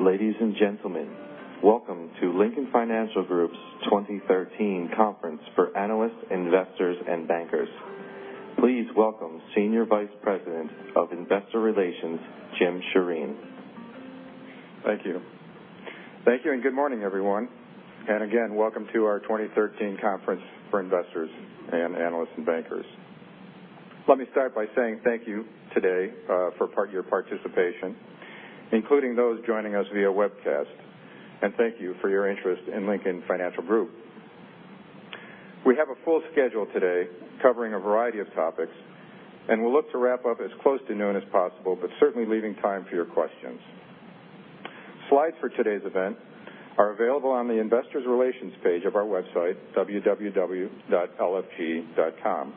Ladies and gentlemen, welcome to Lincoln Financial Group's 2013 conference for analysts, investors, and bankers. Please welcome Senior Vice President of Investor Relations, Jim Schifreen. Thank you. Good morning, everyone. Again, welcome to our 2013 conference for investors and analysts and bankers. Let me start by saying thank you today for your participation, including those joining us via webcast. Thank you for your interest in Lincoln Financial Group. We have a full schedule today covering a variety of topics, and we'll look to wrap up as close to noon as possible, but certainly leaving time for your questions. Slides for today's event are available on the investor relations page of our website, www.lfg.com.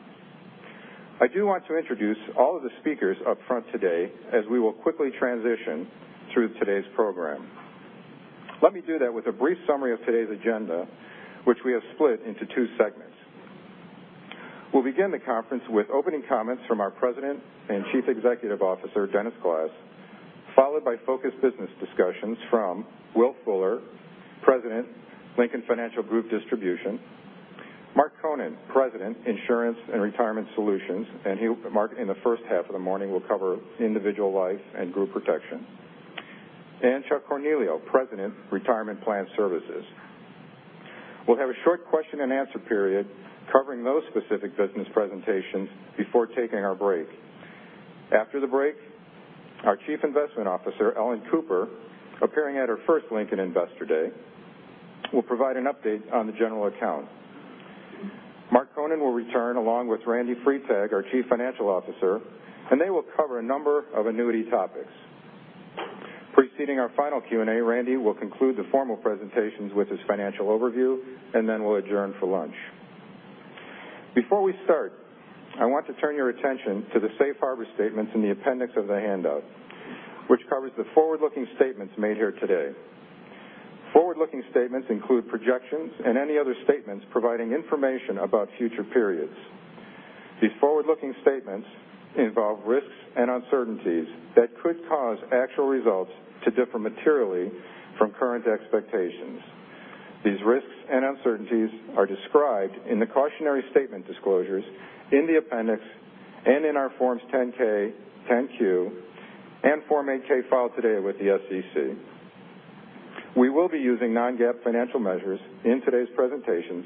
I do want to introduce all of the speakers upfront today as we will quickly transition through today's program. Let me do that with a brief summary of today's agenda, which we have split into two segments. We'll begin the conference with opening comments from our President and Chief Executive Officer, Dennis Glass, followed by focused business discussions from Will Fuller, President, Lincoln Financial Group Distribution; Mark Konen, President, Insurance and Retirement Solutions. Mark in the first half of the morning will cover individual life and group protection; Chuck Cornelio, President, Retirement Plan Services. We'll have a short question and answer period covering those specific business presentations before taking our break. After the break, our Chief Investment Officer, Ellen Cooper, appearing at her first Lincoln Investor Day, will provide an update on the general account. Mark Konen will return along with Randy Freitag, our Chief Financial Officer. They will cover a number of annuity topics. Preceding our final Q&A, Randy will conclude the formal presentations with his financial overview. Then we'll adjourn for lunch. Before we start, I want to turn your attention to the safe harbor statements in the appendix of the handout, which covers the forward-looking statements made here today. Forward-looking statements include projections and any other statements providing information about future periods. These forward-looking statements involve risks and uncertainties that could cause actual results to differ materially from current expectations. These risks and uncertainties are described in the cautionary statement disclosures in the appendix and in our forms 10-K, 10-Q, and Form 8-K filed today with the SEC. We will be using non-GAAP financial measures in today's presentations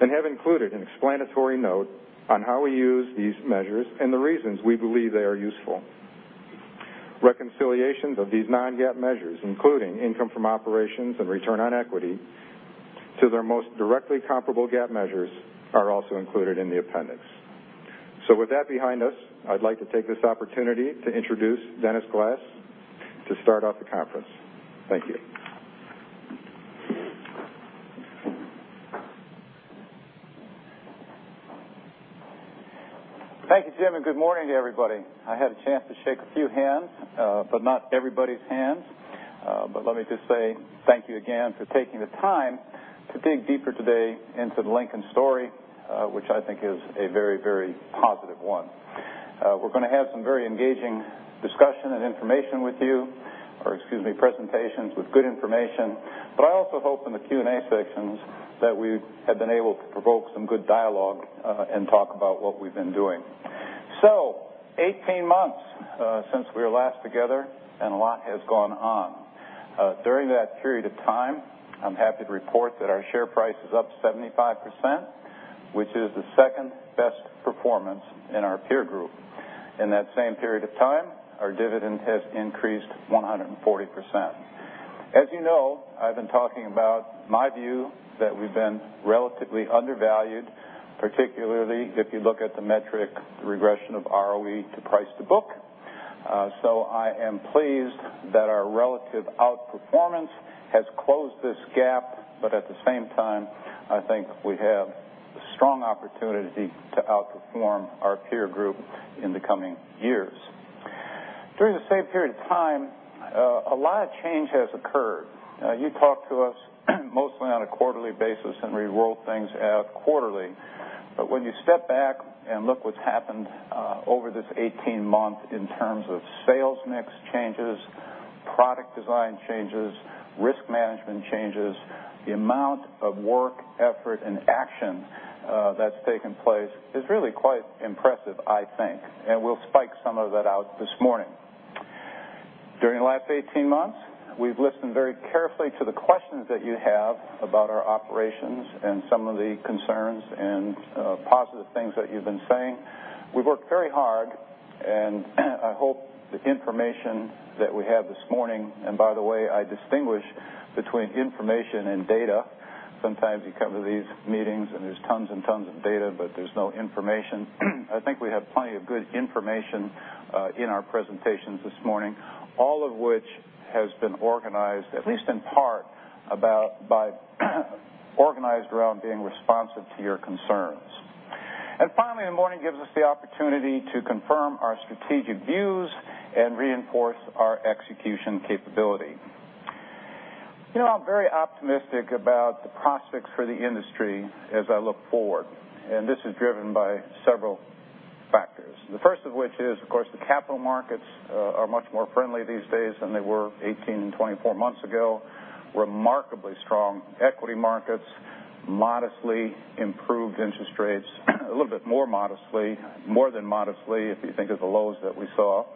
and have included an explanatory note on how we use these measures and the reasons we believe they are useful. Reconciliations of these non-GAAP measures, including income from operations and return on equity, to their most directly comparable GAAP measures are also included in the appendix. With that behind us, I'd like to take this opportunity to introduce Dennis Glass to start off the conference. Thank you. Thank you, Jim, and good morning to everybody. I had a chance to shake a few hands, but not everybody's hands. Let me just say thank you again for taking the time to dig deeper today into the Lincoln story, which I think is a very, very positive one. We're going to have some very engaging discussion and presentations with good information. I also hope in the Q&A sections that we have been able to provoke some good dialogue and talk about what we've been doing. 18 months since we were last together, a lot has gone on. During that period of time, I'm happy to report that our share price is up 75%, which is the second-best performance in our peer group. In that same period of time, our dividend has increased 140%. As you know, I've been talking about my view that we've been relatively undervalued, particularly if you look at the metric regression of ROE to price to book. I am pleased that our relative outperformance has closed this gap, but at the same time, I think we have a strong opportunity to outperform our peer group in the coming years. During the same period of time, a lot of change has occurred. You talk to us mostly on a quarterly basis, we roll things out quarterly. When you step back and look what's happened over this 18 months in terms of sales mix changes, product design changes, risk management changes, the amount of work, effort, and action that's taken place is really quite impressive, I think. We'll spike some of that out this morning. During the last 18 months, we've listened very carefully to the questions that you have about our operations and some of the concerns and positive things that you've been saying. We've worked very hard, I hope the information that we have this morning, by the way, I distinguish between information and data. Sometimes you come to these meetings and there's tons and tons of data, there's no information. I think we have plenty of good information in our presentations this morning, all of which has been organized, at least in part, organized around being responsive to your concerns. Finally, the morning gives us the opportunity to confirm our strategic views and reinforce our execution capability. I'm very optimistic about the prospects for the industry as I look forward. This is driven by several. The first of which is, of course, the capital markets are much more friendly these days than they were 18 and 24 months ago. Remarkably strong equity markets, modestly improved interest rates, a little bit more modestly, more than modestly, if you think of the lows that we saw,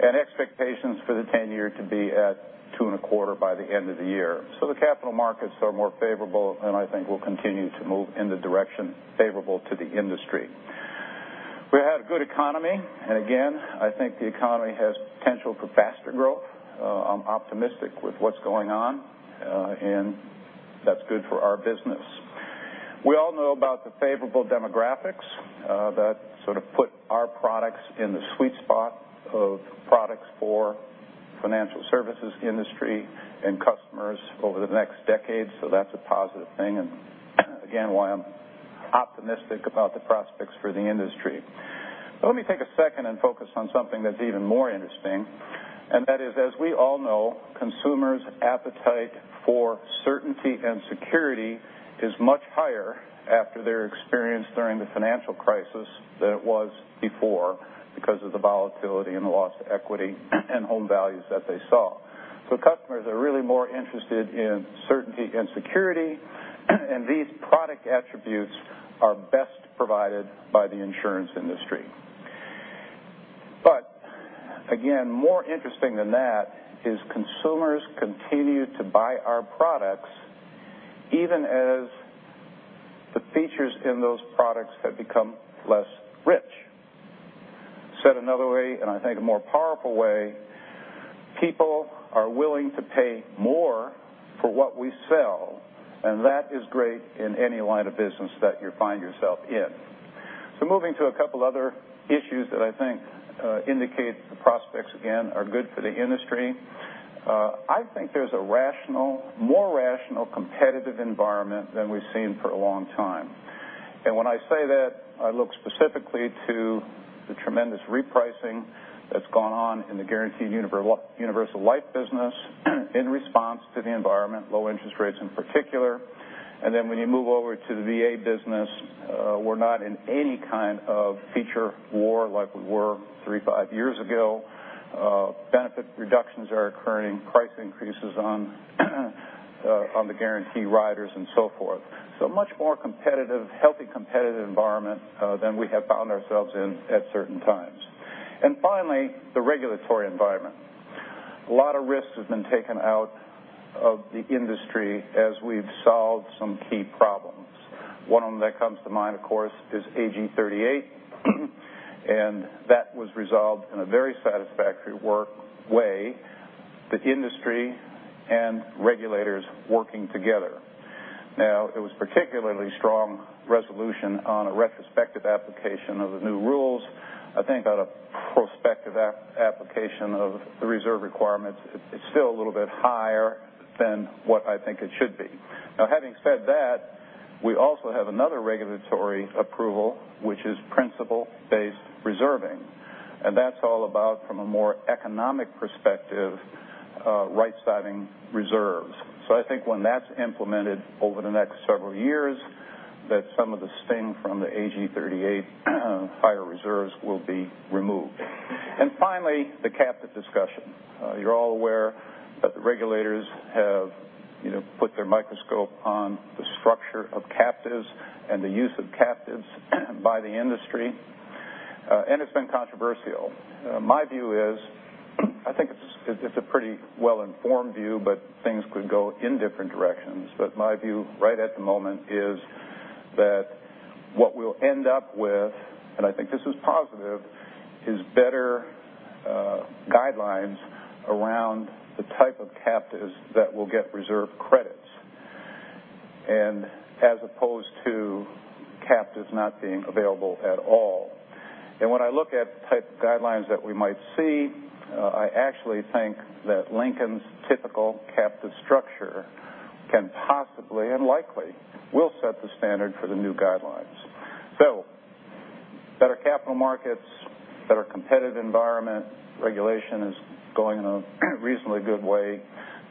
and expectations for the 10-year to be at 2.25% by the end of the year. The capital markets are more favorable, and I think will continue to move in the direction favorable to the industry. We have a good economy. Again, I think the economy has potential for faster growth. I'm optimistic with what's going on, and that's good for our business. We all know about the favorable demographics that sort of put our products in the sweet spot of products for financial services industry and customers over the next decade. That's a positive thing. Again, why I'm optimistic about the prospects for the industry. Let me take a second and focus on something that's even more interesting. That is, as we all know, consumers' appetite for certainty and security is much higher after their experience during the financial crisis than it was before because of the volatility and the loss of equity and home values that they saw. Customers are really more interested in certainty and security. These product attributes are best provided by the insurance industry. Again, more interesting than that is consumers continue to buy our products even as the features in those products have become less rich. Said another way, I think a more powerful way, people are willing to pay more for what we sell, and that is great in any line of business that you find yourself in. Moving to a couple other issues that I think indicate the prospects, again, are good for the industry. I think there's a more rational, competitive environment than we've seen for a long time. When I say that, I look specifically to the tremendous repricing that's gone on in the Guaranteed Universal Life business in response to the environment, low interest rates in particular. When you move over to the VA business, we're not in any kind of feature war like we were three, five years ago. Benefit reductions are occurring, price increases on the guarantee riders and so forth. Much more competitive, healthy, competitive environment than we have found ourselves in at certain times. Finally, the regulatory environment. A lot of risks have been taken out of the industry as we've solved some key problems. One of them that comes to mind, of course, is AG38. That was resolved in a very satisfactory way, the industry and regulators working together. It was particularly strong resolution on a retrospective application of the new rules. I think on a prospective application of the reserve requirements, it's still a little bit higher than what I think it should be. Having said that, we also have another regulatory approval, which is principle-based reserving. That's all about from a more economic perspective, right-sizing reserves. I think when that's implemented over the next several years, that some of the sting from the AG38 higher reserves will be removed. Finally, the captive discussion. You're all aware that the regulators have put their microscope on the structure of captives and the use of captives by the industry. It's been controversial. My view is, I think it's a pretty well-informed view, but things could go in different directions. My view right at the moment is that what we'll end up with, and I think this is positive, is better guidelines around the type of captives that will get reserve credits, as opposed to captives not being available at all. When I look at the type of guidelines that we might see, I actually think that Lincoln's typical captive structure can possibly, and likely, will set the standard for the new guidelines. Better capital markets, better competitive environment. Regulation is going in a reasonably good way.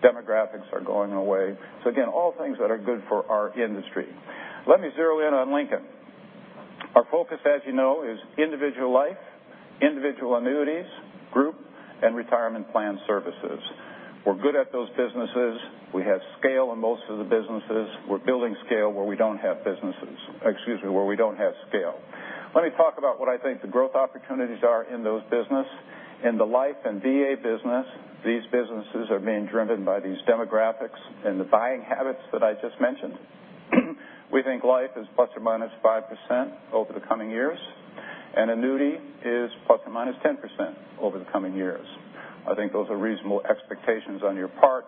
Demographics are going in a way. Again, all things that are good for our industry. Let me zero in on Lincoln. Our focus, as you know, is individual life, individual annuities, group, and Retirement Plan Services. We're good at those businesses. We have scale in most of the businesses. We're building scale where we don't have businesses. Excuse me, where we don't have scale. Let me talk about what I think the growth opportunities are in those business. In the life and VA business, these businesses are being driven by these demographics and the buying habits that I just mentioned. We think life is ±5% over the coming years, and annuity is ±10% over the coming years. I think those are reasonable expectations on your part.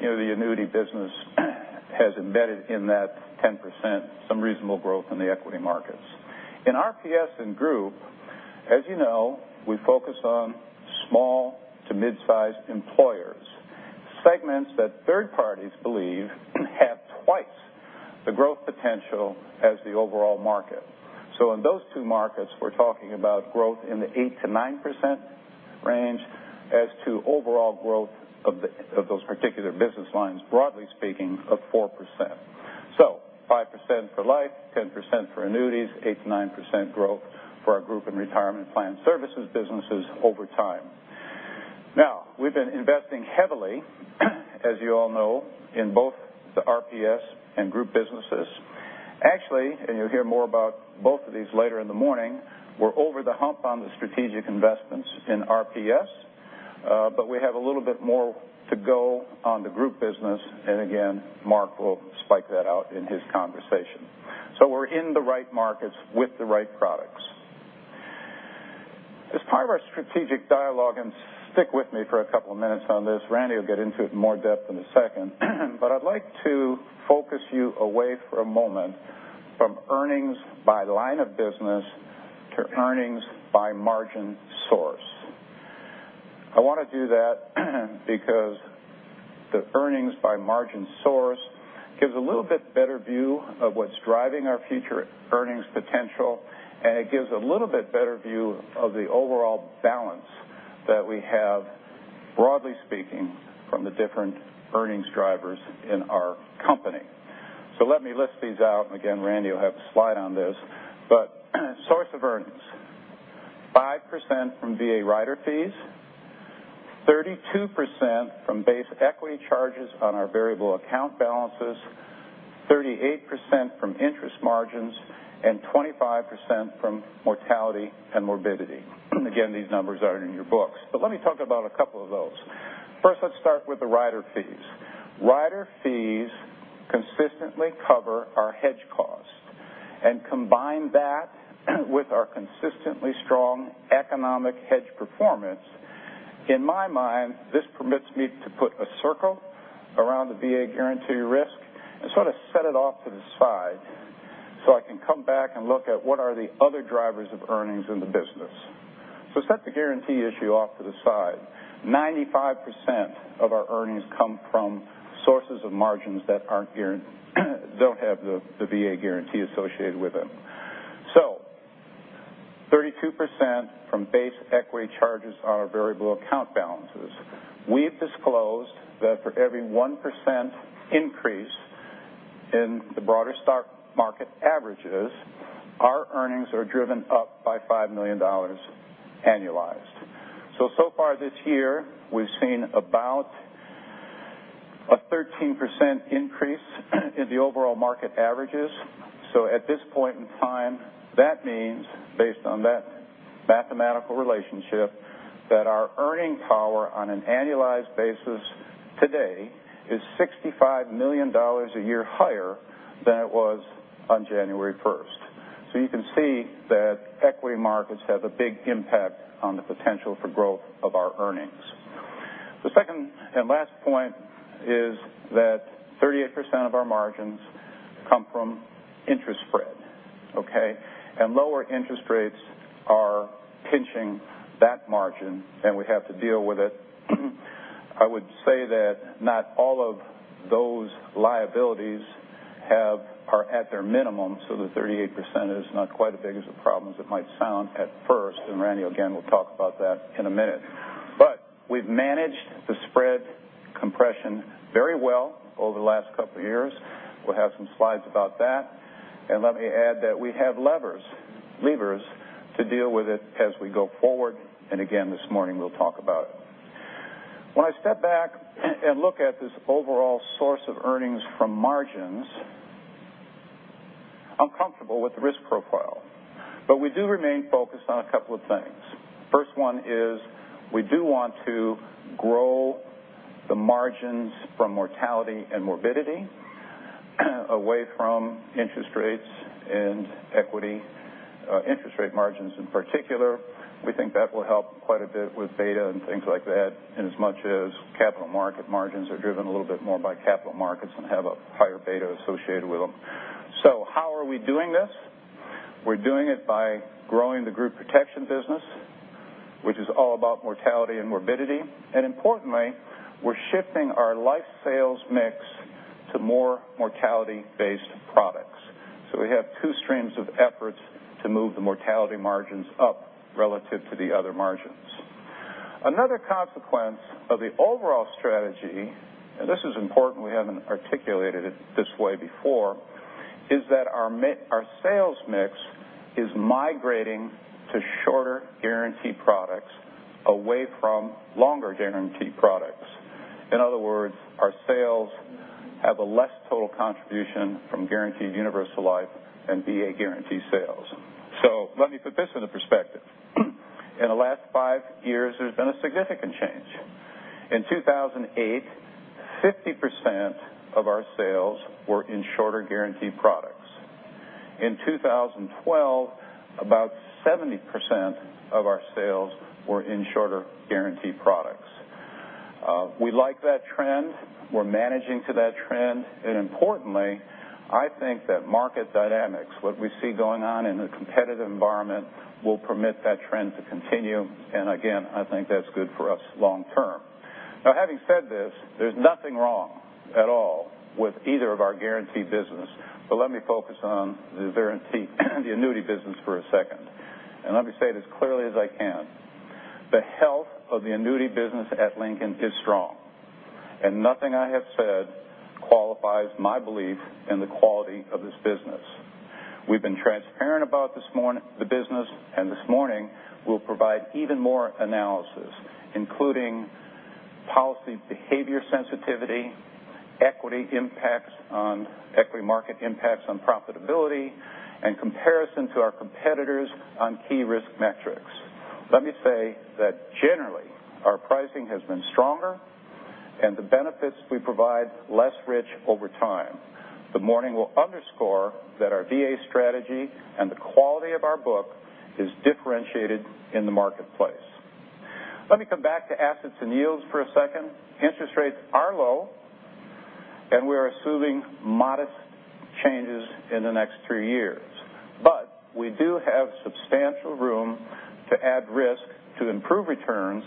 The annuity business has embedded in that 10%, some reasonable growth in the equity markets. In RPS and group, as you know, we focus on small to mid-size employers, segments that third parties believe have twice the growth potential as the overall market. In those two markets, we're talking about growth in the 8%-9% range as to overall growth of those particular business lines, broadly speaking, of 4%. 5% for life, 10% for annuities, 8%-9% growth for our group in Retirement Plan Services businesses over time. We've been investing heavily, as you all know, in both the RPS and group businesses. Actually, and you'll hear more about both of these later in the morning, we're over the hump on the strategic investments in RPS, but we have a little bit more to go on the group business, and again, Mark will spike that out in his conversation. We're in the right markets with the right products. As part of our strategic dialogue, stick with me for a couple of minutes on this, Randy will get into it in more depth in a second, I'd like to focus you away for a moment from earnings by line of business to earnings by margin source. I want to do that because the earnings by margin source gives a little bit better view of what's driving our future earnings potential, and it gives a little bit better view of the overall balance that we have, broadly speaking, from the different earnings drivers in our company. Let me list these out, and again, Randy will have a slide on this. Source of earnings, 5% from VA rider fees, 32% from base equity charges on our variable account balances, 38% from interest margins, and 25% from mortality and morbidity. Again, these numbers are in your books. Let me talk about a couple of those. First, let's start with the rider fees. Rider fees consistently cover our hedge costs and combine that with our consistently strong economic hedge performance. In my mind, this permits me to put a circle around the VA guarantee risk and sort of set it off to the side so I can come back and look at what are the other drivers of earnings in the business. Set the guarantee issue off to the side. 95% of our earnings come from sources of margins that don't have the VA guarantee associated with them. 32% from base equity charges on our variable account balances. We've disclosed that for every 1% increase in the broader stock market averages, our earnings are driven up by $5 million annualized. So far this year, we've seen about a 13% increase in the overall market averages. At this point in time, that means based on that mathematical relationship, that our earning power on an annualized basis today is $65 million a year higher than it was on January 1st. You can see that equity markets have a big impact on the potential for growth of our earnings. The second and last point is that 38% of our margins come from interest spread, okay? Lower interest rates are pinching that margin, and we have to deal with it. I would say that not all of those liabilities are at their minimum, so the 38% is not quite as big as the problems it might sound at first, and Randy, again, will talk about that in a minute. We've managed the spread compression very well over the last couple of years. We'll have some slides about that. Let me add that we have levers to deal with it as we go forward, and again, this morning, we'll talk about it. When I step back and look at this overall source of earnings from margins, I'm comfortable with the risk profile, we do remain focused on a couple of things. First one is we do want to grow the margins from mortality and morbidity away from interest rates and equity, interest rate margins in particular. We think that will help quite a bit with beta and things like that, in as much as capital market margins are driven a little bit more by capital markets and have a higher beta associated with them. How are we doing this? We're doing it by growing the group protection business, which is all about mortality and morbidity. Importantly, we're shifting our life sales mix to more mortality-based products. We have two streams of efforts to move the mortality margins up relative to the other margins. Another consequence of the overall strategy, and this is important, we haven't articulated it this way before, is that our sales mix is migrating to shorter guarantee products away from longer guarantee products. In other words, our sales have a less total contribution from Guaranteed Universal Life and VA guarantee sales. Let me put this into perspective. In the last five years, there's been a significant change. In 2008, 50% of our sales were in shorter guarantee products. In 2012, about 70% of our sales were in shorter guarantee products. We like that trend. We're managing to that trend. Importantly, I think that market dynamics, what we see going on in the competitive environment, will permit that trend to continue. Again, I think that's good for us long term. Having said this, there's nothing wrong at all with either of our guarantee business. Let me focus on the annuity business for a second. Let me say it as clearly as I can. The health of the annuity business at Lincoln is strong, and nothing I have said qualifies my belief in the quality of this business. We've been transparent about the business, and this morning we'll provide even more analysis, including policy behavior sensitivity, equity market impacts on profitability, and comparison to our competitors on key risk metrics. Let me say that generally, our pricing has been stronger and the benefits we provide less rich over time. The morning will underscore that our VA strategy and the quality of our book is differentiated in the marketplace. Let me come back to assets and yields for a second. Interest rates are low, and we are assuming modest changes in the next three years. We do have substantial room to add risk to improve returns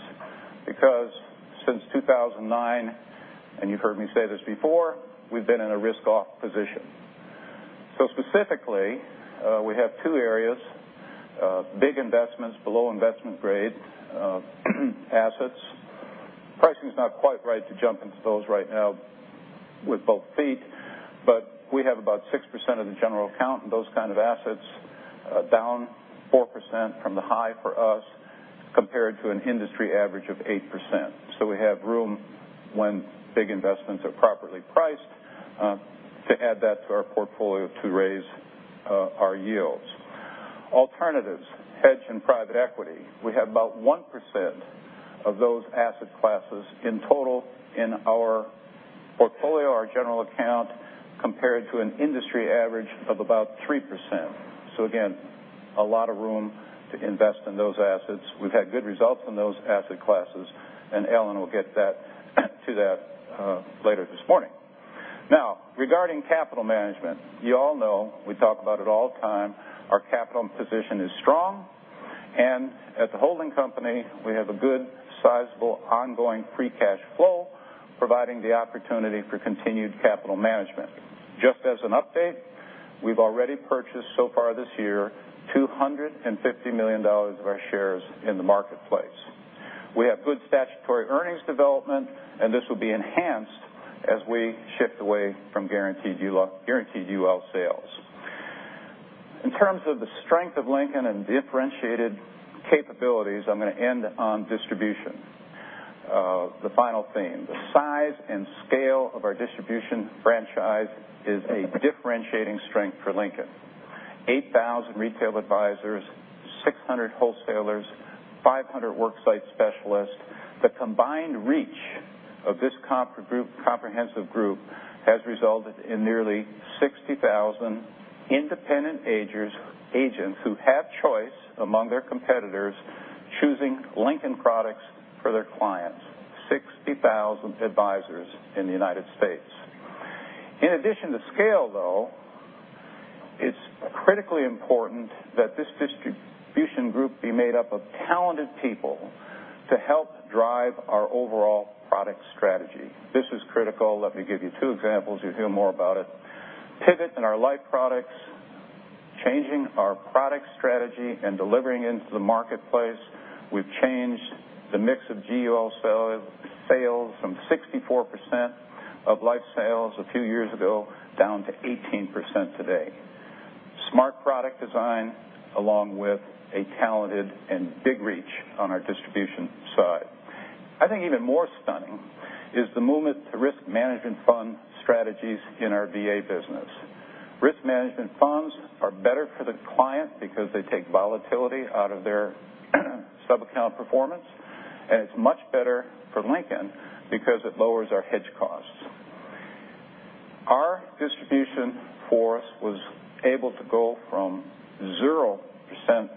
because since 2009, and you've heard me say this before, we've been in a risk-off position. Specifically, we have two areas, big investments below investment grade assets. Pricing is not quite right to jump into those right now with both feet, but we have about 6% of the general account in those kind of assets, down 4% from the high for us compared to an industry average of 8%. We have room when big investments are properly priced to add that to our portfolio to raise our yields. Alternatives, hedge, and private equity. We have about 1% of those asset classes in total in our portfolio, our general account, compared to an industry average of about 3%. Again, a lot of room to invest in those assets. We've had good results from those asset classes, and Ellen will get to that later this morning. Regarding capital management. You all know, we talk about it all the time, our capital position is strong. As a holding company, we have a good sizable ongoing free cash flow, providing the opportunity for continued capital management. Just as an update, we've already purchased so far this year, $250 million of our shares in the marketplace. We have good statutory earnings development, and this will be enhanced as we shift away from Guaranteed UL sales. In terms of the strength of Lincoln and differentiated capabilities, I'm going to end on distribution. The final theme, the size and scale of our distribution franchise is a differentiating strength for Lincoln. 8,000 retail advisors, 600 wholesalers, 500 work site specialists. The combined reach of this comprehensive group has resulted in nearly 60,000 independent agents who have choice among their competitors, choosing Lincoln products for their clients, 60,000 advisors in the U.S. In addition to scale, though, it's critically important that this distribution group be made up of talented people to help drive our overall product strategy. This is critical. Let me give you two examples. You'll hear more about it. Pivot in our life products, changing our product strategy and delivering into the marketplace. We've changed the mix of GUL sales from 64% of life sales a few years ago down to 18% today. Smart product design, along with a talented and big reach on our distribution side. I think even more stunning is the movement to risk management fund strategies in our VA business. Risk management funds are better for the client because they take volatility out of their subaccount performance, and it's much better for Lincoln because it lowers our hedge costs. Our distribution force was able to go from 0%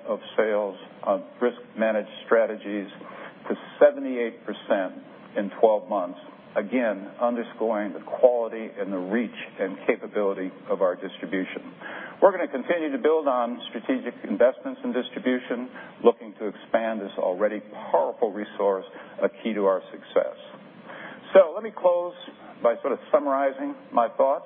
of sales on risk managed strategies to 78% in 12 months, again, underscoring the quality and the reach and capability of our distribution. We're going to continue to build on strategic investments in distribution, looking to expand this already powerful resource, a key to our success. Let me close by sort of summarizing my thoughts.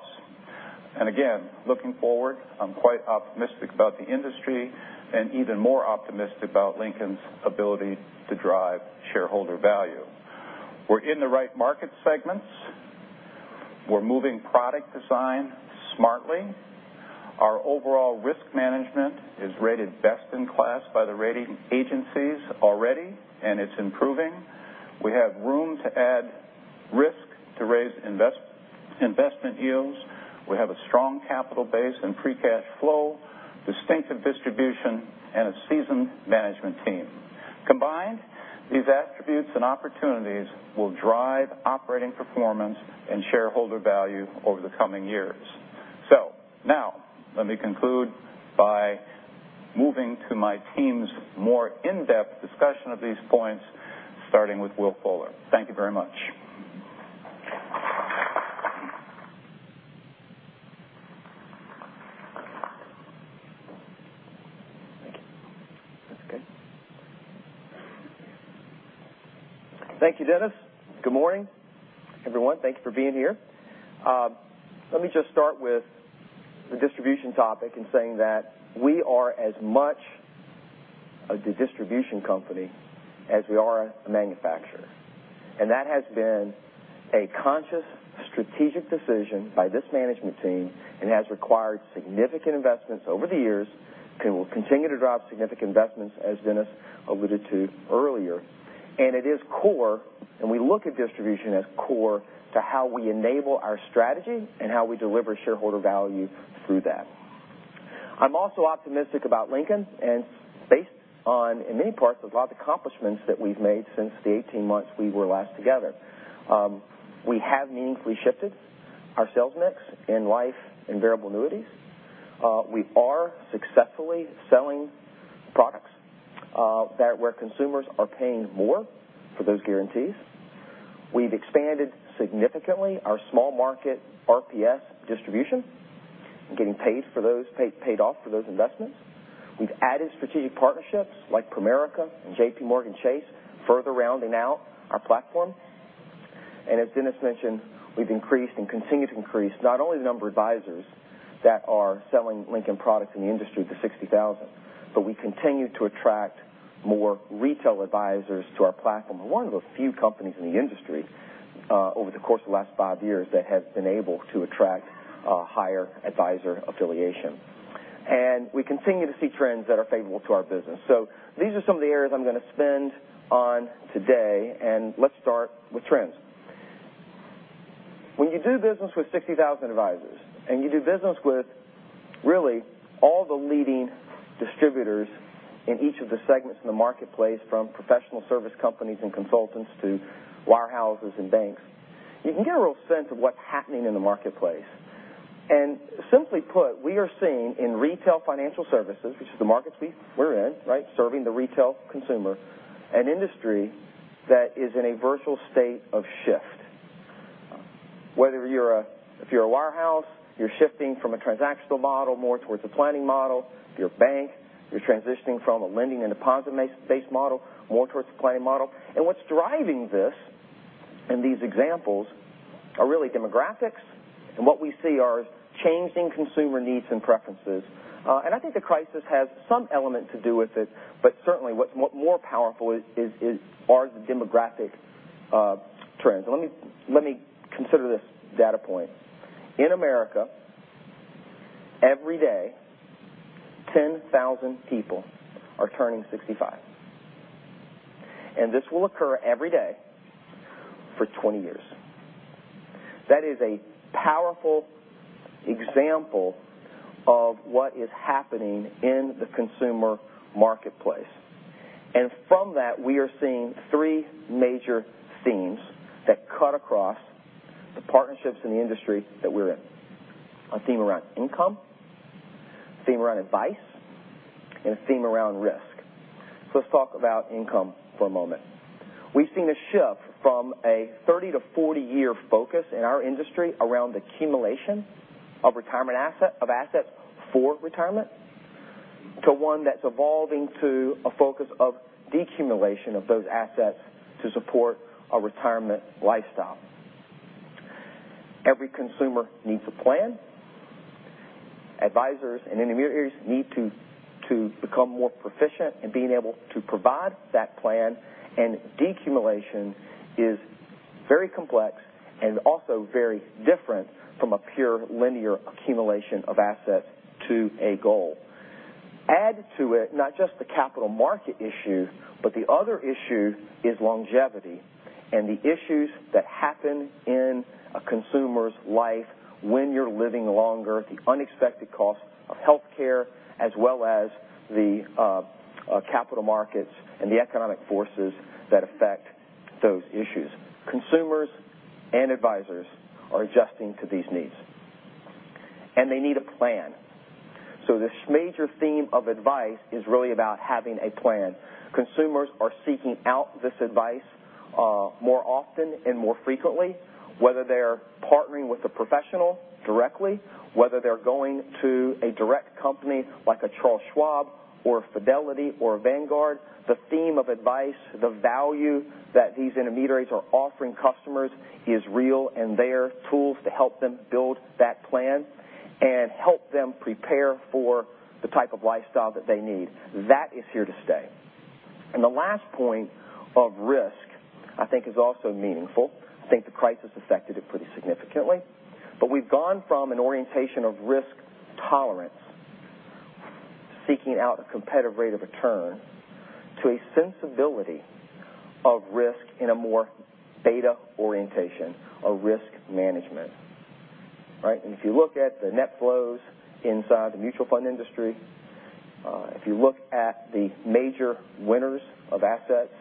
Again, looking forward, I'm quite optimistic about the industry and even more optimistic about Lincoln's ability to drive shareholder value. We're in the right market segments. We're moving product design smartly. Our overall risk management is rated best in class by the rating agencies already, and it's improving. We have room to add risk to raise investment yields. We have a strong capital base and free cash flow, distinctive distribution, and a seasoned management team. Combined, these attributes and opportunities will drive operating performance and shareholder value over the coming years. Now let me conclude by moving to my team's more in-depth discussion of these points, starting with Will Fuller. Thank you very much. Thank you. That's good? Thank you, Dennis. Good morning, everyone. Thank you for being here. Let me just start with the distribution topic in saying that we are as much a distribution company as we are a manufacturer. That has been a conscious, strategic decision by this management team and has required significant investments over the years, and will continue to drive significant investments, as Dennis alluded to earlier. It is core, and we look at distribution as core to how we enable our strategy and how we deliver shareholder value through that. I'm also optimistic about Lincoln and based on, in many parts, of a lot of the accomplishments that we've made since the 18 months we were last together. We have meaningfully shifted our sales mix in life and variable annuities. We are successfully selling products where consumers are paying more for those guarantees. We've expanded significantly our small market RPS distribution and getting paid off for those investments. We've added strategic partnerships like Primerica and JPMorgan Chase, further rounding out our platform. As Dennis mentioned, we've increased and continue to increase not only the number of advisors that are selling Lincoln products in the industry to 60,000, but we continue to attract more retail advisors to our platform. We're one of the few companies in the industry, over the course of the last five years, that has been able to attract higher advisor affiliation. We continue to see trends that are favorable to our business. These are some of the areas I'm going to spend on today, and let's start with trends. When you do business with 60,000 advisors and you do business with really all the leading distributors in each of the segments in the marketplace, from professional service companies and consultants to wirehouses and banks, you can get a real sense of what's happening in the marketplace. Simply put, we are seeing in retail financial services, which is the markets we're in, serving the retail consumer, an industry that is in a virtual state of shift. Whether if you're a wirehouse, you're shifting from a transactional model more towards a planning model. If you're a bank, you're transitioning from a lending and deposit-based model, more towards the planning model. What's driving this and these examples are really demographics and what we see are changing consumer needs and preferences. I think the crisis has some element to do with it, but certainly what's more powerful are the demographic trends. Let me consider this data point. In America, every day, 10,000 people are turning 65, and this will occur every day for 20 years. That is a powerful example of what is happening in the consumer marketplace. From that, we are seeing three major themes that cut across the partnerships in the industry that we're in. A theme around income, a theme around advice, and a theme around risk. Let's talk about income for a moment. We've seen a shift from a 30 to 40-year focus in our industry around accumulation of assets for retirement to one that's evolving to a focus of decumulation of those assets to support a retirement lifestyle. Every consumer needs a plan. Advisors and intermediaries need to become more proficient in being able to provide that plan, decumulation is very complex and also very different from a pure linear accumulation of assets to a goal. Add to it not just the capital market issue, but the other issue is longevity and the issues that happen in a consumer's life when you're living longer, the unexpected cost of healthcare, as well as the capital markets and the economic forces that affect those issues. Consumers and advisors are adjusting to these needs, and they need a plan. This major theme of advice is really about having a plan. Consumers are seeking out this advice more often and more frequently, whether they're partnering with a professional directly, whether they're going to a direct company like a Charles Schwab or a Fidelity or a Vanguard. The theme of advice, the value that these intermediaries are offering customers is real, and they're tools to help them build that plan and help them prepare for the type of lifestyle that they need. That is here to stay. The last point of risk, I think, is also meaningful. I think the crisis affected it pretty significantly. We've gone from an orientation of risk tolerance, seeking out a competitive rate of return, to a sensibility of risk in a more beta orientation of risk management. Right? If you look at the net flows inside the mutual fund industry, if you look at the major winners of assets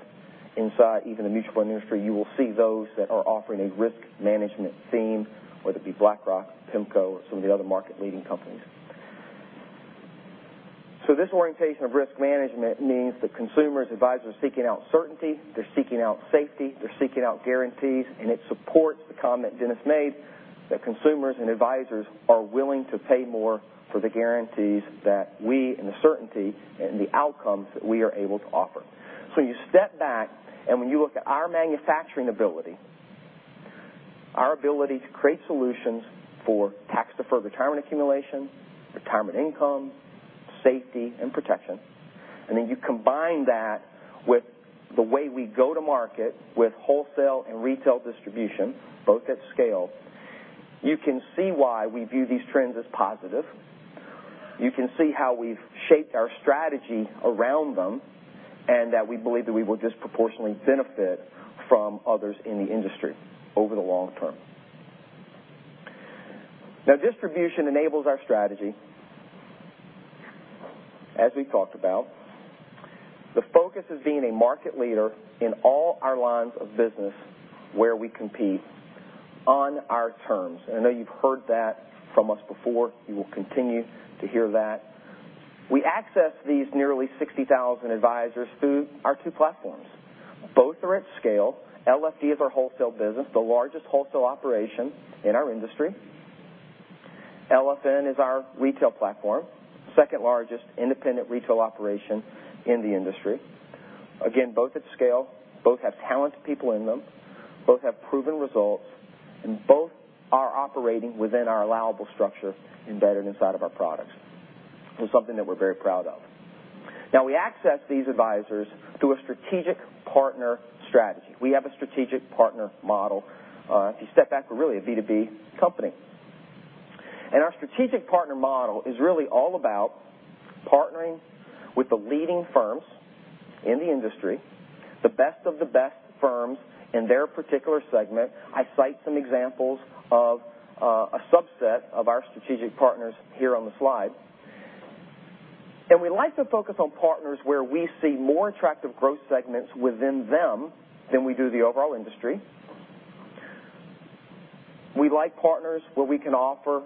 inside even the mutual fund industry, you will see those that are offering a risk management theme, whether it be BlackRock, PIMCO, or some of the other market leading companies. This orientation of risk management means that consumers, advisors are seeking out certainty. They're seeking out safety. They're seeking out guarantees. It supports the comment Dennis made that consumers and advisors are willing to pay more for the guarantees that we, and the certainty and the outcomes that we are able to offer. When you step back, and when you look at our manufacturing ability, our ability to create solutions for tax-deferred retirement accumulation, retirement income, safety, and protection, then you combine that with the way we go to market with wholesale and retail distribution, both at scale, you can see why we view these trends as positive. You can see how we've shaped our strategy around them, and that we believe that we will disproportionately benefit from others in the industry over the long term. Distribution enables our strategy, as we talked about. The focus is being a market leader in all our lines of business where we compete on our terms. I know you've heard that from us before. You will continue to hear that. We access these nearly 60,000 advisors through our two platforms. Both are at scale. LFD is our wholesale business, the largest wholesale operation in our industry. LFN is our retail platform, second largest independent retail operation in the industry. Again, both at scale, both have talented people in them, both have proven results, and both are operating within our allowable structure embedded inside of our products. It's something that we're very proud of. We access these advisors through a strategic partner strategy. We have a strategic partner model. If you step back, we're really a B2B company. Our strategic partner model is really all about partnering with the leading firms in the industry, the best of the best firms in their particular segment. I cite some examples of a subset of our strategic partners here on the slide. We like to focus on partners where we see more attractive growth segments within them than we do the overall industry. We like partners where we can offer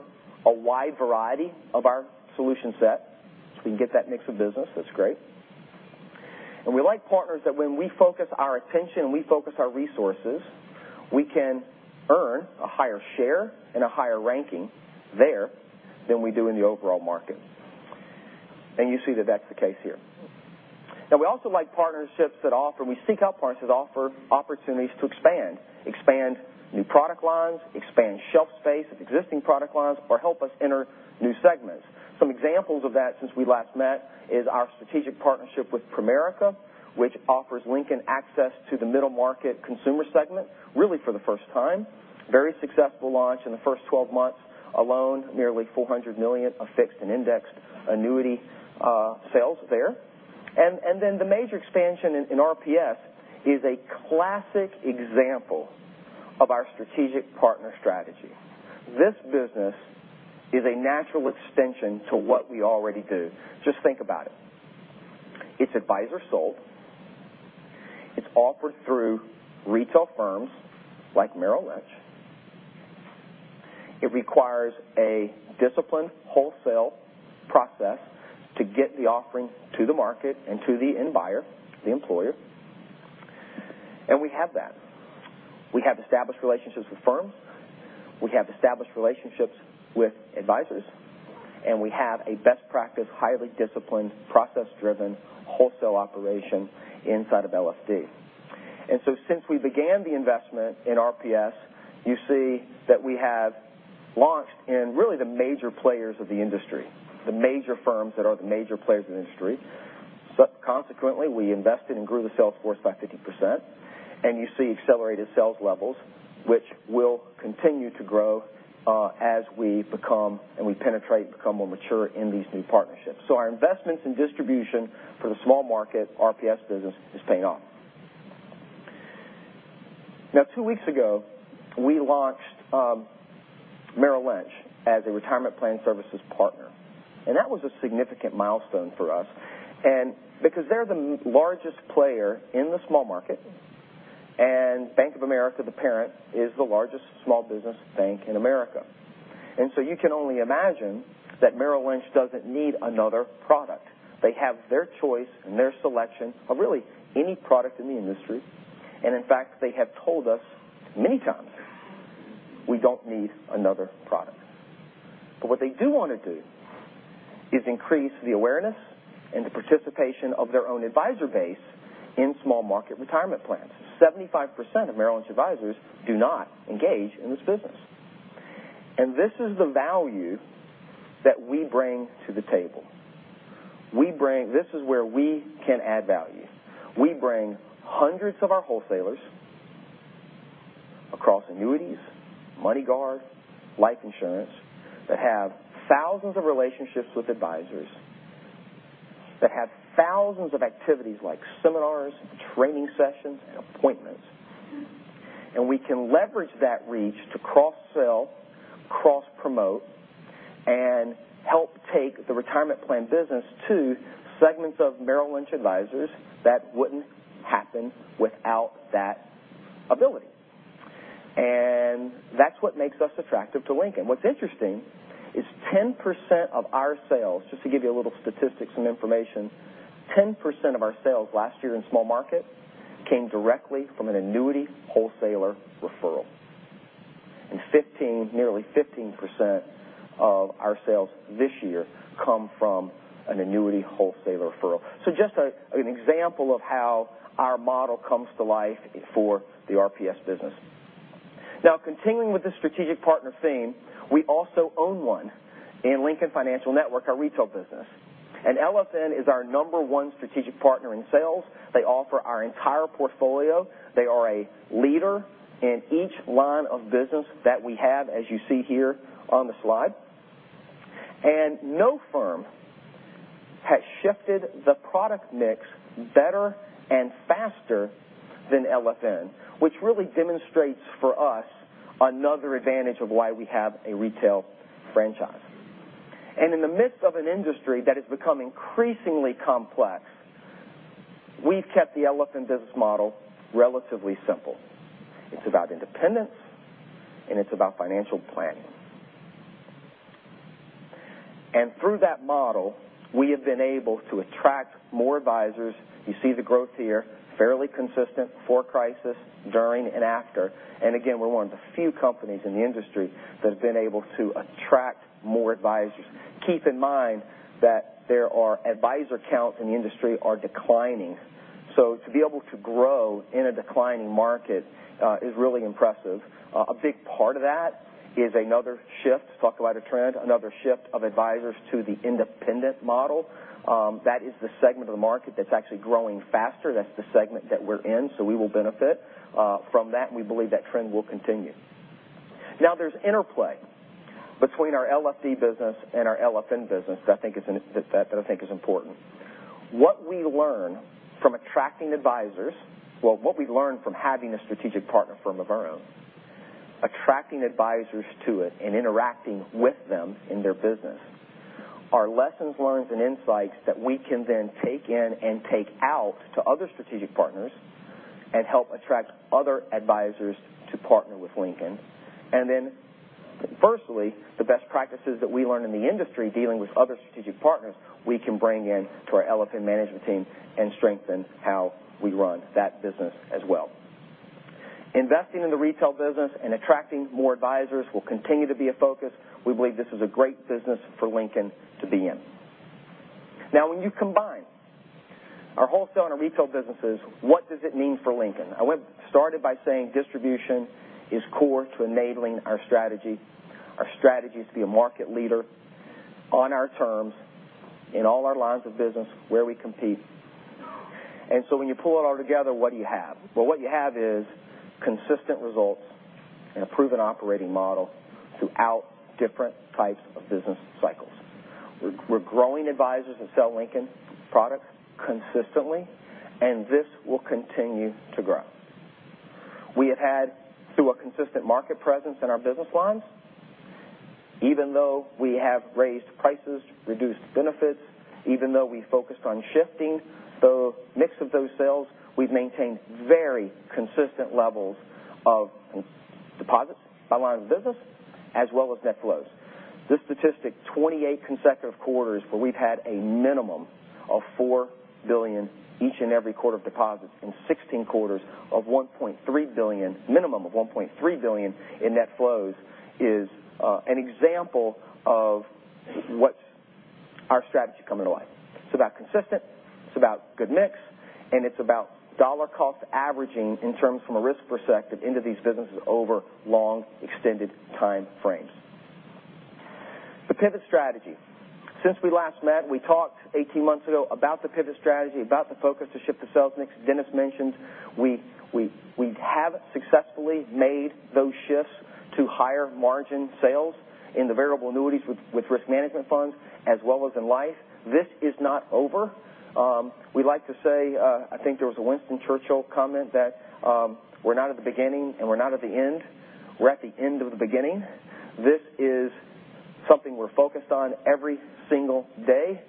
a wide variety of our solution set, so we can get that mix of business. That's great. We like partners that when we focus our attention, we focus our resources, we can earn a higher share and a higher ranking there than we do in the overall market. You see that that's the case here. We seek out partners that offer opportunities to expand new product lines, expand shelf space of existing product lines, or help us enter new segments. Some examples of that since we last met is our strategic partnership with Primerica, which offers Lincoln access to the middle market consumer segment, really for the first time. Very successful launch. In the first 12 months alone, nearly $400 million of fixed and indexed annuity sales there. The major expansion in RPS is a classic example of our strategic partner strategy. This business is a natural extension to what we already do. Just think about it. It's advisor sold. It's offered through retail firms like Merrill Lynch. It requires a disciplined wholesale process to get the offering to the market and to the end buyer, the employer. We have that. We have established relationships with firms, we have established relationships with advisors, and we have a best practice, highly disciplined, process-driven wholesale operation inside of LFD. Since we began the investment in RPS, you see that we have launched in really the major players of the industry, the major firms that are the major players in the industry. Consequently, we invested and grew the sales force by 50%, and you see accelerated sales levels, which will continue to grow as we become, and we penetrate and become more mature in these new partnerships. Our investments in distribution for the small market RPS business is paying off. Now two weeks ago, we launched Merrill Lynch as a retirement plan services partner. That was a significant milestone for us. Because they're the largest player in the small market, and Bank of America, the parent, is the largest small business bank in America. You can only imagine that Merrill Lynch doesn't need another product. They have their choice and their selection of really any product in the industry. In fact, they have told us many times, "We don't need another product." What they do want to do is increase the awareness and the participation of their own advisor base in small market retirement plans. 75% of Merrill Lynch advisors do not engage in this business. This is the value that we bring to the table. This is where we can add value. We bring hundreds of our wholesalers across annuities, MoneyGuard, life insurance that have thousands of relationships with advisors, that have thousands of activities like seminars, training sessions, and appointments. We can leverage that reach to cross-sell, cross-promote, and help take the retirement plan business to segments of Merrill Lynch advisors that wouldn't happen without that ability. That's what makes us attractive to Lincoln. What's interesting is 10% of our sales, just to give you a little statistics and information, 10% of our sales last year in small market came directly from an annuity wholesaler referral. Nearly 15% of our sales this year come from an annuity wholesaler referral. Just an example of how our model comes to life for the RPS business. Now continuing with the strategic partner theme, we also own one in Lincoln Financial Network, our retail business. LFN is our number one strategic partner in sales. They offer our entire portfolio. They are a leader in each line of business that we have, as you see here on the slide. No firm has shifted the product mix better and faster than LFN, which really demonstrates for us another advantage of why we have a retail franchise. In the midst of an industry that has become increasingly complex, we've kept the LFN business model relatively simple. It's about independence, and it's about financial planning. Through that model, we have been able to attract more advisors. You see the growth here, fairly consistent before crisis, during, and after. Again, we're one of the few companies in the industry that have been able to attract more advisors. Keep in mind that advisor counts in the industry are declining. To be able to grow in a declining market is really impressive. A big part of that is another shift of advisors to the independent model. That is the segment of the market that's actually growing faster. That's the segment that we're in, we will benefit from that, and we believe that trend will continue. There's interplay between our LFD business and our LFN business that I think is important. What we learn from attracting advisors, what we learn from having a strategic partner firm of our own, attracting advisors to it and interacting with them in their business, are lessons learned and insights that we can then take in and take out to other strategic partners and help attract other advisors to partner with Lincoln. Firstly, the best practices that we learn in the industry dealing with other strategic partners, we can bring in to our LFN management team and strengthen how we run that business as well. Investing in the retail business and attracting more advisors will continue to be a focus. We believe this is a great business for Lincoln to be in. When you combine our wholesale and our retail businesses, what does it mean for Lincoln? I started by saying distribution is core to enabling our strategy. Our strategy is to be a market leader on our terms in all our lines of business where we compete. When you pull it all together, what do you have? What you have is consistent results and a proven operating model throughout different types of business cycles. We're growing advisors that sell Lincoln products consistently, this will continue to grow. We have had through a consistent market presence in our business lines, even though we have raised prices, reduced benefits, even though we focused on shifting the mix of those sales, we've maintained very consistent levels of deposits by line of business as well as net flows. This statistic, 28 consecutive quarters where we've had a minimum of $4 billion each and every quarter of deposits in 16 quarters of minimum of $1.3 billion in net flows is an example of what our strategy coming to life. It's about consistent, it's about good mix, and it's about dollar cost averaging in terms from a risk perspective into these businesses over long extended time frames. The pivot strategy. Since we last met, we talked 18 months ago about the pivot strategy, about the focus to shift the sales mix. Dennis mentioned we have successfully made those shifts to higher margin sales in the variable annuities with Risk Managed Funds as well as in life. This is not over. We like to say, I think there was a Winston Churchill comment that we're not at the beginning and we're not at the end. We're at the end of the beginning. This is something we're focused on every single day.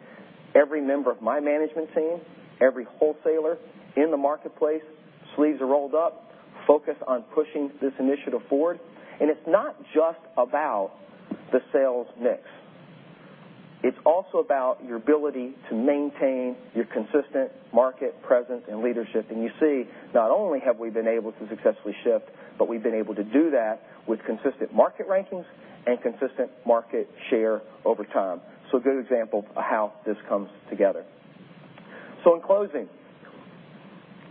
Every member of my management team, every wholesaler in the marketplace, sleeves are rolled up, focused on pushing this initiative forward. It's not just about the sales mix. It's also about your ability to maintain your consistent market presence and leadership. You see, not only have we been able to successfully shift, but we've been able to do that with consistent market rankings and consistent market share over time. A good example of how this comes together. In closing,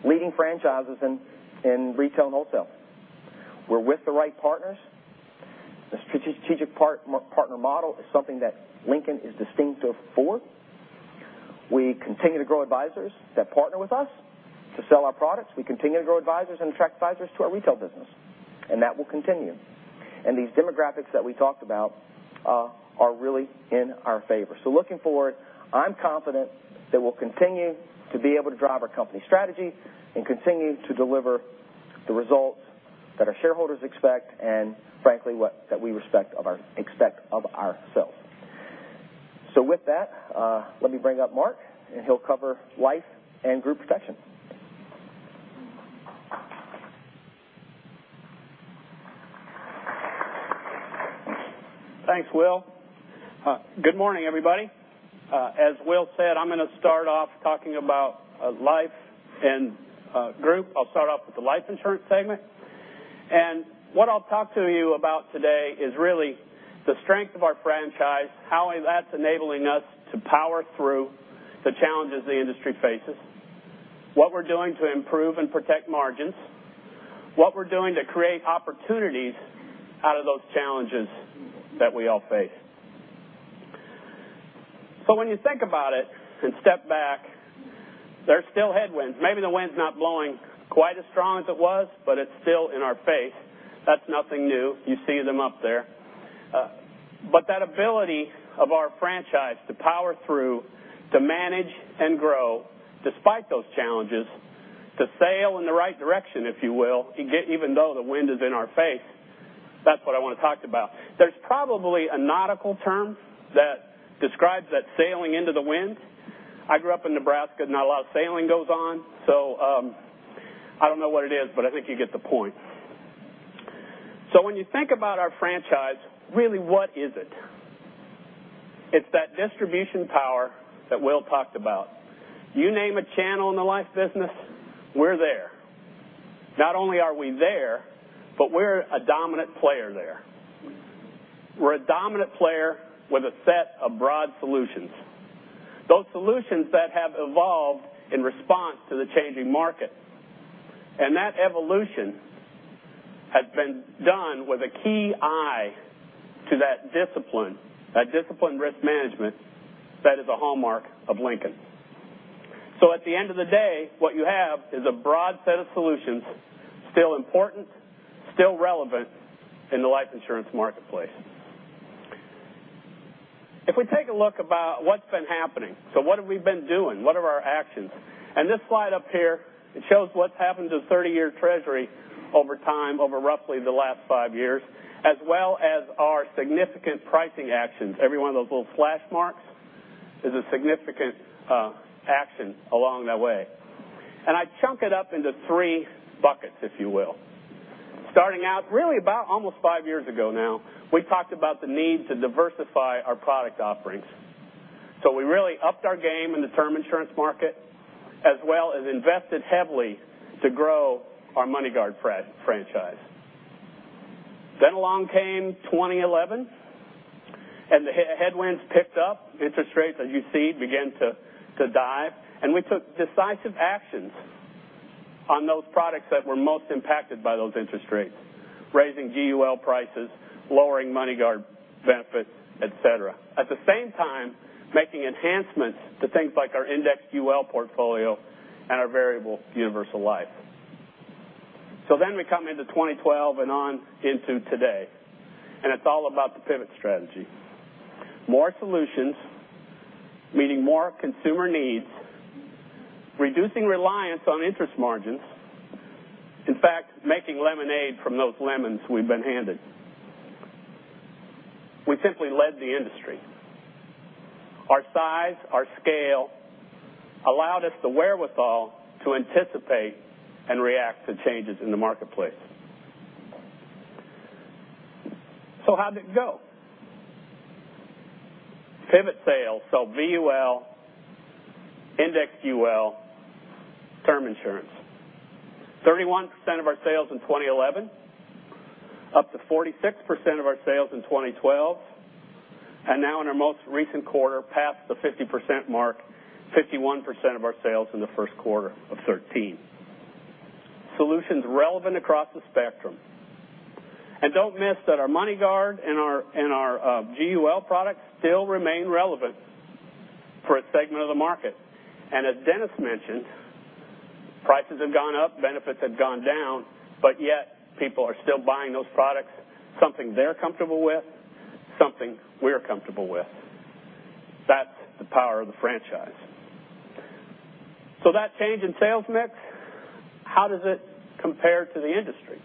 leading franchises in retail and wholesale. We're with the right partners. The strategic partner model is something that Lincoln is distinctive for. We continue to grow advisors that partner with us to sell our products. We continue to grow advisors and attract advisors to our retail business, and that will continue. These demographics that we talked about are really in our favor. Looking forward, I'm confident that we'll continue to be able to drive our company strategy and continue to deliver the results that our shareholders expect and frankly, that we expect of ourselves. With that, let me bring up Mark, and he'll cover life and group protection. Thanks, Will. Good morning, everybody. As Will said, I'm going to start off talking about life and group. I'll start off with the life insurance segment. What I'll talk to you about today is really the strength of our franchise, how that's enabling us to power through the challenges the industry faces, what we're doing to improve and protect margins, what we're doing to create opportunities out of those challenges that we all face. When you think about it and step back, there's still headwinds. Maybe the wind's not blowing quite as strong as it was, but it's still in our face. That's nothing new. You see them up there. That ability of our franchise to power through, to manage and grow despite those challenges, to sail in the right direction, if you will, even though the wind is in our face, that's what I want to talk about. There's probably a nautical term that describes that sailing into the wind. I grew up in Nebraska. Not a lot of sailing goes on, so I don't know what it is, but I think you get the point. When you think about our franchise, really, what is it? It's that distribution power that Will talked about. You name a channel in the life business, we're there. Not only are we there, but we're a dominant player there. We're a dominant player with a set of broad solutions, those solutions that have evolved in response to the changing market. That evolution has been done with a key eye to that discipline, that discipline risk management that is a hallmark of Lincoln. At the end of the day, what you have is a broad set of solutions, still important, still relevant in the life insurance marketplace. If we take a look about what has been happening, what are our actions? This slide up here, it shows what has happened to the 30-year Treasury over time, over roughly the last 5 years, as well as our significant pricing actions. Every one of those little slash marks is a significant action along that way. I chunk it up into three buckets, if you will. Starting out really about almost 5 years ago now, we talked about the need to diversify our product offerings. We really upped our game in the Term Insurance market, as well as invested heavily to grow our MoneyGuard franchise. Along came 2011 and the headwinds picked up. Interest rates, as you see, began to dive, and we took decisive actions on those products that were most impacted by those interest rates, raising GUL prices, lowering MoneyGuard benefits, et cetera. At the same time, making enhancements to things like our indexed UL portfolio and our Variable Universal Life. We come into 2012 and on into today, and it's all about the pivot strategy. More solutions, meeting more consumer needs, reducing reliance on interest margins. In fact, making lemonade from those lemons we've been handed. We simply led the industry. Our size, our scale, allowed us the wherewithal to anticipate and react to changes in the marketplace. How'd it go? Pivot sales, VUL, indexed UL, Term Insurance. 31% of our sales in 2011, up to 46% of our sales in 2012. Now in our most recent quarter, past the 50% mark, 51% of our sales in the first quarter of 2013. Solutions relevant across the spectrum. Don't miss that our MoneyGuard and our GUL products still remain relevant for a segment of the market. As Dennis mentioned, prices have gone up, benefits have gone down, yet people are still buying those products. Something they're comfortable with, something we're comfortable with. That's the power of the franchise. That change in sales mix, how does it compare to the industry?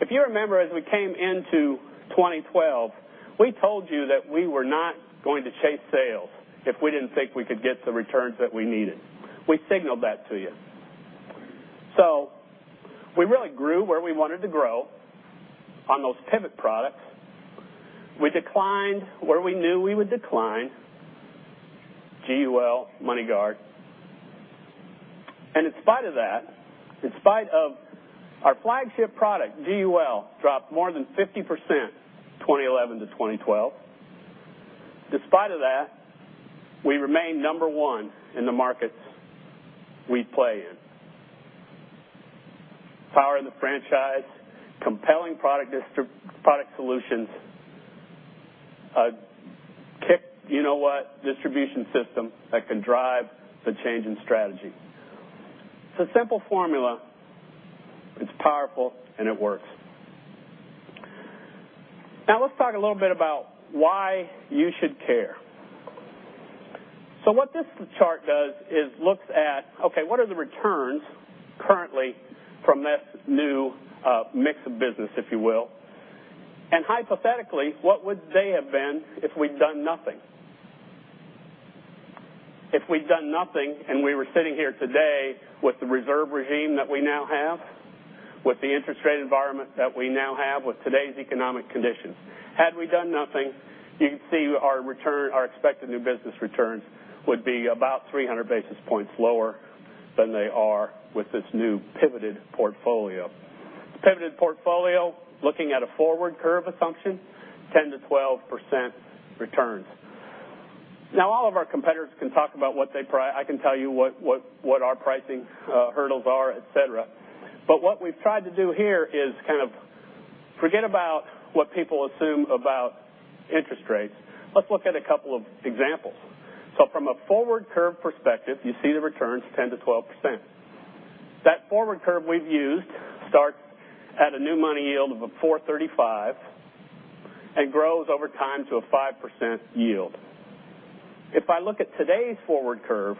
If you remember, as we came into 2012, we told you that we were not going to chase sales if we didn't think we could get the returns that we needed. We signaled that to you. We really grew where we wanted to grow on those pivot products. We declined where we knew we would decline, GUL, MoneyGuard. In spite of that, in spite of our flagship product, GUL, dropped more than 50% 2011 to 2012. Despite of that, we remain number one in the markets we play in. Power of the franchise, compelling product solutions, a kick-you-know-what distribution system that can drive the change in strategy. It's a simple formula. It's powerful, it works. Let's talk a little bit about why you should care. What this chart does is looks at, okay, what are the returns currently from this new mix of business, if you will? Hypothetically, what would they have been if we'd done nothing? If we'd done nothing and we were sitting here today with the reserve regime that we now have, with the interest rate environment that we now have, with today's economic conditions. Had we done nothing, you can see our expected new business returns would be about 300 basis points lower than they are with this new pivoted portfolio. Pivoted portfolio, looking at a forward curve assumption, 10%-12% returns. All of our competitors can talk about what they I can tell you what our pricing hurdles are, et cetera. What we've tried to do here is kind of forget about what people assume about interest rates. Let's look at a couple of examples. From a forward curve perspective, you see the returns 10%-12%. That forward curve we've used starts at a new money yield of 4.35% and grows over time to a 5% yield. If I look at today's forward curve,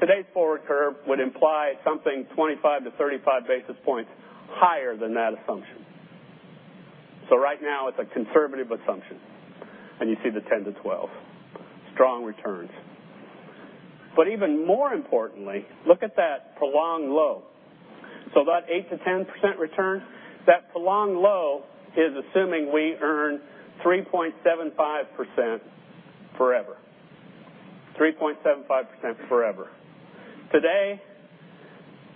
today's forward curve would imply something 25-35 basis points higher than that assumption. Right now it's a conservative assumption, and you see the 10-12. Strong returns. Even more importantly, look at that prolonged low. That 8%-10% return, that prolonged low is assuming we earn 3.75% forever. 3.75% forever. Today,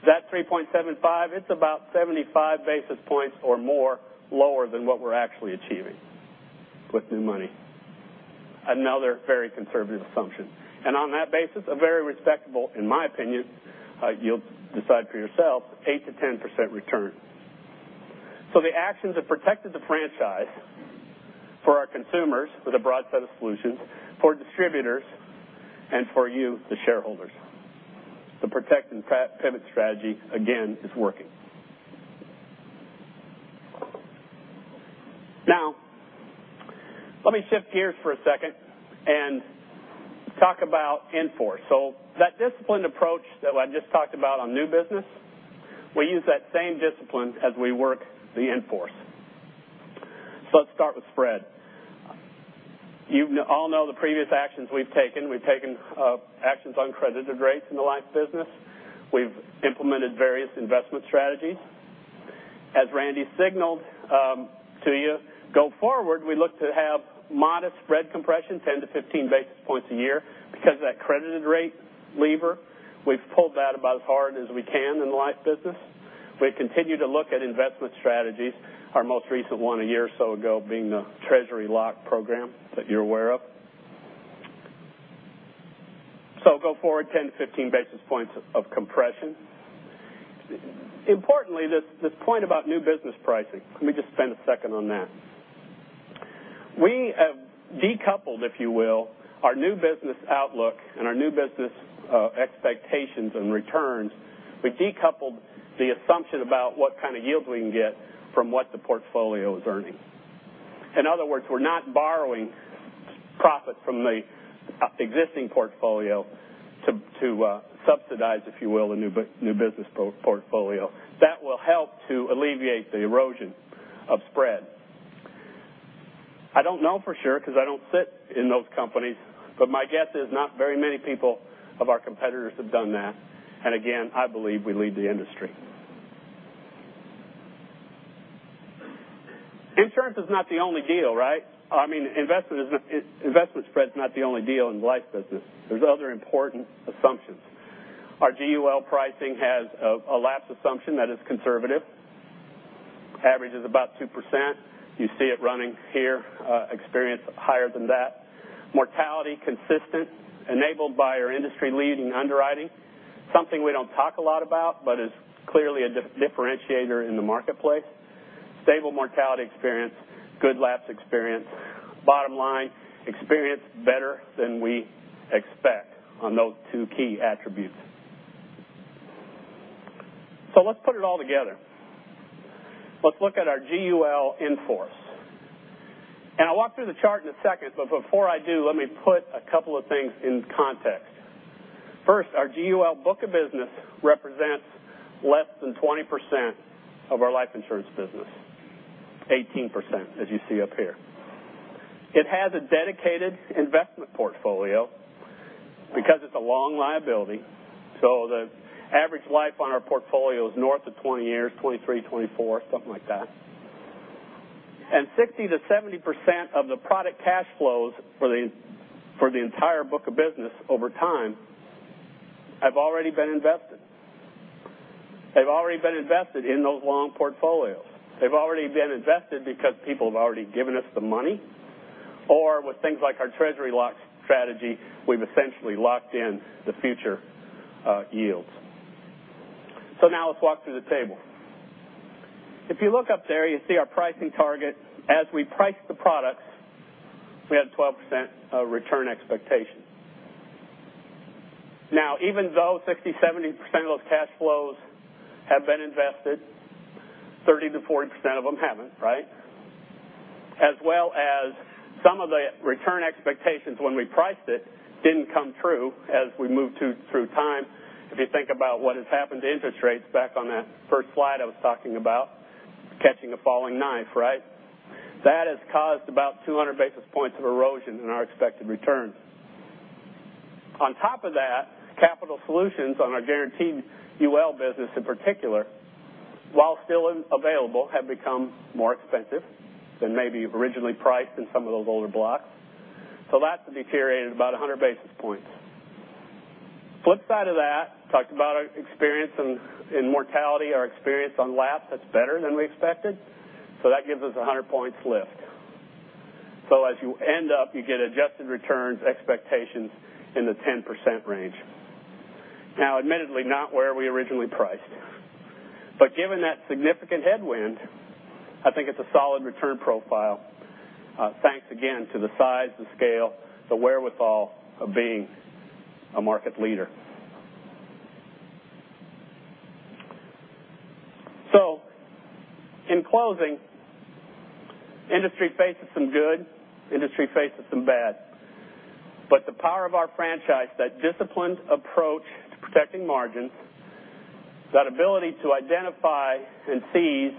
that 3.75%, it's about 75 basis points or more lower than what we're actually achieving with new money. Another very conservative assumption. On that basis, a very respectable, in my opinion, you'll decide for yourself, 8%-10% return. The actions have protected the franchise for our consumers with a broad set of solutions, for distributors, and for you, the shareholders. The protect and pivot strategy, again, is working. Let me shift gears for a second and talk about in-force. That disciplined approach that I just talked about on new business, we use that same discipline as we work the in-force. Let's start with spread. You all know the previous actions we've taken. We've taken actions on credited rates in the life business. We've implemented various investment strategies. As Randy signaled to you, go forward, we look to have modest spread compression, 10-15 basis points a year because of that credited rate lever. We've pulled that about as hard as we can in the life business. We've continued to look at investment strategies, our most recent one a year or so ago being the Treasury lock program that you're aware of. Go forward 10-15 basis points of compression. Importantly, this point about new business pricing, let me just spend a second on that. We have decoupled, if you will, our new business outlook and our new business expectations and returns. We decoupled the assumption about what kind of yields we can get from what the portfolio is earning. In other words, we're not borrowing profit from the existing portfolio to subsidize, if you will, the new business portfolio. That will help to alleviate the erosion of spread. I don't know for sure because I don't sit in those companies, my guess is not very many people of our competitors have done that. Again, I believe we lead the industry. Insurance is not the only deal, right? I mean, investment spread is not the only deal in the life business. There's other important assumptions. Our GUL pricing has a lapse assumption that is conservative. Average is about 2%. You see it running here, experience higher than that. Mortality consistent, enabled by our industry-leading underwriting. Something we don't talk a lot about but is clearly a differentiator in the marketplace. Stable mortality experience, good lapse experience. Bottom line, experience better than we expect on those two key attributes. Let's put it all together. Let's look at our GUL in-force. I'll walk through the chart in a second, but before I do, let me put a couple of things in context. First, our GUL book of business represents less than 20% of our life insurance business. 18%, as you see up here. It has a dedicated investment portfolio because it's a long liability. The average life on our portfolio is north of 20 years, 23, 24, something like that. 60%-70% of the product cash flows for the entire book of business over time have already been invested. They've already been invested in those long portfolios. They've already been invested because people have already given us the money, or with things like our Treasury lock strategy, we've essentially locked in the future yields. Now let's walk through the table. If you look up there, you see our pricing target. As we priced the products, we had a 12% return expectation. Even though 60%, 70% of those cash flows have been invested, 30%-40% of them haven't, right? As well as some of the return expectations when we priced it didn't come true as we moved through time. If you think about what has happened to interest rates back on that first slide I was talking about, catching a falling knife, right? That has caused about 200 basis points of erosion in our expected returns. On top of that, capital solutions on our guaranteed UL business in particular, while still available, have become more expensive than maybe originally priced in some of those older blocks. That's deteriorated about 100 basis points. Flip side of that, talked about our experience in mortality, our experience on lapse, that's better than we expected. That gives us 100 points lift. As you end up, you get adjusted returns expectations in the 10% range. Admittedly, not where we originally priced. Given that significant headwind, I think it's a solid return profile, thanks again to the size, the scale, the wherewithal of being a market leader. In closing, industry faces some good, industry faces some bad. The power of our franchise, that disciplined approach to protecting margins, that ability to identify and seize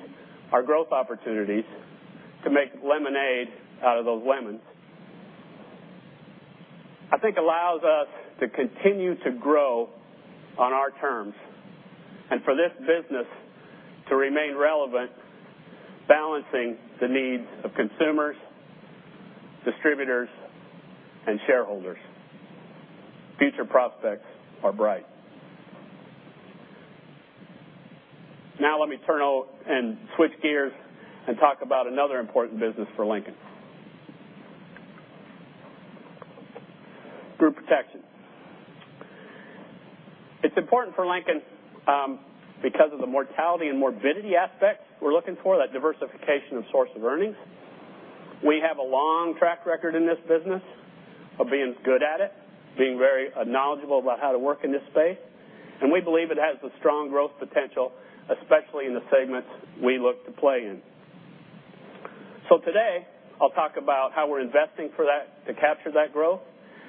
our growth opportunities to make lemonade out of those lemons, I think allows us to continue to grow on our terms and for this business to remain relevant, balancing the needs of consumers, distributors, and shareholders. Future prospects are bright. Let me turn and switch gears and talk about another important business for Lincoln. Group protection. It's important for Lincoln because of the mortality and morbidity aspect we're looking for, that diversification of source of earnings. We have a long track record in this business of being good at it, being very knowledgeable about how to work in this space, and we believe it has a strong growth potential, especially in the segments we look to play in. Today, I'll talk about how we're investing for that to capture that growth,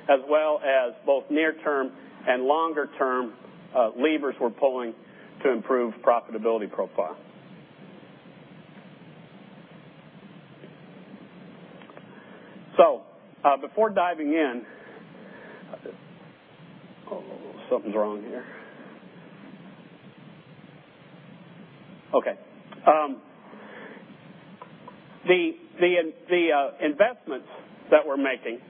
as well as both near term and longer term levers we're pulling to improve profitability profile. Before diving in, the investments that we're making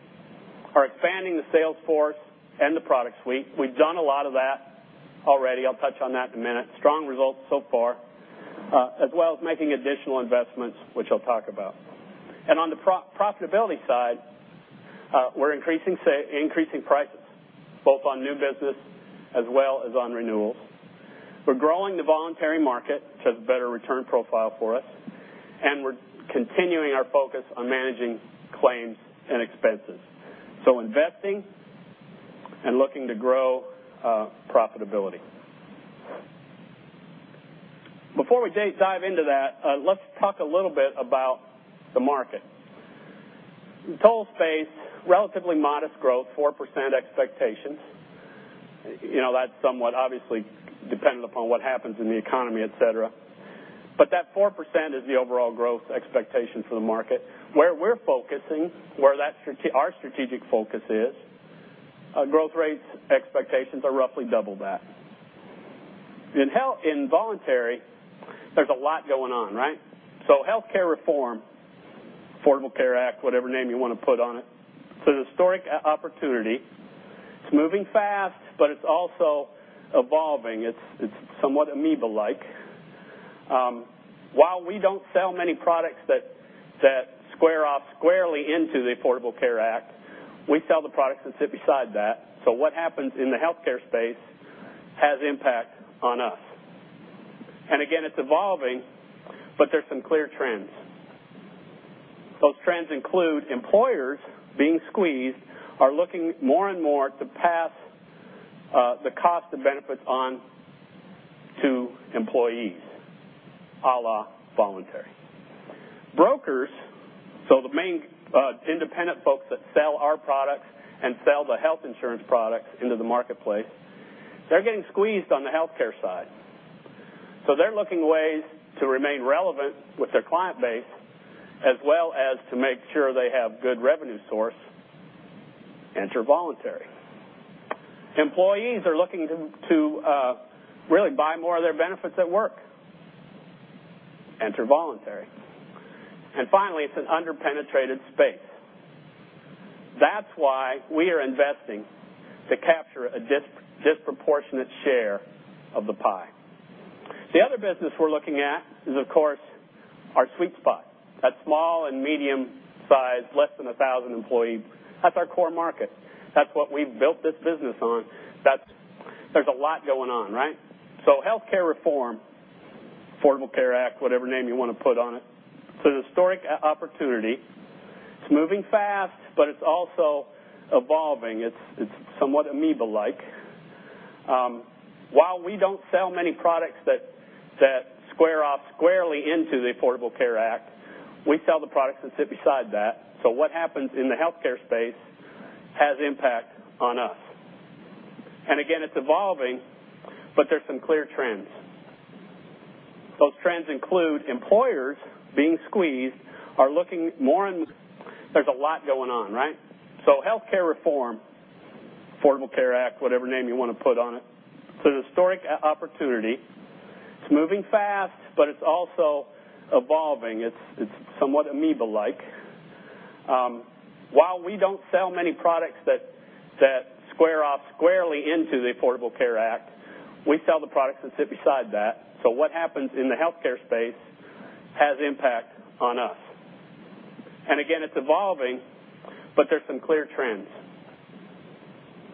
are expanding the sales force and the product suite. We've done a lot of that already. I'll touch on that in a minute. Strong results so far, as well as making additional investments, which I'll talk about. On the profitability side, we're increasing prices, both on new business as well as on renewals. We're growing the voluntary market, which has a better return profile for us, and we're continuing our focus on managing claims and expenses. Investing and looking to grow profitability. Before we dive into that, let's talk a little bit about the market. In total space, relatively modest growth, 4% expectations. That's somewhat obviously dependent upon what happens in the economy, et cetera. That 4% is the overall growth expectation for the market. Where we're focusing, where our strategic focus is, growth rates expectations are roughly double that. In voluntary, there's a lot going on, right? Healthcare reform, Affordable Care Act, whatever name you want to put on it's an historic opportunity. It's moving fast, it's also evolving. It's somewhat amoeba-like. While we don't sell many products that square off squarely into the Affordable Care Act, we sell the products that sit beside that. What happens in the healthcare space has impact on us. Again, it's evolving, but there's some clear trends. Those trends include employers being squeezed are looking more and more to pass the cost of benefits on to employees, a la voluntary. Brokers, the main independent folks that sell our products and sell the health insurance products into the marketplace, they're getting squeezed on the healthcare side. They're looking ways to remain relevant with their client base, as well as to make sure they have good revenue source. Enter voluntary. Employees are looking to really buy more of their benefits at work. Enter voluntary. Finally, it's an under-penetrated space. That's why we are investing to capture a disproportionate share of the pie. The other business we're looking at is, of course, our sweet spot. That small and medium size, less than 1,000 employee, that's our core market. That's what we've built this business on. There's a lot going on, right? Healthcare reform, Affordable Care Act, whatever name you want to put on it's an historic opportunity. It's moving fast, it's also evolving. It's somewhat amoeba-like. While we don't sell many products that square off squarely into the Affordable Care Act, we sell the products that sit beside that. What happens in the healthcare space has impact on us. Again, it's evolving, but there's some clear trends. Those trends include employers being squeezed. There's a lot going on, right? Healthcare reform, Affordable Care Act, whatever name you want to put on it. The historic opportunity, it's moving fast, it's also evolving. It's somewhat amoeba-like. While we don't sell many products that square off squarely into the Affordable Care Act, we sell the products that sit beside that. What happens in the healthcare space has impact on us. Again, it's evolving, but there's some clear trends.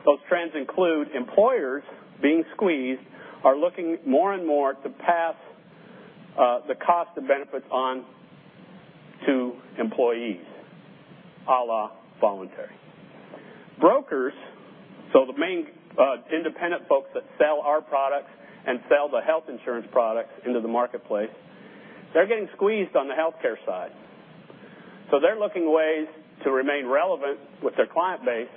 Those trends include employers being squeezed are looking more and more to pass the cost of benefits on to employees, a la voluntary. Brokers, the main independent folks that sell our products and sell the health insurance products into the marketplace, they're getting squeezed on the healthcare side. They're looking ways to remain relevant with their client base,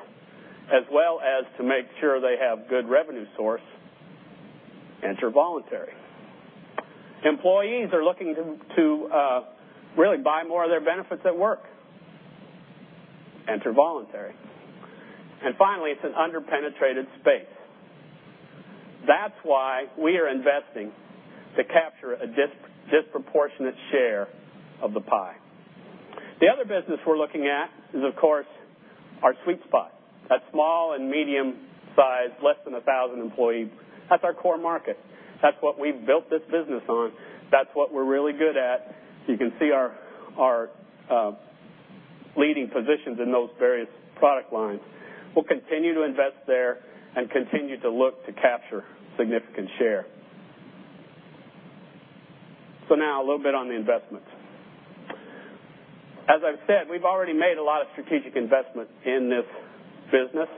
as well as to make sure they have good revenue source. Enter voluntary. Employees are looking to really buy more of their benefits at work. Enter voluntary. Finally, it's an under-penetrated space. That's why we are investing to capture a disproportionate share of the pie. The other business we're looking at is, of course, our sweet spot. That small and medium size, less than 1,000 employees, that's our core market. That's what we've built this business on. That's what we're really good at. You can see our leading positions in those various product lines. We'll continue to invest there and continue to look to capture significant share. Now a little bit on the investments. As I've said, we've already made a lot of strategic investments in this business.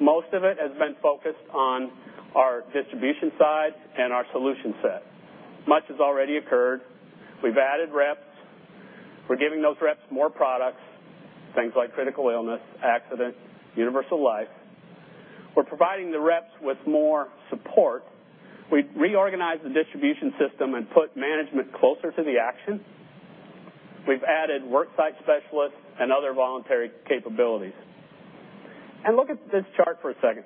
Most of it has been focused on our distribution side and our solution set. Much has already occurred. We've added reps. We're giving those reps more products, things like critical illness, accident, universal life. We're providing the reps with more support. We reorganized the distribution system and put management closer to the action. We've added worksite specialists and other voluntary capabilities. Look at this chart for a second.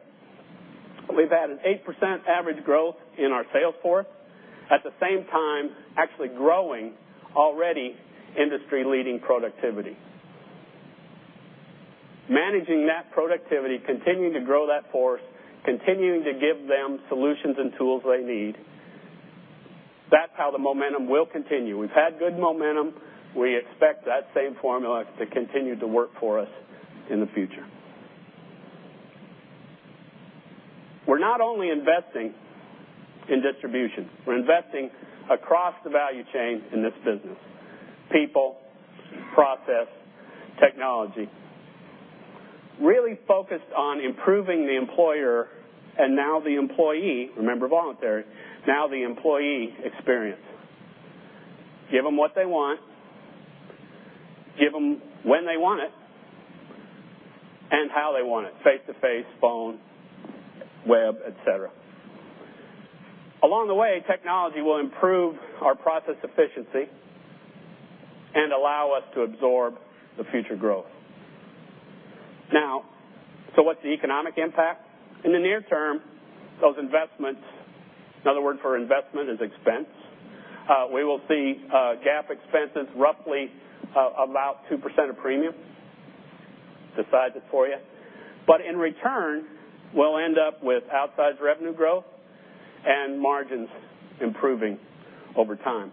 We've had an 8% average growth in our sales force, at the same time, actually growing already industry-leading productivity. Managing that productivity, continuing to grow that force, continuing to give them solutions and tools they need, that's how the momentum will continue. We've had good momentum. We expect that same formula to continue to work for us in the future. We're not only investing in distribution. We're investing across the value chain in this business. People, process, technology. Really focused on improving the employer and now the employee, remember voluntary, now the employee experience. Give them what they want, give them when they want it, and how they want it. Face to face, phone, web, et cetera. Along the way, technology will improve our process efficiency and allow us to absorb the future growth. Now, what's the economic impact? In the near term, those investments, another word for investment is expense. We will see GAAP expenses roughly about 2% of premium. Decide that for you. In return, we'll end up with outsized revenue growth and margins improving over time.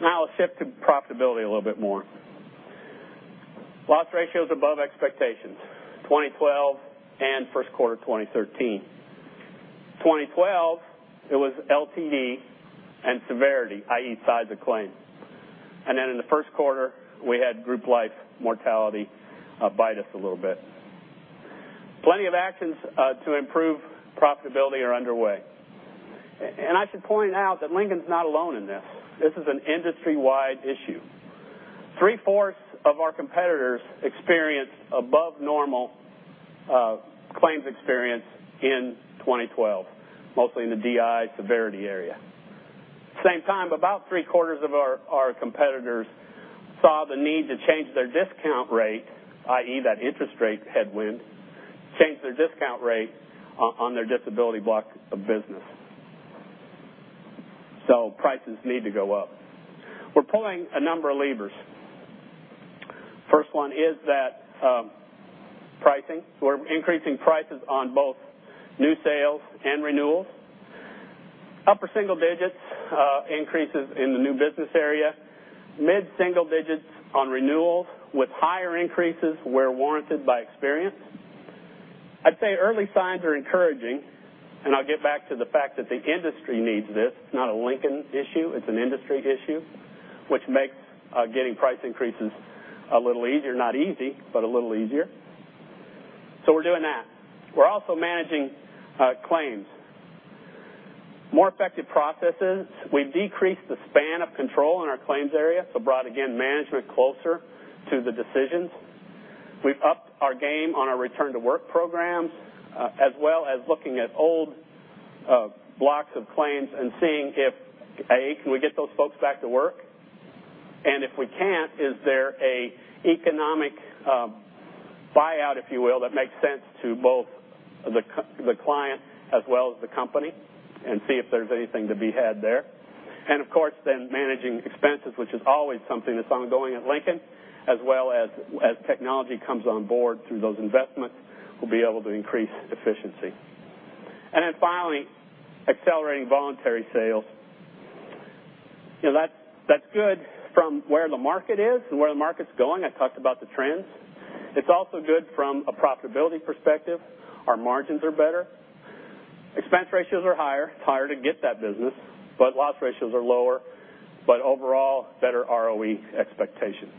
Now let's shift to profitability a little bit more. Loss ratios above expectations, 2012 and first quarter 2013. 2012, it was LTD and severity, i.e. size of claim. In the first quarter, we had group life mortality bite us a little bit. Plenty of actions to improve profitability are underway. I should point out that Lincoln's not alone in this. This is an industry-wide issue. Three-fourths of our competitors experienced above normal claims experience in 2012, mostly in the DI severity area. Same time, about three-quarters of our competitors saw the need to change their discount rate, i.e. that interest rate headwind, change their discount rate on their disability block of business. Prices need to go up. We're pulling a number of levers. First one is that pricing. We're increasing prices on both new sales and renewals. Upper single-digit increases in the new business area, mid single-digit on renewals with higher increases where warranted by experience. I'll say early signs are encouraging, I'll get back to the fact that the industry needs this. It's not a Lincoln issue, it's an industry issue, which makes getting price increases a little easier. Not easy, a little easier. We're doing that. We're also managing claims. More effective processes. We've decreased the span of control in our claims area, brought, again, management closer to the decisions. We've upped our game on our return to work programs, as well as looking at old blocks of claims and seeing if, A, can we get those folks back to work? If we can't, is there an economic buyout, if you will, that makes sense to both the client as well as the company, see if there's anything to be had there. Of course managing expenses, which is always something that's ongoing at Lincoln, as well as technology comes on board through those investments, we'll be able to increase efficiency. Finally, accelerating voluntary sales. That's good from where the market is and where the market's going. I talked about the trends. It's also good from a profitability perspective. Our margins are better. Expense ratios are higher. It's harder to get that business, loss ratios are lower, overall, better ROE expectations.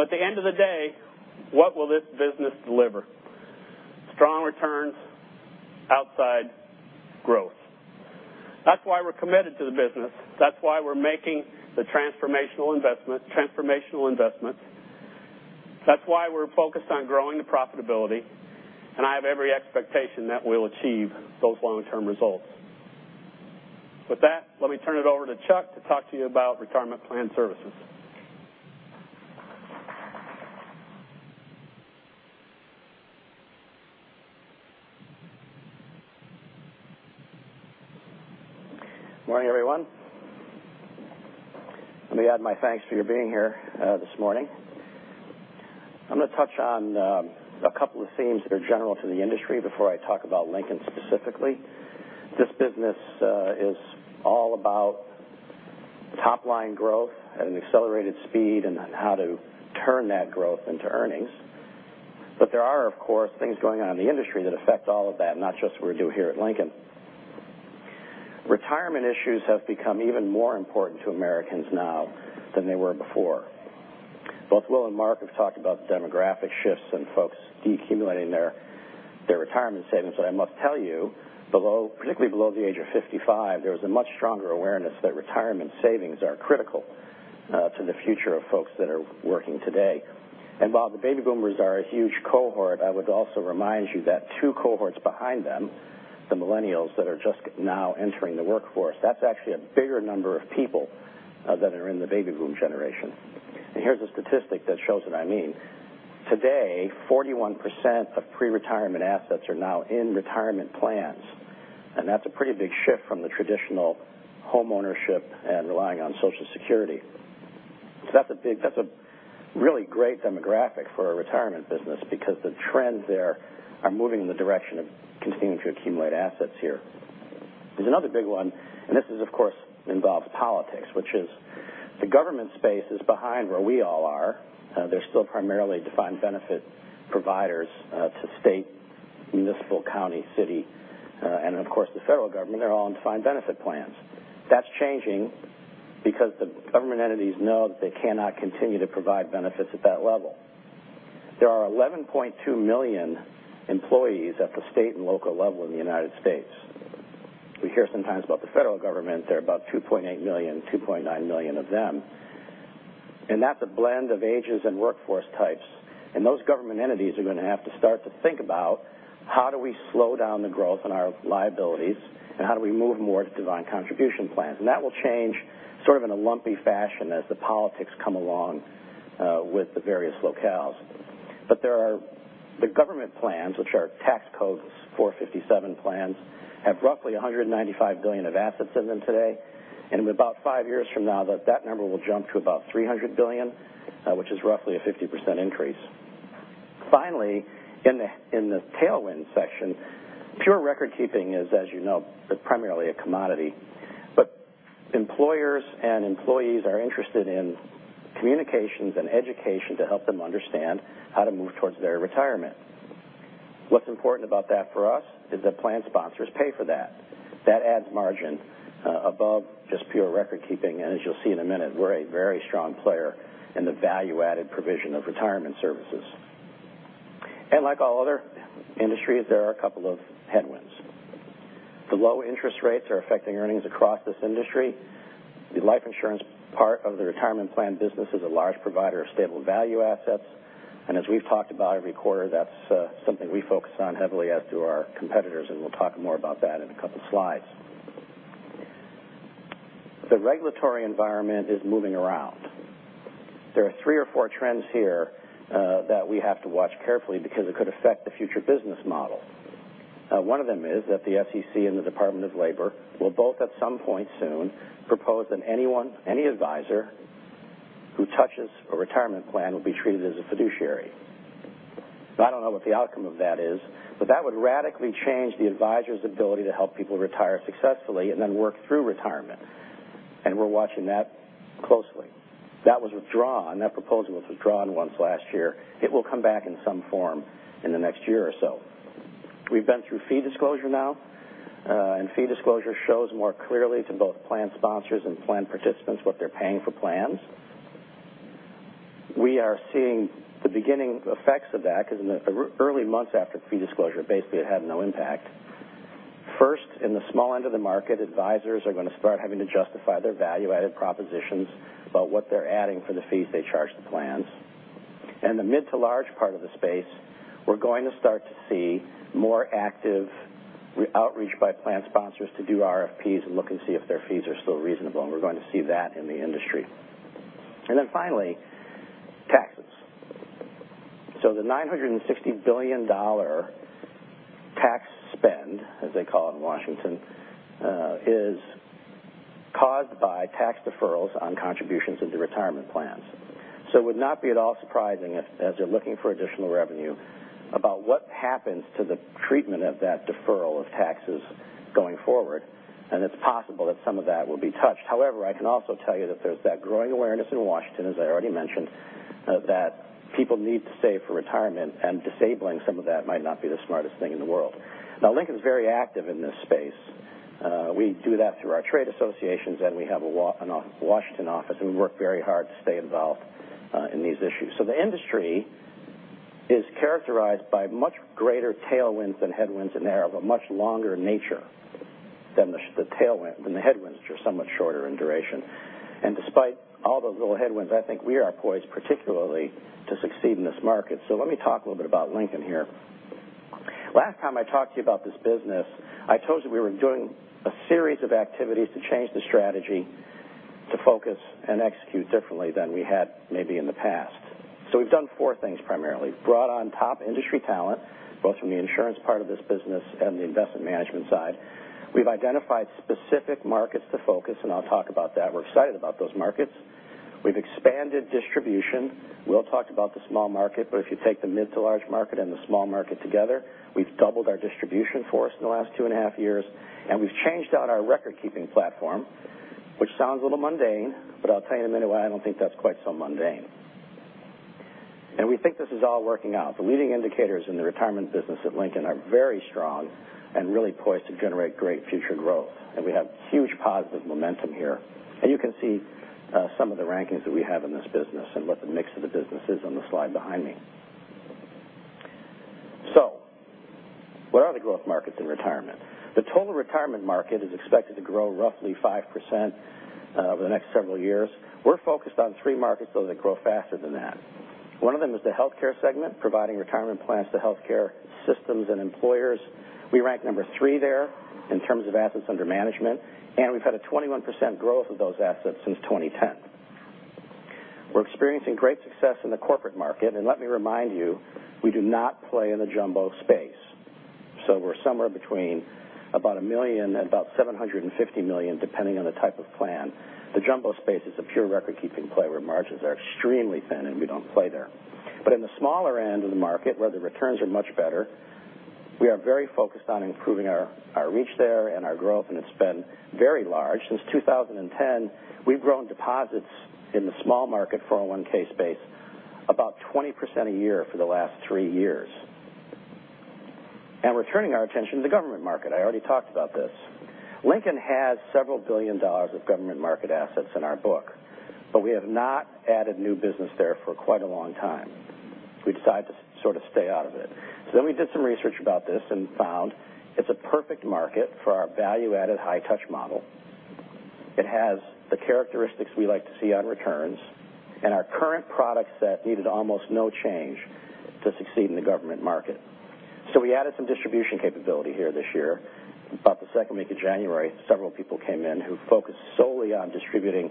At the end of the day, what will this business deliver? Strong returns, outsized growth. That's why we're committed to the business. That's why we're making the transformational investments. That's why we're focused on growing the profitability, I have every expectation that we'll achieve those long-term results. With that, let me turn it over to Chuck to talk to you about Retirement Plan Services. Morning, everyone. Let me add my thanks for your being here this morning. I'm going to touch on a couple of themes that are general to the industry before I talk about Lincoln specifically. This business is all about top-line growth at an accelerated speed and on how to turn that growth into earnings. There are, of course, things going on in the industry that affect all of that, not just what we do here at Lincoln. Retirement issues have become even more important to Americans now than they were before. Both Will and Mark have talked about the demographic shifts and folks de-accumulating their retirement savings. I must tell you, particularly below the age of 55, there is a much stronger awareness that retirement savings are critical to the future of folks that are working today. While the baby boomers are a huge cohort, I would also remind you that two cohorts behind them, the millennials that are just now entering the workforce, that's actually a bigger number of people than are in the baby boom generation. Here's a statistic that shows what I mean. Today, 41% of pre-retirement assets are now in retirement plans, and that's a pretty big shift from the traditional home ownership and relying on Social Security. That's a really great demographic for our retirement business because the trends there are moving in the direction of continuing to accumulate assets here. There's another big one, and this, of course, involves politics, which is the government space is behind where we all are. They're still primarily defined benefit providers to state, municipal, county, city, and of course, the federal government. They're all in defined benefit plans. That's changing because the government entities know that they cannot continue to provide benefits at that level. There are 11.2 million employees at the state and local level in the U.S. We hear sometimes about the federal government. There are about 2.8 million, 2.9 million of them. That's a blend of ages and workforce types. Those government entities are going to have to start to think about how do we slow down the growth in our liabilities, and how do we move more to defined contribution plans? That will change sort of in a lumpy fashion as the politics come along with the various locales. The government plans, which are tax codes 457 plans, have roughly $195 billion of assets in them today. In about five years from now, that number will jump to about $300 billion, which is roughly a 50% increase. Finally, in the tailwind section, pure record keeping is, as you know, primarily a commodity. Employers and employees are interested in communications and education to help them understand how to move towards their retirement. What's important about that for us is that plan sponsors pay for that. That adds margin above just pure record keeping, and as you'll see in a minute, we're a very strong player in the value-added provision of retirement services. Like all other industries, there are a couple of headwinds. The low interest rates are affecting earnings across this industry. The life insurance part of the retirement plan business is a large provider of Stable Value assets. As we've talked about every quarter, that's something we focus on heavily, as do our competitors, and we'll talk more about that in a couple slides. The regulatory environment is moving around. There are three or four trends here that we have to watch carefully because it could affect the future business model. One of them is that the SEC and the Department of Labor will both, at some point soon, propose that any advisor who touches a retirement plan will be treated as a fiduciary. I don't know what the outcome of that is, but that would radically change the advisor's ability to help people retire successfully and then work through retirement. We're watching that closely. That proposal was withdrawn once last year. It will come back in some form in the next year or so. We've been through fee disclosure now. Fee disclosure shows more clearly to both plan sponsors and plan participants what they're paying for plans. We are seeing the beginning effects of that because in the early months after fee disclosure, basically, it had no impact. First, in the small end of the market, advisors are going to start having to justify their value-added propositions about what they're adding for the fees they charge the plans. In the mid to large part of the space, we're going to start to see more active outreach by plan sponsors to do RFPs and look and see if their fees are still reasonable, and we're going to see that in the industry. Finally, taxes. The $960 billion tax spend, as they call it in Washington, is caused by tax deferrals on contributions into retirement plans. It would not be at all surprising as they're looking for additional revenue about what happens to the treatment of that deferral of taxes going forward, and it's possible that some of that will be touched. However, I can also tell you that there's that growing awareness in Washington, as I already mentioned, that people need to save for retirement, and disabling some of that might not be the smartest thing in the world. Lincoln's very active in this space. We do that through our trade associations, and we have a Washington office, and we work very hard to stay involved in these issues. The industry is characterized by much greater tailwinds than headwinds, and they are of a much longer nature than the headwinds, which are somewhat shorter in duration. Despite all those little headwinds, I think we are poised particularly to succeed in this market. Let me talk a little bit about Lincoln here. Last time I talked to you about this business, I told you we were doing a series of activities to change the strategy to focus and execute differently than we had maybe in the past. We've done four things, primarily. Brought on top industry talent, both from the insurance part of this business and the investment management side. We've identified specific markets to focus, and I'll talk about that. We're excited about those markets. We've expanded distribution. Will talked about the small market, but if you take the mid to large market and the small market together, we've doubled our distribution force in the last two and a half years. We've changed out our record-keeping platform, which sounds a little mundane, but I'll tell you in a minute why I don't think that's quite so mundane. We think this is all working out. The leading indicators in the retirement business at Lincoln are very strong and really poised to generate great future growth. We have huge positive momentum here. You can see some of the rankings that we have in this business and what the mix of the business is on the slide behind me. Where are the growth markets in retirement? The total retirement market is expected to grow roughly 5% over the next several years. We're focused on three markets, though, that grow faster than that. One of them is the healthcare segment, providing retirement plans to healthcare systems and employers. We rank number three there in terms of assets under management, we've had a 21% growth of those assets since 2010. We're experiencing great success in the corporate market. Let me remind you, we do not play in the jumbo space. We're somewhere between about $1 million and about $750 million, depending on the type of plan. The jumbo space is a pure record-keeping play where margins are extremely thin, and we don't play there. In the smaller end of the market, where the returns are much better, we are very focused on improving our reach there and our growth, and it's been very large. Since 2010, we've grown deposits in the small market 401 space about 20% a year for the last three years. We're turning our attention to the government market. I already talked about this. Lincoln has several billion dollars of government market assets in our book, but we have not added new business there for quite a long time. We decided to sort of stay out of it. We did some research about this and found it's a perfect market for our value-added, high-touch model. It has the characteristics we like to see on returns, and our current product set needed almost no change to succeed in the government market. We added some distribution capability here this year. About the second week of January, several people came in who focused solely on distributing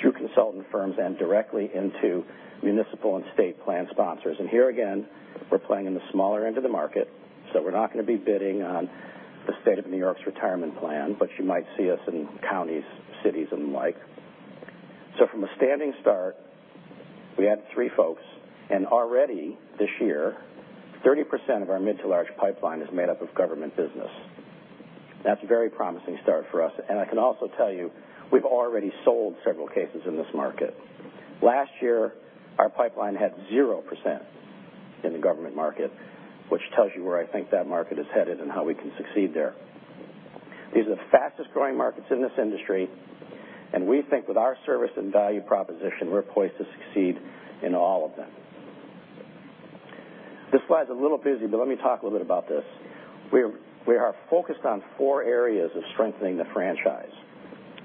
through consultant firms and directly into municipal and state plan sponsors. Here again, we're playing in the smaller end of the market, so we're not going to be bidding on the State of New York's retirement plan, but you might see us in counties, cities, and the like. From a standing start, we had three folks, and already this year, 30% of our mid to large pipeline is made up of government business. That's a very promising start for us. I can also tell you we've already sold several cases in this market. Last year, our pipeline had 0% in the government market, which tells you where I think that market is headed and how we can succeed there. These are the fastest-growing markets in this industry, and we think with our service and value proposition, we're poised to succeed in all of them. This slide's a little busy, but let me talk a little bit about this. We are focused on four areas of strengthening the franchise.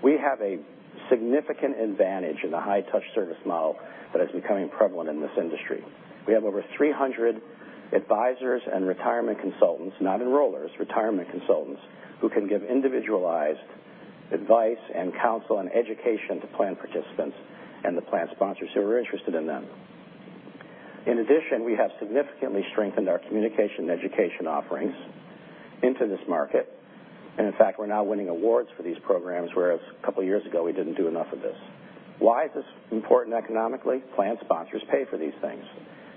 We have a significant advantage in the high-touch service model that is becoming prevalent in this industry. We have over 300 advisors and retirement consultants, not enrollers, retirement consultants, who can give individualized advice and counsel and education to plan participants and the plan sponsors who are interested in them. In addition, we have significantly strengthened our communication and education offerings into this market. In fact, we're now winning awards for these programs, whereas a couple of years ago, we didn't do enough of this. Why is this important economically? Plan sponsors pay for these things.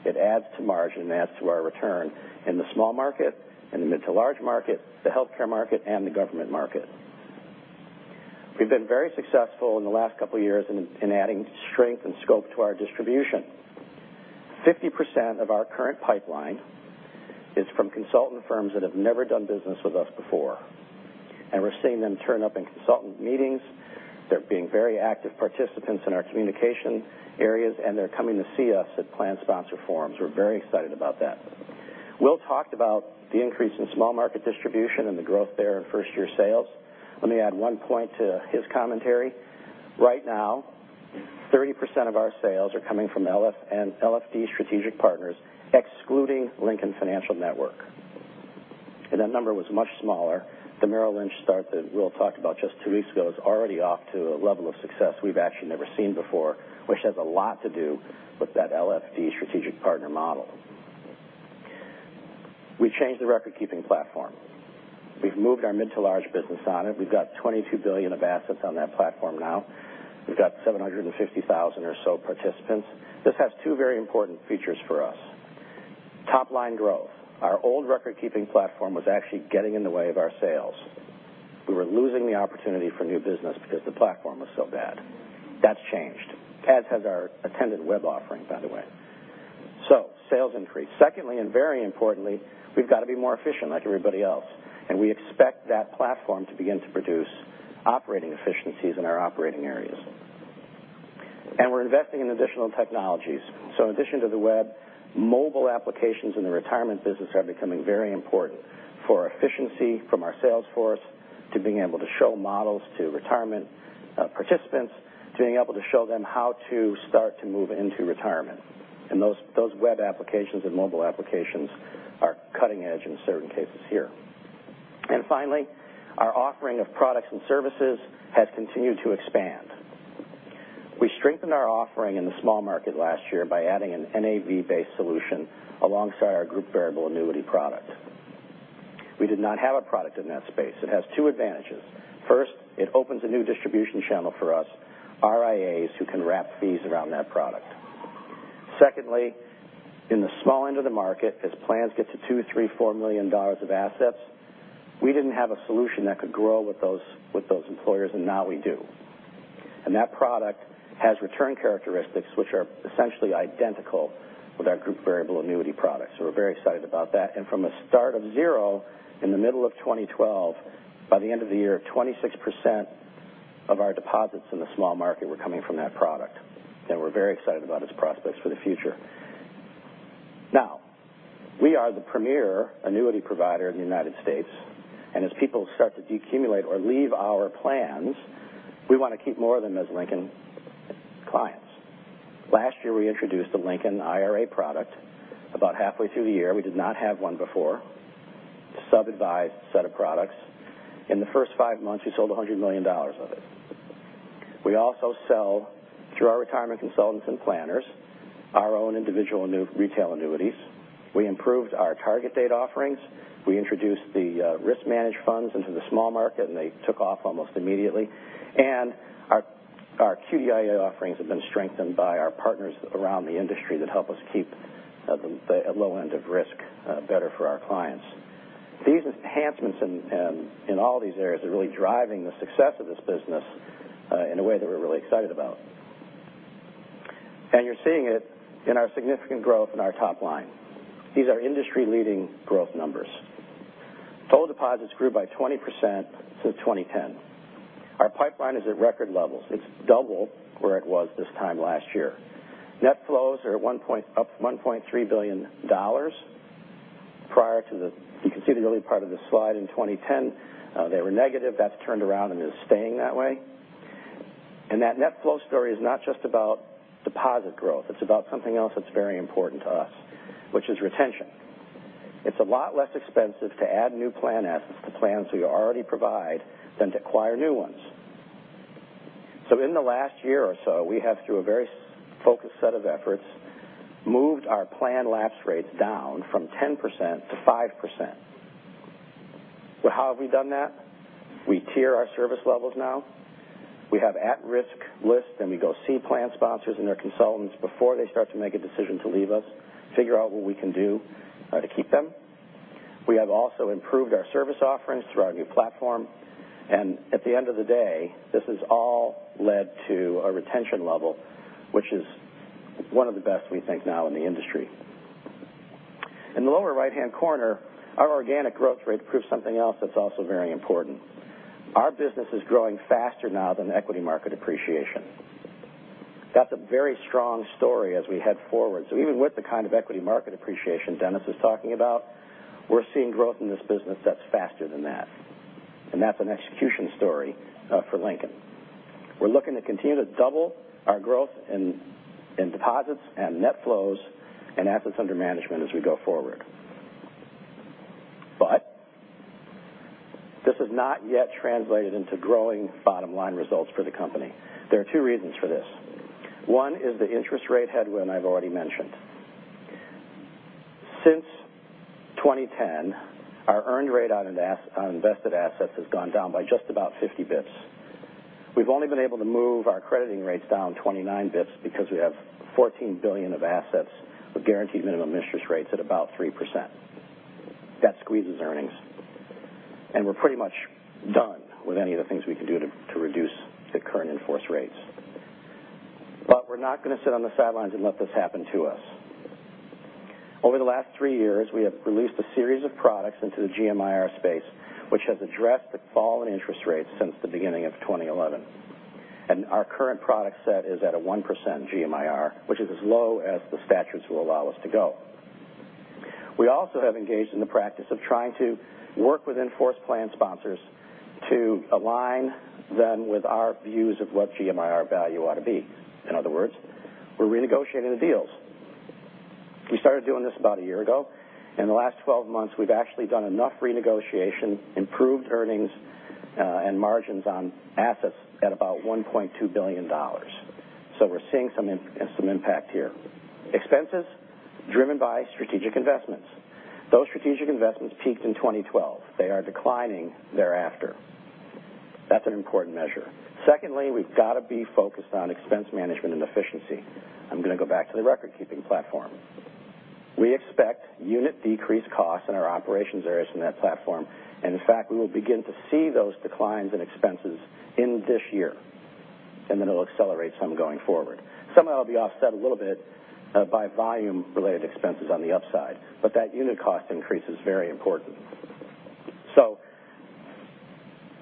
It adds to margin, adds to our return in the small market, in the mid to large market, the healthcare market, and the government market. We've been very successful in the last couple of years in adding strength and scope to our distribution. 50% of our current pipeline is from consultant firms that have never done business with us before. We're seeing them turn up in consultant meetings. They're being very active participants in our communication areas, and they're coming to see us at plan sponsor forums. We're very excited about that. Will talked about the increase in small market distribution and the growth there in first-year sales. Let me add one point to his commentary. Right now, 30% of our sales are coming from LFD strategic partners, excluding Lincoln Financial Network. That number was much smaller. The Merrill Lynch start that Will talked about just two weeks ago is already off to a level of success we've actually never seen before, which has a lot to do with that LFD strategic partner model. We changed the record-keeping platform. We've moved our mid to large business on it. We've got $22 billion of assets on that platform now. We've got 750,000 or so participants. This has two very important features for us. Top-line growth. Our old record-keeping platform was actually getting in the way of our sales. We were losing the opportunity for new business because the platform was so bad. That's changed, as has our attendant web offering, by the way. Sales increased. Secondly, and very importantly, we've got to be more efficient like everybody else, we expect that platform to begin to produce operating efficiencies in our operating areas. We're investing in additional technologies. In addition to the web, mobile applications in the retirement business are becoming very important for efficiency from our sales force to being able to show models to retirement participants, to being able to show them how to start to move into retirement. Those web applications and mobile applications are cutting edge in certain cases here. Finally, our offering of products and services has continued to expand. We strengthened our offering in the small market last year by adding an NAV-based solution alongside our group variable annuity product. We did not have a product in that space. It has two advantages. First, it opens a new distribution channel for us, RIAs who can wrap fees around that product. Secondly, in the small end of the market, as plans get to two, three, four million dollars of assets, we didn't have a solution that could grow with those employers, and now we do. That product has return characteristics which are essentially identical with our group variable annuity products. We're very excited about that. From a start of zero in the middle of 2012, by the end of the year, 26% of our deposits in the small market were coming from that product. We're very excited about its prospects for the future. We are the premier annuity provider in the United States, and as people start to decumulate or leave our plans, we want to keep more of them as Lincoln clients. Last year, we introduced the Lincoln IRA product about halfway through the year. We did not have one before. Sub-advised set of products. In the first five months, we sold $100 million of it. We also sell through our retirement consultants and planners our own individual retail annuities. We improved our Target Date offerings. We introduced the Risk Managed Funds into the small market, they took off almost immediately. Our QDIA offerings have been strengthened by our partners around the industry that help us keep the low end of risk better for our clients. These enhancements in all these areas are really driving the success of this business in a way that we're really excited about. You're seeing it in our significant growth in our top line. These are industry-leading growth numbers. Total deposits grew by 20% since 2010. Our pipeline is at record levels. It's double where it was this time last year. Net flows are up $1.3 billion. You can see the early part of the slide in 2010, they were negative. That's turned around and is staying that way. That net flow story is not just about deposit growth. It's about something else that's very important to us, which is retention. It's a lot less expensive to add new plan assets to plans we already provide than to acquire new ones. In the last year or so, we have, through a very focused set of efforts, moved our plan lapse rates down from 10% to 5%. How have we done that? We tier our service levels now. We have at-risk lists, and we go see plan sponsors and their consultants before they start to make a decision to leave us, figure out what we can do to keep them. We have also improved our service offerings through our new platform. At the end of the day, this has all led to a retention level, which is one of the best we think now in the industry. In the lower right-hand corner, our organic growth rate proves something else that's also very important. Our business is growing faster now than equity market appreciation. That's a very strong story as we head forward. Even with the kind of equity market appreciation Dennis is talking about, we're seeing growth in this business that's faster than that, and that's an execution story for Lincoln. We're looking to continue to double our growth in deposits and net flows and assets under management as we go forward. This has not yet translated into growing bottom-line results for the company. There are two reasons for this. One is the interest rate headwind I've already mentioned. Since 2010, our earned rate on invested assets has gone down by just about 50 basis points. We've only been able to move our crediting rates down 29 basis points because we have $14 billion of assets with guaranteed minimum interest rates at about 3%. That squeezes earnings. We're pretty much done with any of the things we can do to reduce the current in-force rates. We're not going to sit on the sidelines and let this happen to us. Over the last three years, we have released a series of products into the GMIR space, which has addressed the fall in interest rates since the beginning of 2011. Our current product set is at a 1% GMIR, which is as low as the statutes will allow us to go. We also have engaged in the practice of trying to work with enforced plan sponsors to align them with our views of what GMIR value ought to be. In other words, we're renegotiating the deals. We started doing this about a year ago. In the last 12 months, we've actually done enough renegotiation, improved earnings and margins on assets at about $1.2 billion. We're seeing some impact here. Expenses driven by strategic investments. Those strategic investments peaked in 2012. They are declining thereafter. That's an important measure. Secondly, we've got to be focused on expense management and efficiency. I'm going to go back to the record-keeping platform. We expect unit decrease costs in our operations areas from that platform, and in fact, we will begin to see those declines in expenses in this year, and then it'll accelerate some going forward. Some of that will be offset a little bit by volume-related expenses on the upside, that unit cost increase is very important.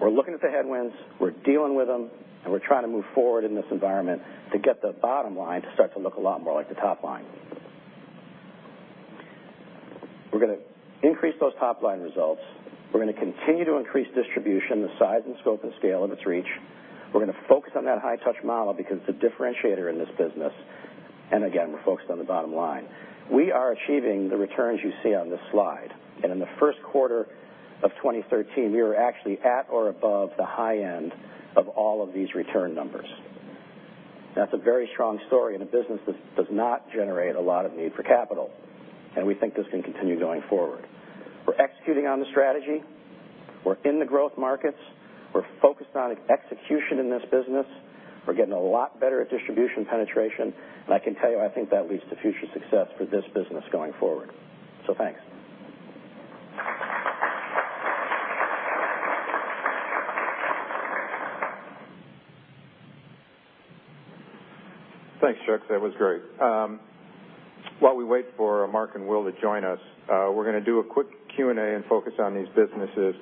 We're looking at the headwinds, we're dealing with them, and we're trying to move forward in this environment to get the bottom line to start to look a lot more like the top line. We're going to increase those top-line results. We're going to continue to increase distribution, the size and scope and scale of its reach. We're going to focus on that high-touch model because it's a differentiator in this business. Again, we're focused on the bottom line. We are achieving the returns you see on this slide. In the first quarter of 2013, we were actually at or above the high end of all of these return numbers. That's a very strong story in a business that does not generate a lot of need for capital, and we think this can continue going forward. We're executing on the strategy. We're in the growth markets. We're focused on execution in this business. We're getting a lot better at distribution penetration. I can tell you, I think that leads to future success for this business going forward. Thanks. Thanks, Chuck. That was great. While we wait for Mark and Will to join us, we're going to do a quick Q&A and focus on these businesses.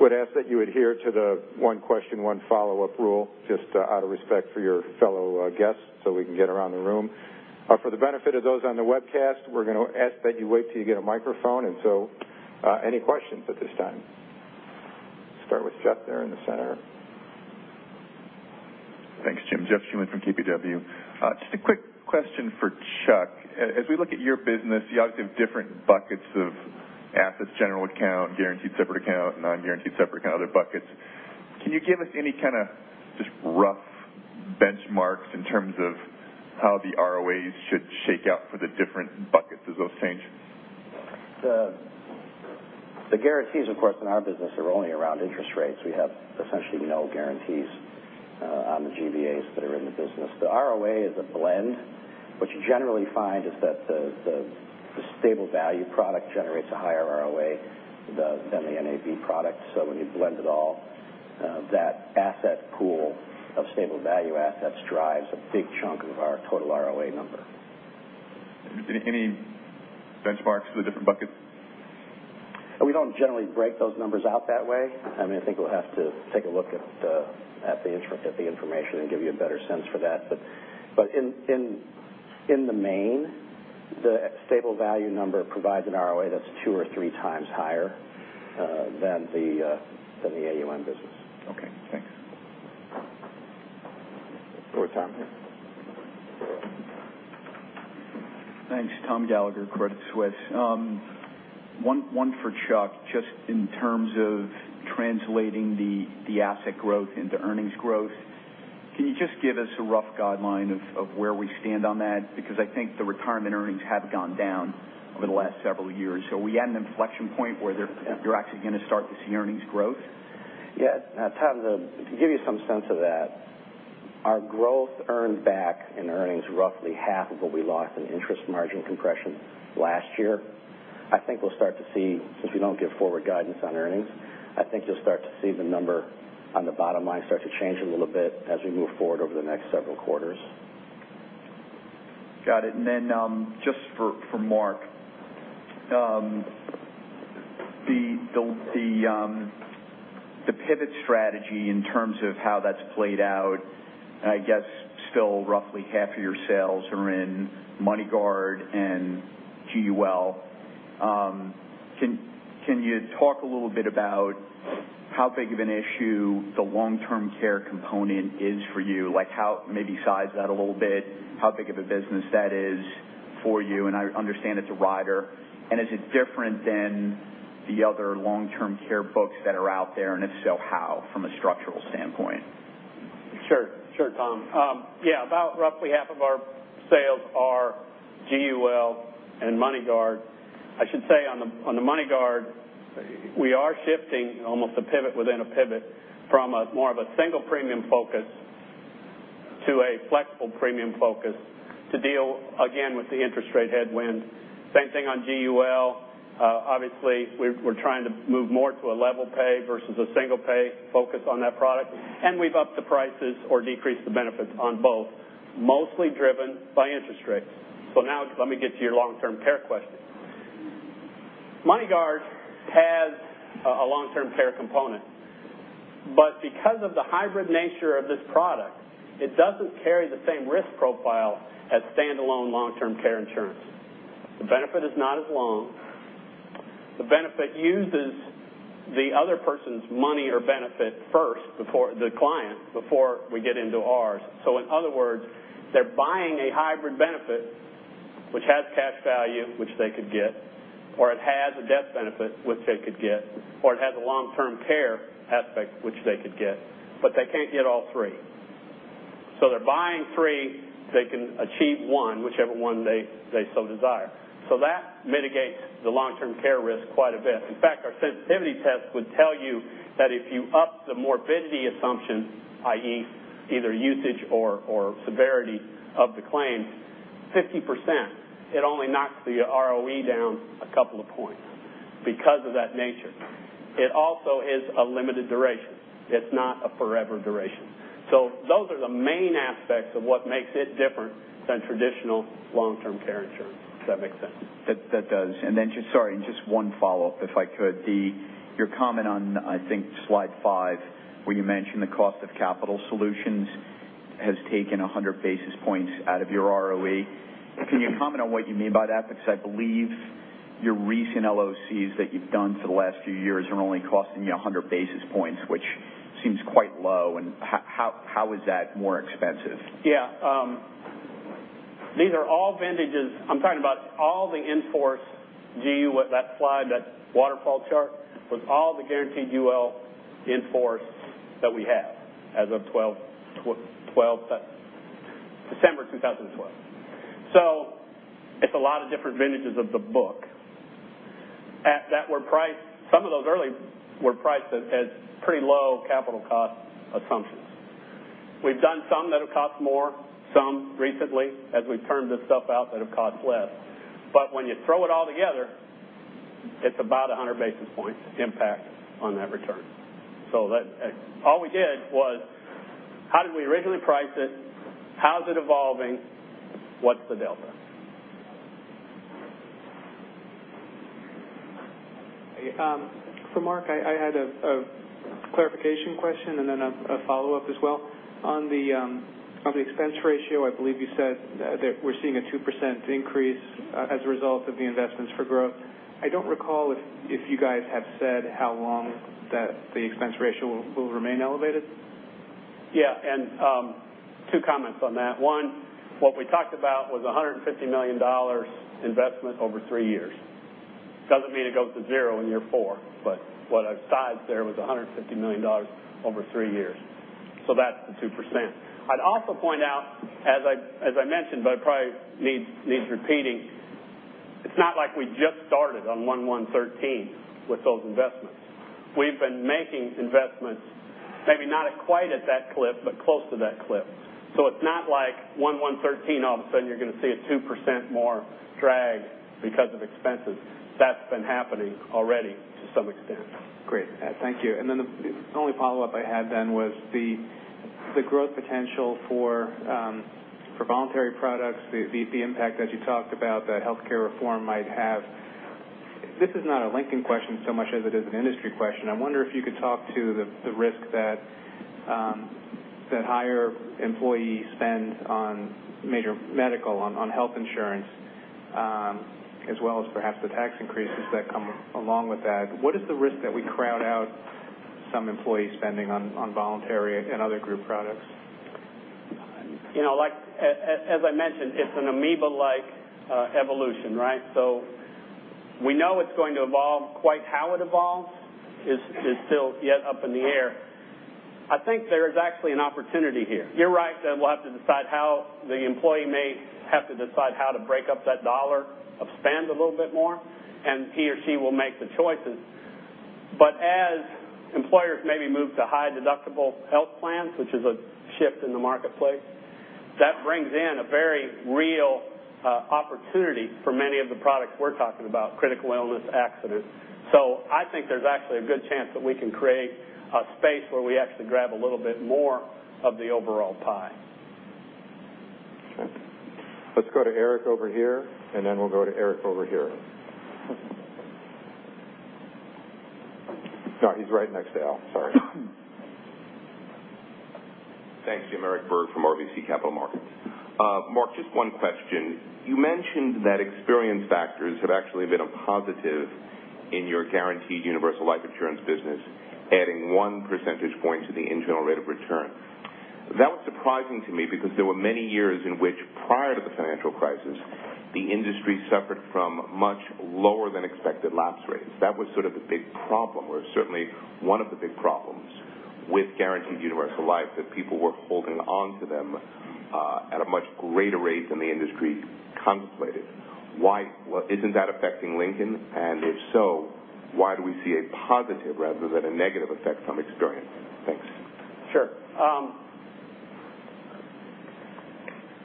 Would ask that you adhere to the one question, one follow-up rule, just out of respect for your fellow guests so we can get around the room. For the benefit of those on the webcast, we're going to ask that you wait till you get a microphone. Any questions at this time? Start with Jeff there in the center. Thanks, Jim. Jeff Schuman from KBW. Just a quick question for Chuck. As we look at your business, you obviously have different buckets of assets, general account, guaranteed separate account, non-guaranteed separate account, other buckets. Can you give us any kind of just rough benchmarks in terms of how the ROAs should shake out for the different buckets as those change? The guarantees, of course, in our business are only around interest rates. We have essentially no guarantees on the GBAs that are in the business. The ROA is a blend. What you generally find is that the Stable Value product generates a higher ROA than the NAV product. When you blend it all, that asset pool of Stable Value assets drives a big chunk of our total ROA number. Any benchmarks for the different buckets? We don't generally break those numbers out that way. I think we'll have to take a look at the information and give you a better sense for that. In the main, the Stable Value number provides an ROA that's two or three times higher than the AUM business. Okay, thanks. Go with Tom here. Thanks. Tom Gallagher, Credit Suisse. One for Chuck, just in terms of translating the asset growth into earnings growth, can you just give us a rough guideline of where we stand on that? I think the retirement earnings have gone down over the last several years. Are we at an inflection point where you're actually going to start to see earnings growth? Yes. Tom, to give you some sense of that, our growth earned back in earnings roughly half of what we lost in interest margin compression last year. I think we'll start to see, since we don't give forward guidance on earnings, I think you'll start to see the number on the bottom line start to change a little bit as we move forward over the next several quarters. Got it. Then just for Mark. The pivot strategy in terms of how that's played out, I guess still roughly half of your sales are in MoneyGuard and GUL. Can you talk a little bit about how big of an issue the long-term care component is for you? Maybe size that a little bit, how big of a business that is for you. I understand it's a rider. Is it different than the other long-term care books that are out there, and if so, how from a structural standpoint? Sure, Tom. About roughly half of our sales are GUL and MoneyGuard. I should say on the MoneyGuard, we are shifting almost a pivot within a pivot from more of a single premium focus to a flexible premium focus to deal, again, with the interest rate headwind. Same thing on GUL. Obviously, we're trying to move more to a level pay versus a single pay focus on that product. We've upped the prices or decreased the benefits on both, mostly driven by interest rates. Now, let me get to your long-term care question. MoneyGuard has a long-term care component, but because of the hybrid nature of this product, it doesn't carry the same risk profile as standalone long-term care insurance. The benefit is not as long. The benefit uses the other person's money or benefit first, the client, before we get into ours. In other words, they're buying a hybrid benefit, which has cash value, which they could get, or it has a death benefit, which they could get, or it has a long-term care aspect, which they could get, but they can't get all three. They're buying three, they can achieve one, whichever one they so desire. That mitigates the long-term care risk quite a bit. In fact, our sensitivity test would tell you that if you up the morbidity assumption, i.e., either usage or severity of the claim 50%, it only knocks the ROE down a couple of points because of that nature. It also is a limited duration. It's not a forever duration. Those are the main aspects of what makes it different than traditional long-term care insurance. Does that make sense? That does. Just, sorry, just one follow-up, if I could. Your comment on, I think slide five, where you mentioned the cost of capital solutions has taken 100 basis points out of your ROE. Can you comment on what you mean by that? Because I believe your recent LOCs that you've done for the last few years are only costing you 100 basis points, which seems quite low. How is that more expensive? These are all vintages. I'm talking about all the in-force Guaranteed Universal Life that slide, that waterfall chart, was all the Guaranteed Universal Life in-force that we have as of December 2012. It's a lot of different vintages of the book. Some of those early were priced at pretty low capital cost assumptions. We've done some that have cost more, some recently as we've turned this stuff out that have cost less. When you throw it all together, it's about 100 basis points impact on that return. All we did was how did we originally price it? How is it evolving? What's the delta? For Mark, I had a clarification question and then a follow-up as well. On the expense ratio, I believe you said that we're seeing a 2% increase as a result of the investments for growth. I don't recall if you guys have said how long that the expense ratio will remain elevated. Yeah. Two comments on that. One, what we talked about was $150 million investment over three years. Doesn't mean it goes to zero in year four, but what I've sized there was $150 million over three years. That's the 2%. I'd also point out, as I mentioned, but it probably needs repeating, it's not like we just started on 01/01/2013 with those investments. We've been making investments, maybe not quite at that clip, but close to that clip. It's not like 01/01/2013, all of a sudden you're going to see a 2% more drag because of expenses. That's been happening already to some extent. Great. Thank you. The only follow-up I had then was the growth potential for voluntary products, the impact as you talked about that healthcare reform might have. This is not a Lincoln question so much as it is an industry question. I wonder if you could talk to the risk that higher employee spend on major medical, on health insurance, as well as perhaps the tax increases that come along with that. What is the risk that we crowd out some employee spending on voluntary and other group products? As I mentioned, it's an amoeba-like evolution, right? We know it's going to evolve. Quite how it evolves is still yet up in the air. I think there is actually an opportunity here. You're right that we'll have to decide how the employee may have to decide how to break up that dollar of spend a little bit more, and he or she will make the choices. As employers maybe move to high deductible health plans, which is a shift in the marketplace, that brings in a very real opportunity for many of the products we're talking about, Critical Illness, accidents. I think there's actually a good chance that we can create a space where we actually grab a little bit more of the overall pie. Okay. Let's go to Eric over here, and then we'll go to Eric over here. No, he's right next to Ellen. Sorry. Thanks, Jim. Eric Berg from RBC Capital Markets. Mark, just one question. You mentioned that experience factors have actually been a positive in your Guaranteed Universal Life insurance business, adding one percentage point to the internal rate of return. That was surprising to me because there were many years in which, prior to the financial crisis, the industry suffered from much lower than expected lapse rates. That was sort of the big problem, or certainly one of the big problems with Guaranteed Universal Life, that people were holding on to them at a much greater rate than the industry contemplated. Isn't that affecting Lincoln? If so, why do we see a positive rather than a negative effect on experience? Thanks. Sure.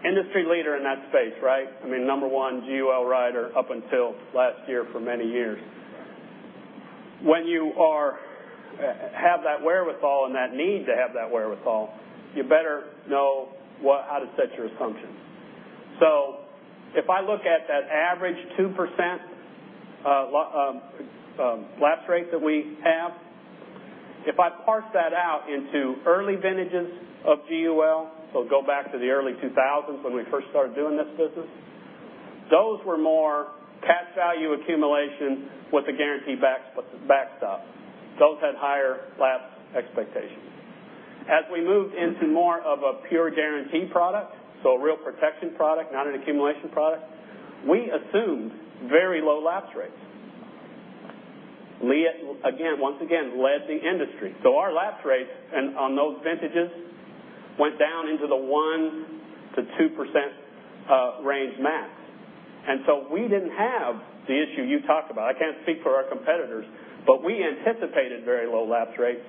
Industry leader in that space, right? Number one GUL writer up until last year for many years. When you have that wherewithal and that need to have that wherewithal, you better know how to set your assumptions. If I look at that average 2% lapse rate that we have, if I parse that out into early vintages of GUL, so go back to the early 2000s when we first started doing this business, those were more cash value accumulation with the guaranteed backstop. Those had higher lapse expectations. As we moved into more of a pure guarantee product, so a real protection product, not an accumulation product, we assumed very low lapse rates. Lincoln, once again, led the industry. Our lapse rates on those vintages went down into the 1%-2% range max. We didn't have the issue you talked about. I can't speak for our competitors, we anticipated very low lapse rates,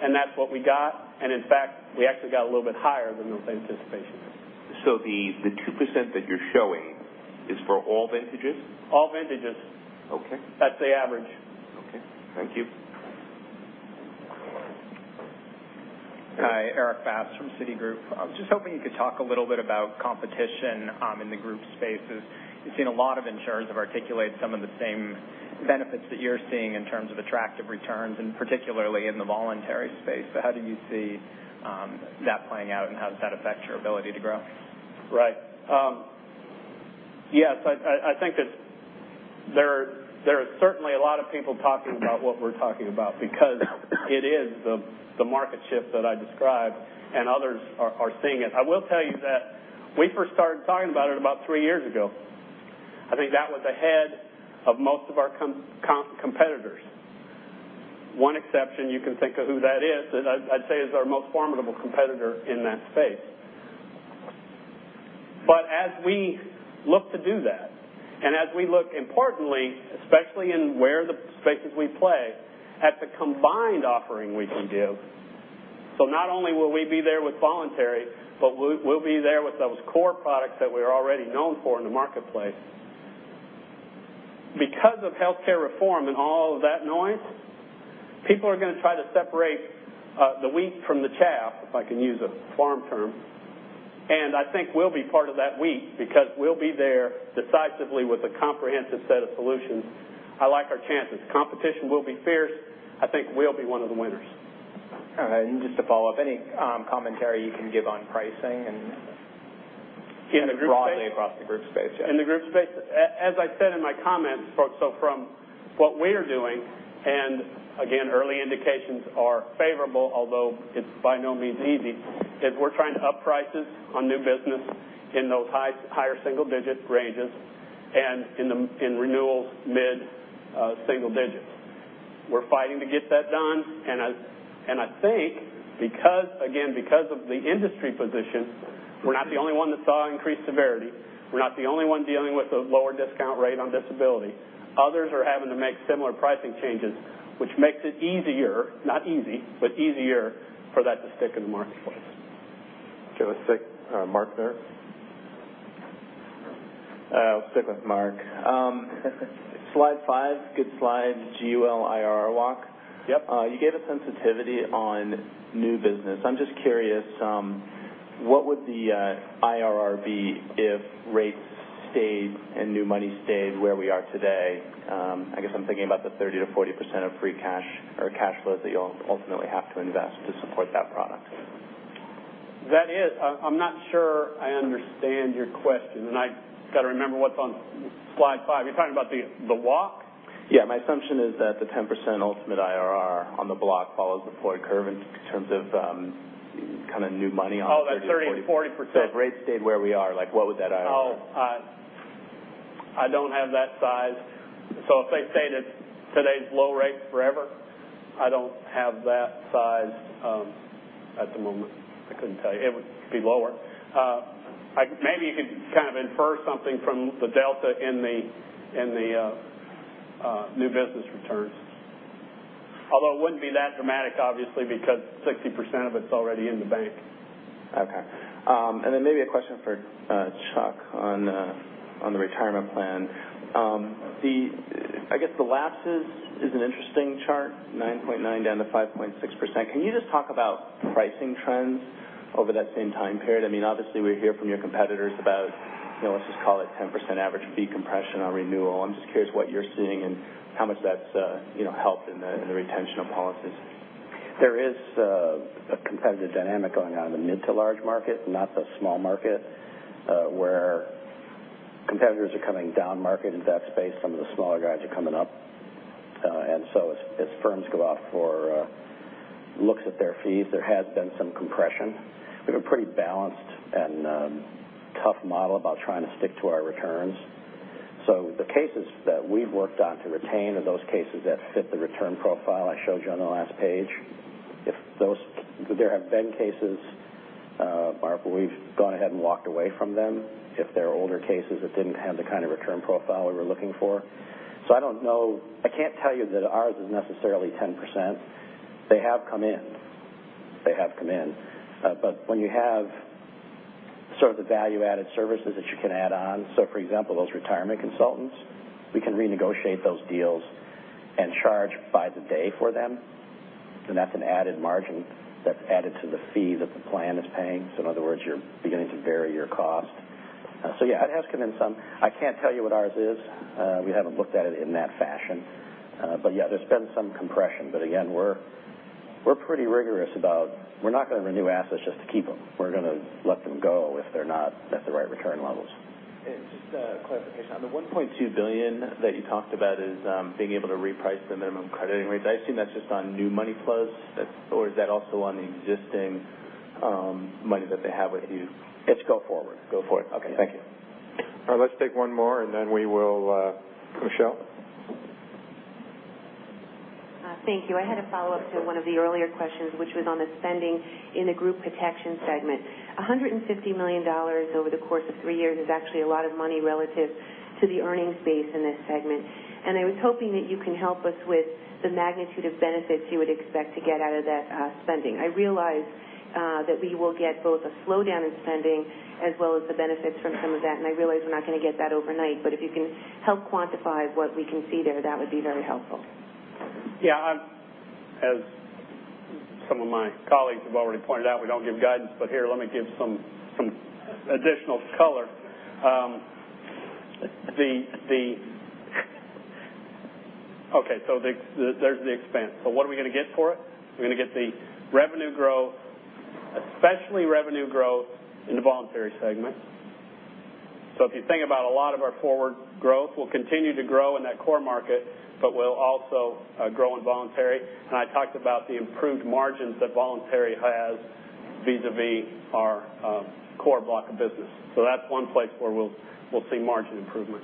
and that's what we got. In fact, we actually got a little bit higher than those anticipations. The 2% that you're showing is for all vintages? All vintages. Okay. That's the average. Okay. Thank you. Hi, Eric Bass from Citigroup. I was just hoping you could talk a little bit about competition in the group spaces. We've seen a lot of insurers have articulated some of the same benefits that you're seeing in terms of attractive returns, and particularly in the voluntary space. How do you see that playing out, and how does that affect your ability to grow? Right. Yes, I think that there are certainly a lot of people talking about what we're talking about because it is the market shift that I described, and others are seeing it. I will tell you that we first started talking about it about three years ago. I think that was ahead of most of our competitors. One exception, you can think of who that is, and I'd say is our most formidable competitor in that space. As we look to do that, and as we look importantly, especially in where the spaces we play, at the combined offering we can give. Not only will we be there with voluntary, but we'll be there with those core products that we're already known for in the marketplace. Because of healthcare reform and all of that noise, people are going to try to separate the wheat from the chaff, if I can use a farm term, and I think we'll be part of that wheat because we'll be there decisively with a comprehensive set of solutions. I like our chances. Competition will be fierce. I think we'll be one of the winners. All right. Just to follow up, any commentary you can give on pricing and- In the group space? Broadly across the group space, yes. In the group space? As I said in my comments, so from what we're doing, and again, early indications are favorable, although it's by no means easy, is we're trying to up prices on new business in those higher single-digit ranges and in renewals mid-single digits. We're fighting to get that done, and I think because, again, because of the industry position, we're not the only one that saw increased severity. We're not the only one dealing with a lower discount rate on disability. Others are having to make similar pricing changes, which makes it easier, not easy, but easier for that to stick in the marketplace. Okay. Let's take Mark there. I'll stick with Mark. Slide five, good slide, GUL IRR walk. Yep. You gave a sensitivity on new business. I'm just curious, what would the IRR be if rates stayed and new money stayed where we are today? I guess I'm thinking about the 30%-40% of free cash or cash flow that you'll ultimately have to invest to support that product. I'm not sure I understand your question, and I got to remember what's on slide five. You're talking about the walk? Yeah. My assumption is that the 10% ultimate IRR on the block follows the forward curve in terms of kind of new money on the thirty or forty-. Oh, that 30% to 40%. If rates stayed where we are, what would that IRR be? I don't have that size. If they stay at today's low rates forever, I don't have that size at the moment. I couldn't tell you. It would be lower. Maybe you could kind of infer something from the delta in the new business returns. Although it wouldn't be that dramatic, obviously, because 60% of it's already in the bank. Okay. Maybe a question for Chuck on the retirement plan. I guess the lapses is an interesting chart, 9.9%-5.6%. Can you just talk about pricing trends over that same time period? Obviously, we hear from your competitors about, let's just call it 10% average fee compression on renewal. I'm just curious what you're seeing and how much that's helped in the retention of policies. There is a competitive dynamic going on in the mid to large market, not the small market, where competitors are coming down market in that space. Some of the smaller guys are coming up. As firms go out for looks at their fees, there has been some compression. We have a pretty balanced and tough model about trying to stick to our returns. The cases that we've worked on to retain are those cases that fit the return profile I showed you on the last page. There have been cases Barb, we've gone ahead and walked away from them if they're older cases that didn't have the kind of return profile we were looking for. I don't know. I can't tell you that ours is necessarily 10%. They have come in. They have come in. When you have sort of the value-added services that you can add on, for example, those retirement consultants, we can renegotiate those deals and charge by the day for them, then that's an added margin that's added to the fee that the plan is paying. In other words, you're beginning to vary your cost. Yeah, it has come in some. I can't tell you what ours is. We haven't looked at it in that fashion. Yeah, there's been some compression, but again, we're pretty rigorous about we're not going to renew assets just to keep them. We're going to let them go if they're not at the right return levels. Just a clarification. On the $1.2 billion that you talked about as being able to reprice the minimum crediting rates, I assume that's just on new money plus, or is that also on the existing money that they have with you? It's go forward. Go forward. Okay. Thank you. All right. Let's take one more. Michelle? Thank you. I had a follow-up to one of the earlier questions, which was on the spending in the group protection segment. $150 million over the course of three years is actually a lot of money relative to the earnings base in this segment. I was hoping that you can help us with the magnitude of benefits you would expect to get out of that spending. I realize that we will get both a slowdown in spending as well as the benefits from some of that, and I realize we're not going to get that overnight. If you can help quantify what we can see there, that would be very helpful. Yeah. As some of my colleagues have already pointed out, we don't give guidance. Here, let me give some additional color. Okay. There's the expense. What are we going to get for it? We're going to get the revenue growth, especially revenue growth in the voluntary segment. If you think about a lot of our forward growth, we'll continue to grow in that core market, but we'll also grow in voluntary. I talked about the improved margins that voluntary has vis-à-vis our core block of business. That's one place where we'll see margin improvement.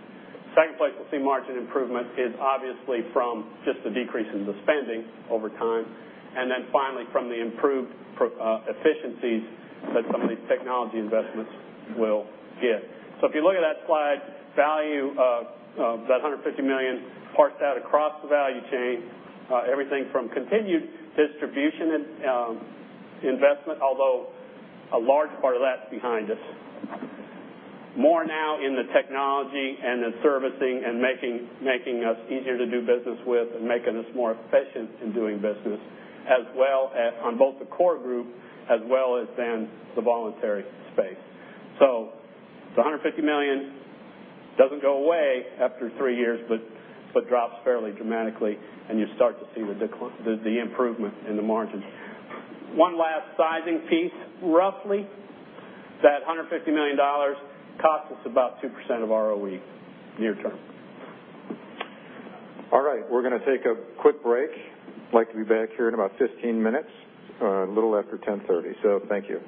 Second place we'll see margin improvement is obviously from just the decrease in the spending over time. Finally, from the improved efficiencies that some of these technology investments will give. If you look at that slide, value of that $150 million parsed out across the value chain everything from continued distribution investment, although a large part of that's behind us. More now in the technology and the servicing and making us easier to do business with and making us more efficient in doing business on both the core group as well as the voluntary space. The $150 million doesn't go away after three years but drops fairly dramatically, and you start to see the improvement in the margins. One last sizing piece, roughly, that $150 million costs us about 2% of ROE near-term. All right. We're going to take a quick break. I'd like to be back here in about 15 minutes, a little after 10:30 A.M. Thank you.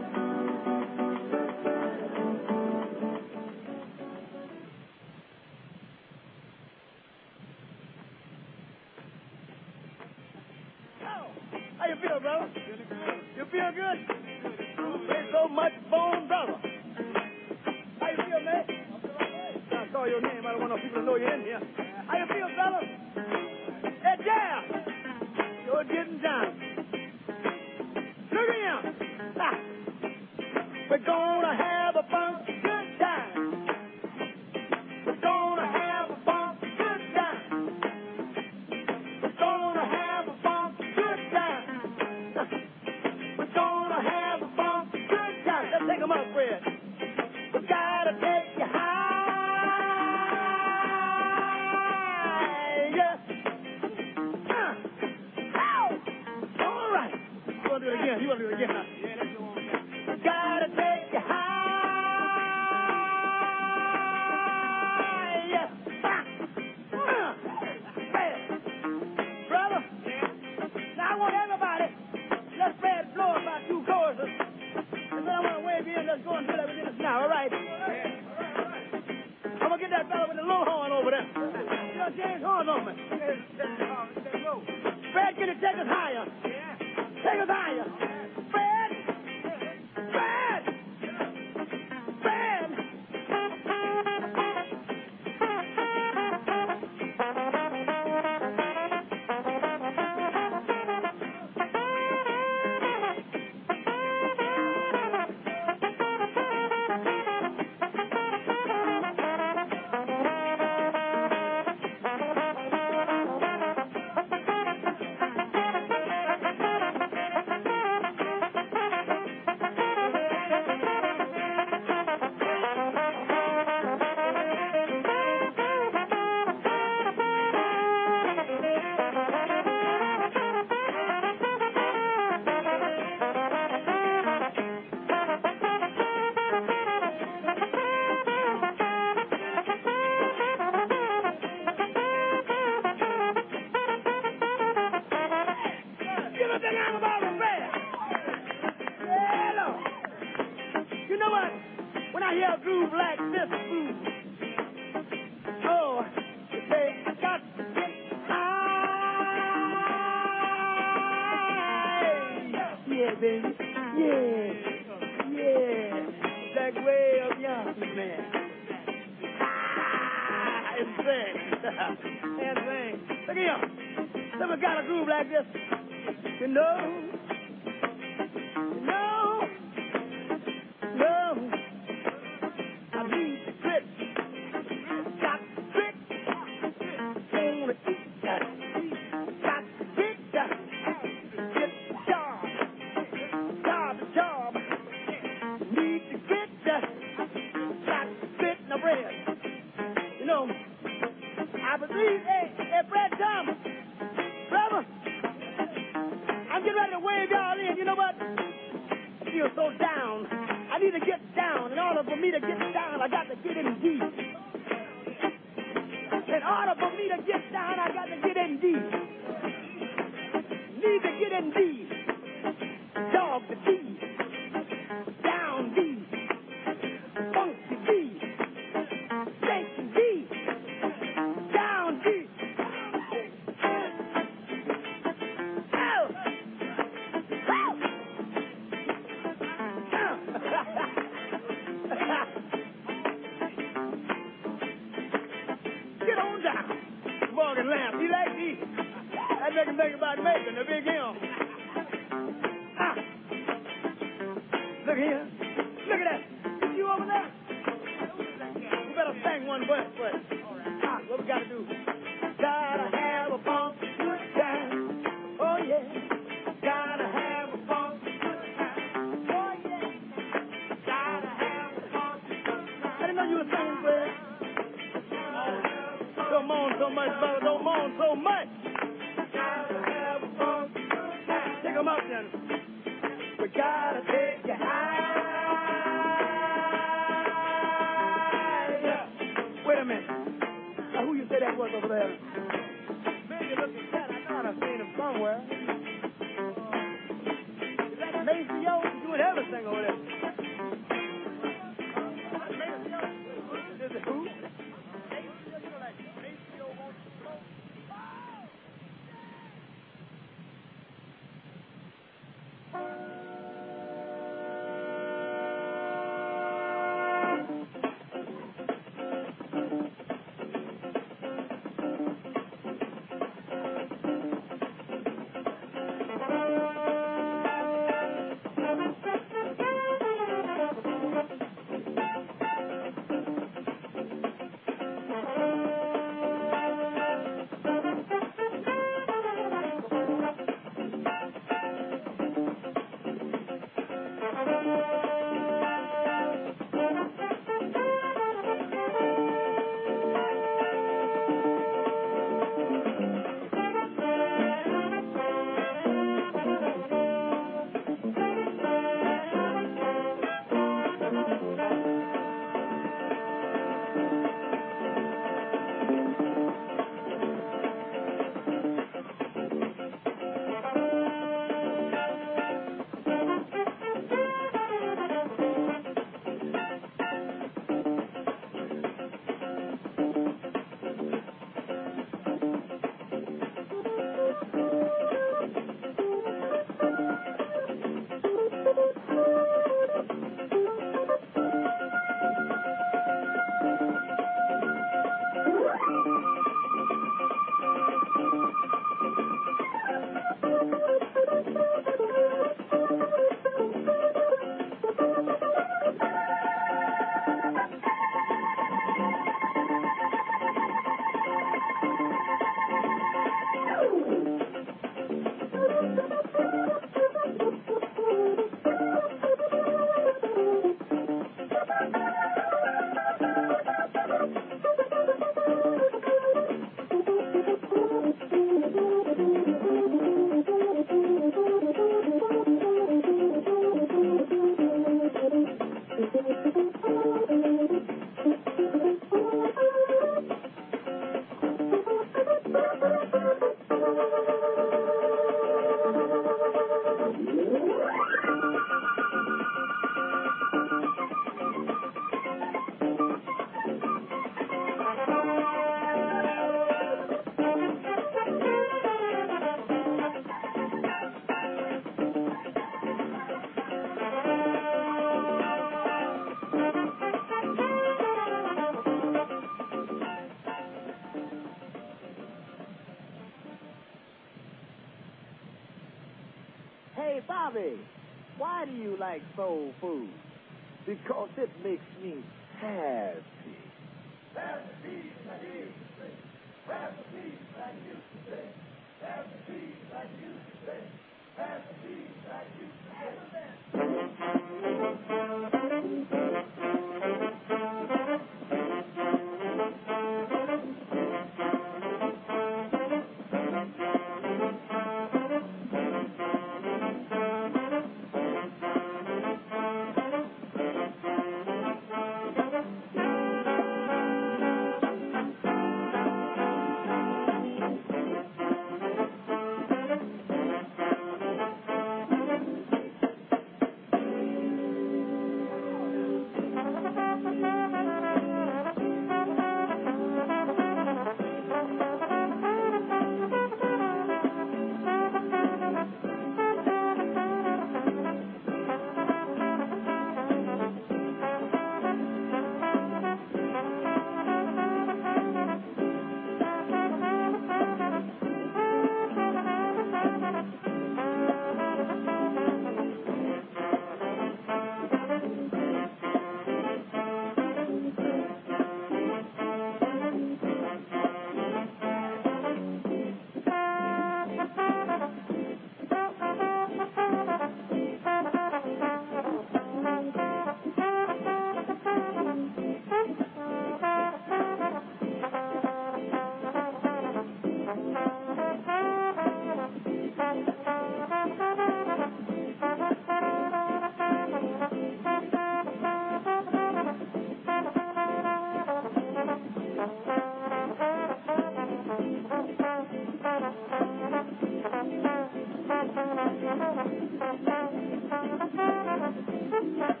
Good job. Oh, how you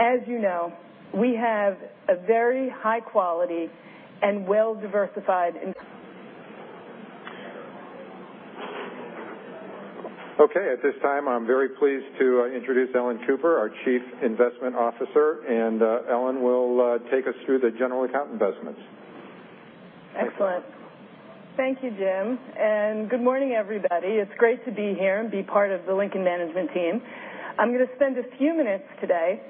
Okay. At this time, I'm very pleased to introduce Ellen Cooper, our Chief Investment Officer, and Ellen will take us through the general account investments. Excellent. Thank you, Jim, and good morning, everybody. It's great to be here and be part of the Lincoln management team. I'm going to spend a few minutes today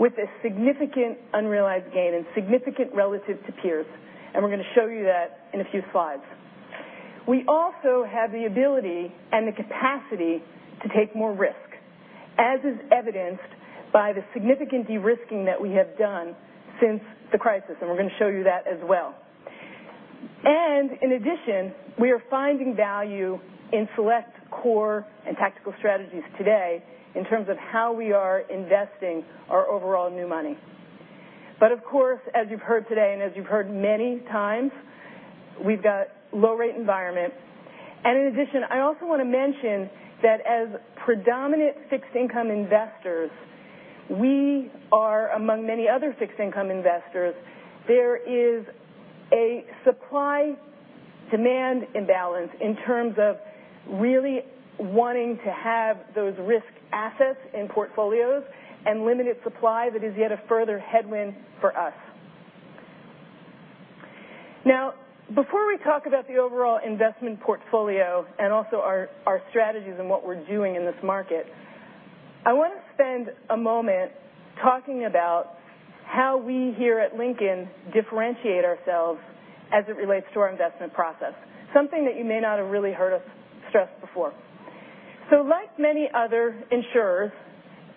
with a significant unrealized gain and significant relative to peers. We're going to show you that in a few slides. We also have the ability and the capacity to take more risk, as is evidenced by the significant de-risking that we have done since the crisis, and we're going to show you that as well. In addition, we are finding value in select core and tactical strategies today in terms of how we are investing our overall new money. Of course, as you've heard today and as you've heard many times, we've got low rate environment. In addition, I also want to mention that as predominant fixed income investors, we are among many other fixed income investors. There is a supply-demand imbalance in terms of really wanting to have those risk assets in portfolios and limited supply that is yet a further headwind for us. Before we talk about the overall investment portfolio and also our strategies and what we're doing in this market, I want to spend a moment talking about how we here at Lincoln differentiate ourselves as it relates to our investment process, something that you may not have really heard us stress before. Like many other insurers,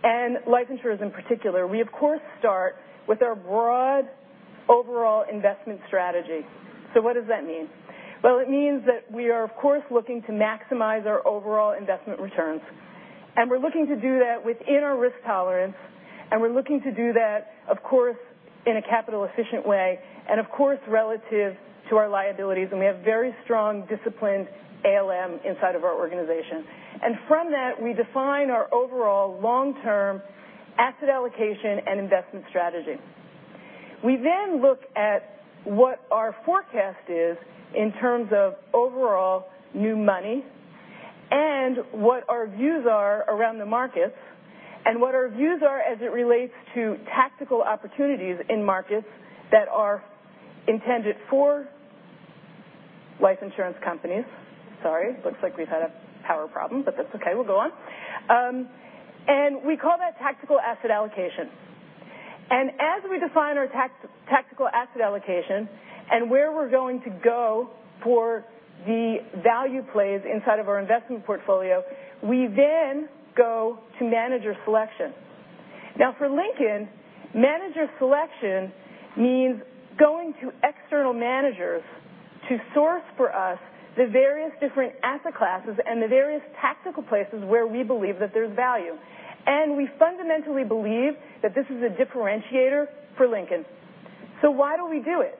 and life insurers in particular, we of course start with our broad overall investment strategy. What does that mean? Well, it means that we are, of course, looking to maximize our overall investment returns. We're looking to do that within our risk tolerance, and we're looking to do that, of course, in a capital efficient way and, of course, relative to our liabilities. We have very strong, disciplined ALM inside of our organization. From that, we define our overall long-term asset allocation and investment strategy. We look at what our forecast is in terms of overall new money and what our views are around the markets and what our views are as it relates to tactical opportunities in markets that are intended for life insurance companies. Sorry, looks like we've had a power problem, but that's okay. We'll go on. We call that tactical asset allocation. As we define our tactical asset allocation and where we're going to go for the value plays inside of our investment portfolio, we go to manager selection. Now for Lincoln, manager selection means going to external managers to source for us the various different asset classes and the various tactical places where we believe that there's value. We fundamentally believe that this is a differentiator for Lincoln. Why do we do it?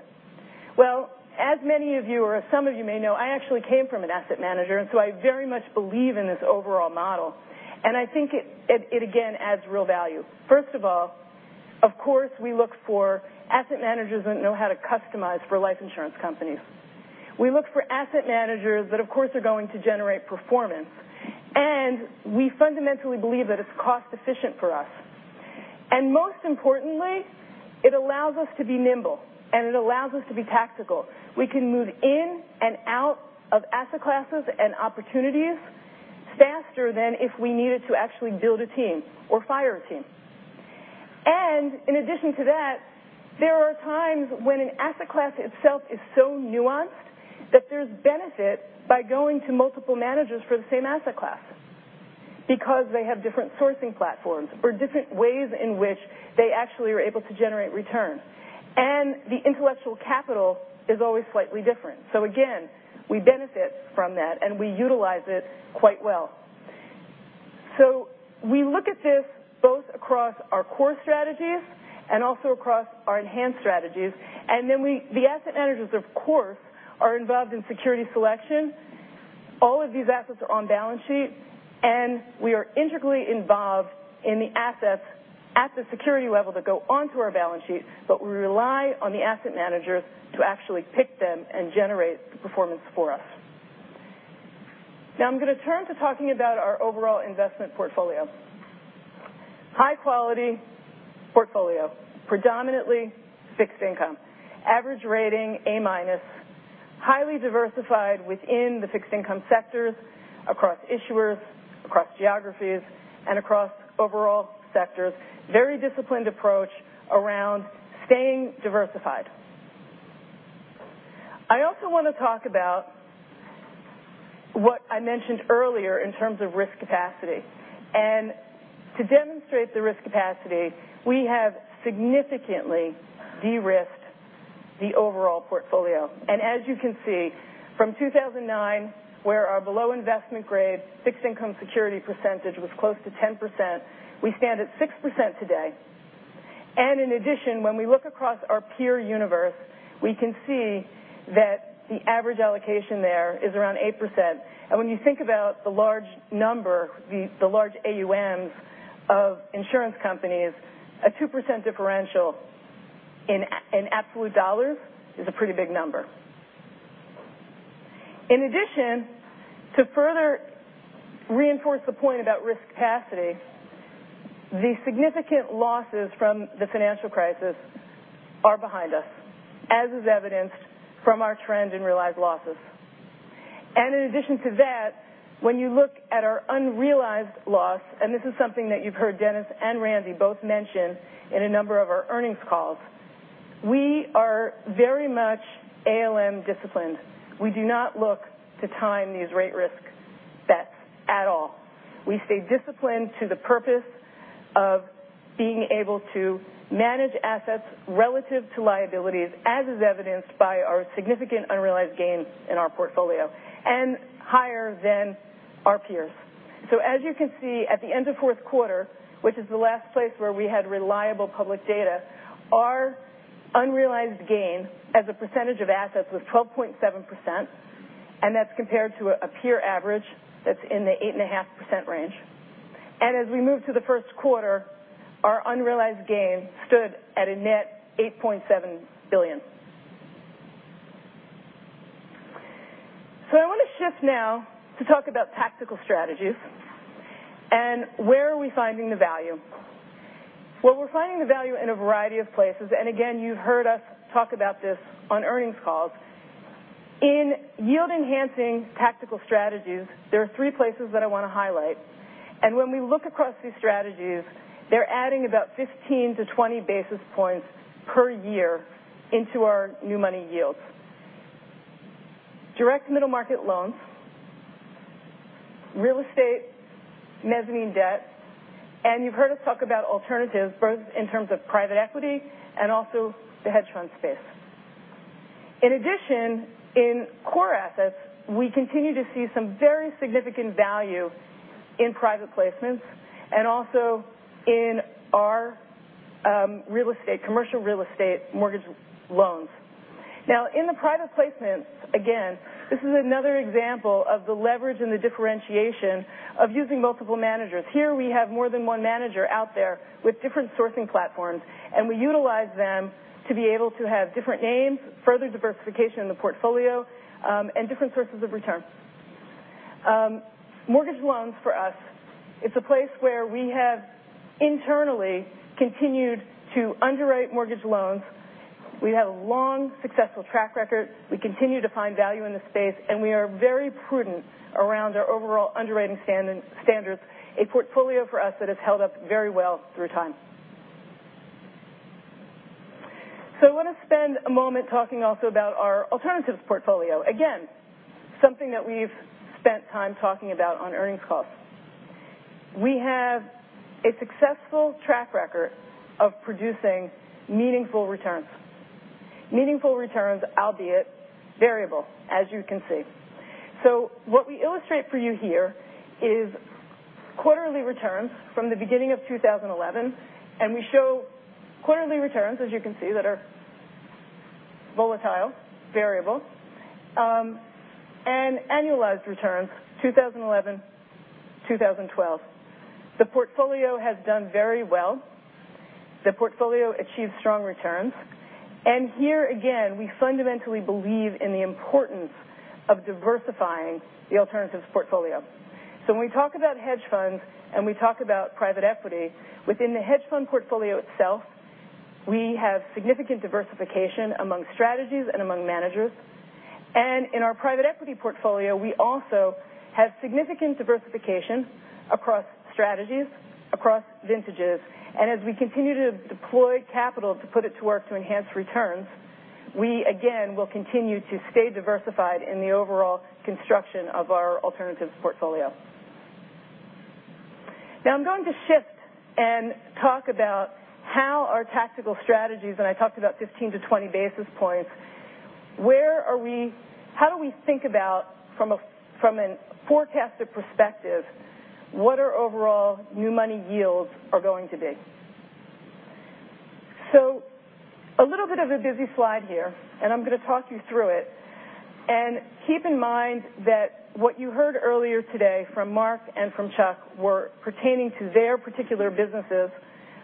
Well, as many of you or as some of you may know, I actually came from an asset manager, I very much believe in this overall model, and I think it again adds real value. First of all, of course, we look for asset managers that know how to customize for life insurance companies. We look for asset managers that, of course, are going to generate performance. We fundamentally believe that it's cost efficient for us. Most importantly, it allows us to be nimble, and it allows us to be tactical. We can move in and out of asset classes and opportunities faster than if we needed to actually build a team or fire a team. In addition to that, there are times when an asset class itself is so nuanced that there's benefit by going to multiple managers for the same asset class because they have different sourcing platforms or different ways in which they actually are able to generate return. The intellectual capital is always slightly different. Again, we benefit from that, and we utilize it quite well. We look at this both across our core strategies and also across our enhanced strategies. The asset managers, of course, are involved in security selection. All of these assets are on balance sheet, and we are integrally involved in the assets at the security level that go onto our balance sheet, but we rely on the asset managers to actually pick them and generate the performance for us. Now I'm going to turn to talking about our overall investment portfolio. High-quality portfolio, predominantly fixed income. Average rating A-minus. Highly diversified within the fixed income sectors, across issuers, across geographies, and across overall sectors. Very disciplined approach around staying diversified. I also want to talk about what I mentioned earlier in terms of risk capacity. To demonstrate the risk capacity, we have significantly de-risked the overall portfolio. As you can see, from 2009, where our below investment-grade fixed income security percentage was close to 10%, we stand at 6% today. When we look across our peer universe, we can see that the average allocation there is around 8%. When you think about the large number, the large AUMs of insurance companies, a 2% differential in absolute dollars is a pretty big number. To further reinforce the point about risk capacity, the significant losses from the financial crisis are behind us, as is evidenced from our trend in realized losses. When you look at our unrealized loss, and this is something that you've heard Dennis and Randy both mention in a number of our earnings calls, we are very much ALM-disciplined. We do not look to time these rate risk bets at all. We stay disciplined to the purpose of being able to manage assets relative to liabilities, as is evidenced by our significant unrealized gains in our portfolio, and higher than our peers. As you can see, at the end of fourth quarter, which is the last place where we had reliable public data, our unrealized gain as a percentage of assets was 12.7%, and that's compared to a peer average that's in the 8.5% range. As we move to the first quarter, our unrealized gain stood at a net $8.7 billion. I want to shift now to talk about tactical strategies and where are we finding the value. Well, we're finding the value in a variety of places. Again, you've heard us talk about this on earnings calls. In yield-enhancing tactical strategies, there are three places that I want to highlight. When we look across these strategies, they're adding about 15 to 20 basis points per year into our new money yields. Direct middle-market loans, real estate, mezzanine debt, and you've heard us talk about alternatives, both in terms of private equity and also the hedge fund space. In core assets, we continue to see some very significant value in private placements and also in our commercial real estate mortgage loans. Now, in the private placements, again, this is another example of the leverage and the differentiation of using multiple managers. Here we have more than one manager out there with different sourcing platforms, and we utilize them to be able to have different names, further diversification in the portfolio, and different sources of return. Mortgage loans for us, it's a place where we have internally continued to underwrite mortgage loans. We have a long, successful track record. We continue to find value in the space, and we are very prudent around our overall underwriting standards. A portfolio for us that has held up very well through time. I want to spend a moment talking also about our alternatives portfolio. Again, something that we've spent time talking about on earnings calls. We have a successful track record of producing meaningful returns. Meaningful returns, albeit variable, as you can see. What we illustrate for you here is quarterly returns from the beginning of 2011, we show quarterly returns, as you can see, that are volatile, variable. Annualized returns 2011, 2012. The portfolio has done very well. The portfolio achieved strong returns. Here again, we fundamentally believe in the importance of diversifying the alternatives portfolio. When we talk about hedge funds and we talk about private equity, within the hedge fund portfolio itself, we have significant diversification among strategies and among managers. In our private equity portfolio, we also have significant diversification across strategies, across vintages. As we continue to deploy capital to put it to work to enhance returns, we again will continue to stay diversified in the overall construction of our alternatives portfolio. I'm going to shift and talk about how our tactical strategies, and I talked about 15-20 basis points. How do we think about from a forecaster perspective, what our overall new money yields are going to be? A little of a busy slide here, and I'm going to talk you through it. Keep in mind that what you heard earlier today from Mark and from Chuck were pertaining to their particular businesses.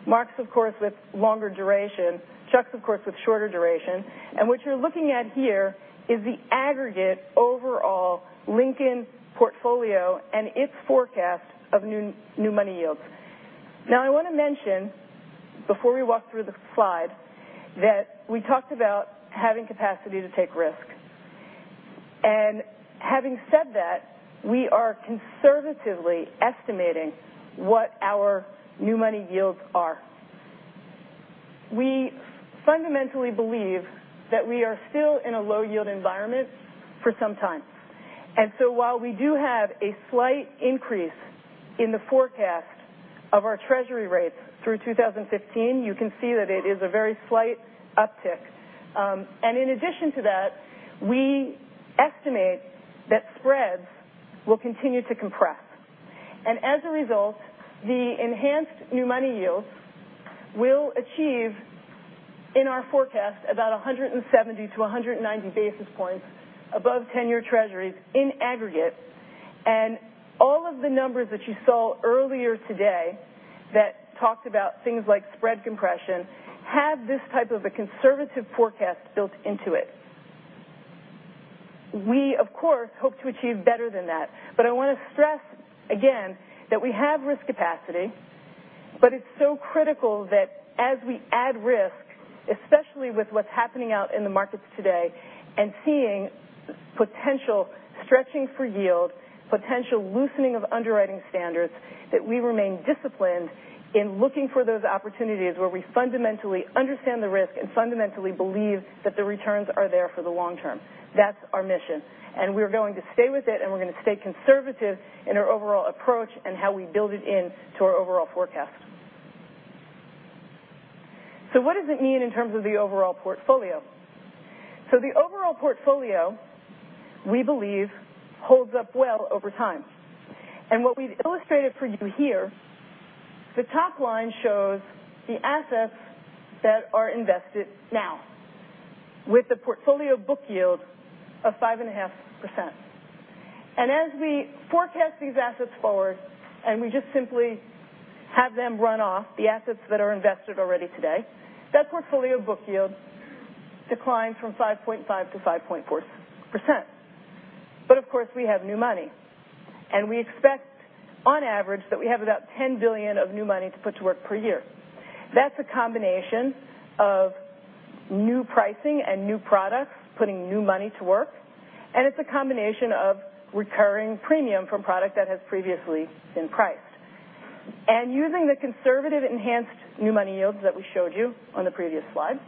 Mark's, of course, with longer duration. Chuck's, of course, with shorter duration. What you're looking at here is the aggregate overall Lincoln portfolio and its forecast of new money yields. I want to mention before we walk through the slide that we talked about having capacity to take risk. Having said that, we are conservatively estimating what our new money yields are. We fundamentally believe that we are still in a low-yield environment for some time. While we do have a slight increase in the forecast of our treasury rates through 2015, you can see that it is a very slight uptick. In addition to that, we estimate that spreads will continue to compress. As a result, the enhanced new money yields will achieve, in our forecast, about 170-190 basis points above 10-year treasuries in aggregate. All of the numbers that you saw earlier today that talked about things like spread compression have this type of a conservative forecast built into it. We, of course, hope to achieve better than that. I want to stress again that we have risk capacity, but it's so critical that as we add risk, especially with what's happening out in the markets today and seeing potential stretching for yield, potential loosening of underwriting standards, that we remain disciplined in looking for those opportunities where we fundamentally understand the risk and fundamentally believe that the returns are there for the long term. That's our mission, and we're going to stay with it, and we're going to stay conservative in our overall approach and how we build it into our overall forecast. What does it mean in terms of the overall portfolio? The overall portfolio, we believe, holds up well over time. What we've illustrated for you here, the top line shows the assets that are invested now with the portfolio book yield of 5.5%. As we forecast these assets forward and we just simply have them run off the assets that are invested already today, that portfolio book yield declines from 5.5% to 5.4%. Of course, we have new money, and we expect on average that we have about $10 billion of new money to put to work per year. That's a combination of new pricing and new products, putting new money to work, and it's a combination of recurring premium from product that has previously been priced. Using the conservative enhanced new money yields that we showed you on the previous slide,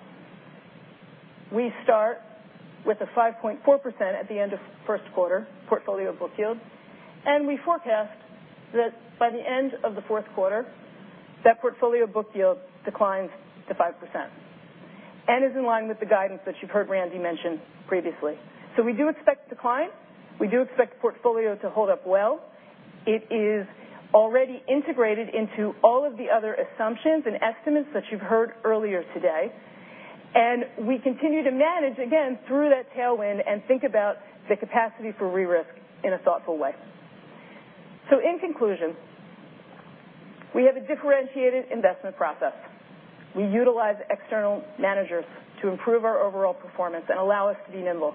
we start with the 5.4% at the end of first quarter portfolio book yield. We forecast that by the end of the fourth quarter, that portfolio book yield declines to 5% and is in line with the guidance that you've heard Randy mention previously. We do expect decline. We do expect the portfolio to hold up well. It is already integrated into all of the other assumptions and estimates that you've heard earlier today. We continue to manage, again, through that tailwind and think about the capacity for re-risk in a thoughtful way. In conclusion, we have a differentiated investment process. We utilize external managers to improve our overall performance and allow us to be nimble.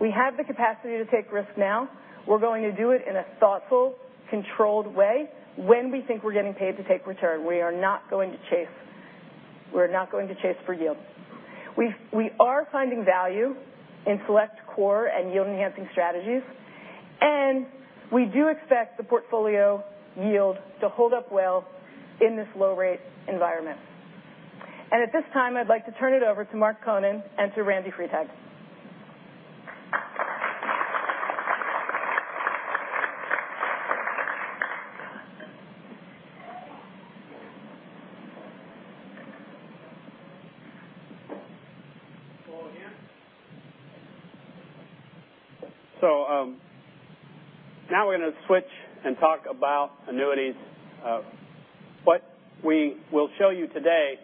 We have the capacity to take risk now. We're going to do it in a thoughtful, controlled way when we think we're getting paid to take return. We are not going to chase for yield. We are finding value in select core and yield-enhancing strategies. We do expect the portfolio yield to hold up well in this low-rate environment. At this time, I'd like to turn it over to Mark Konen and to Randy Freitag. Hello again. Now we're going to switch and talk about annuities. What we will show you today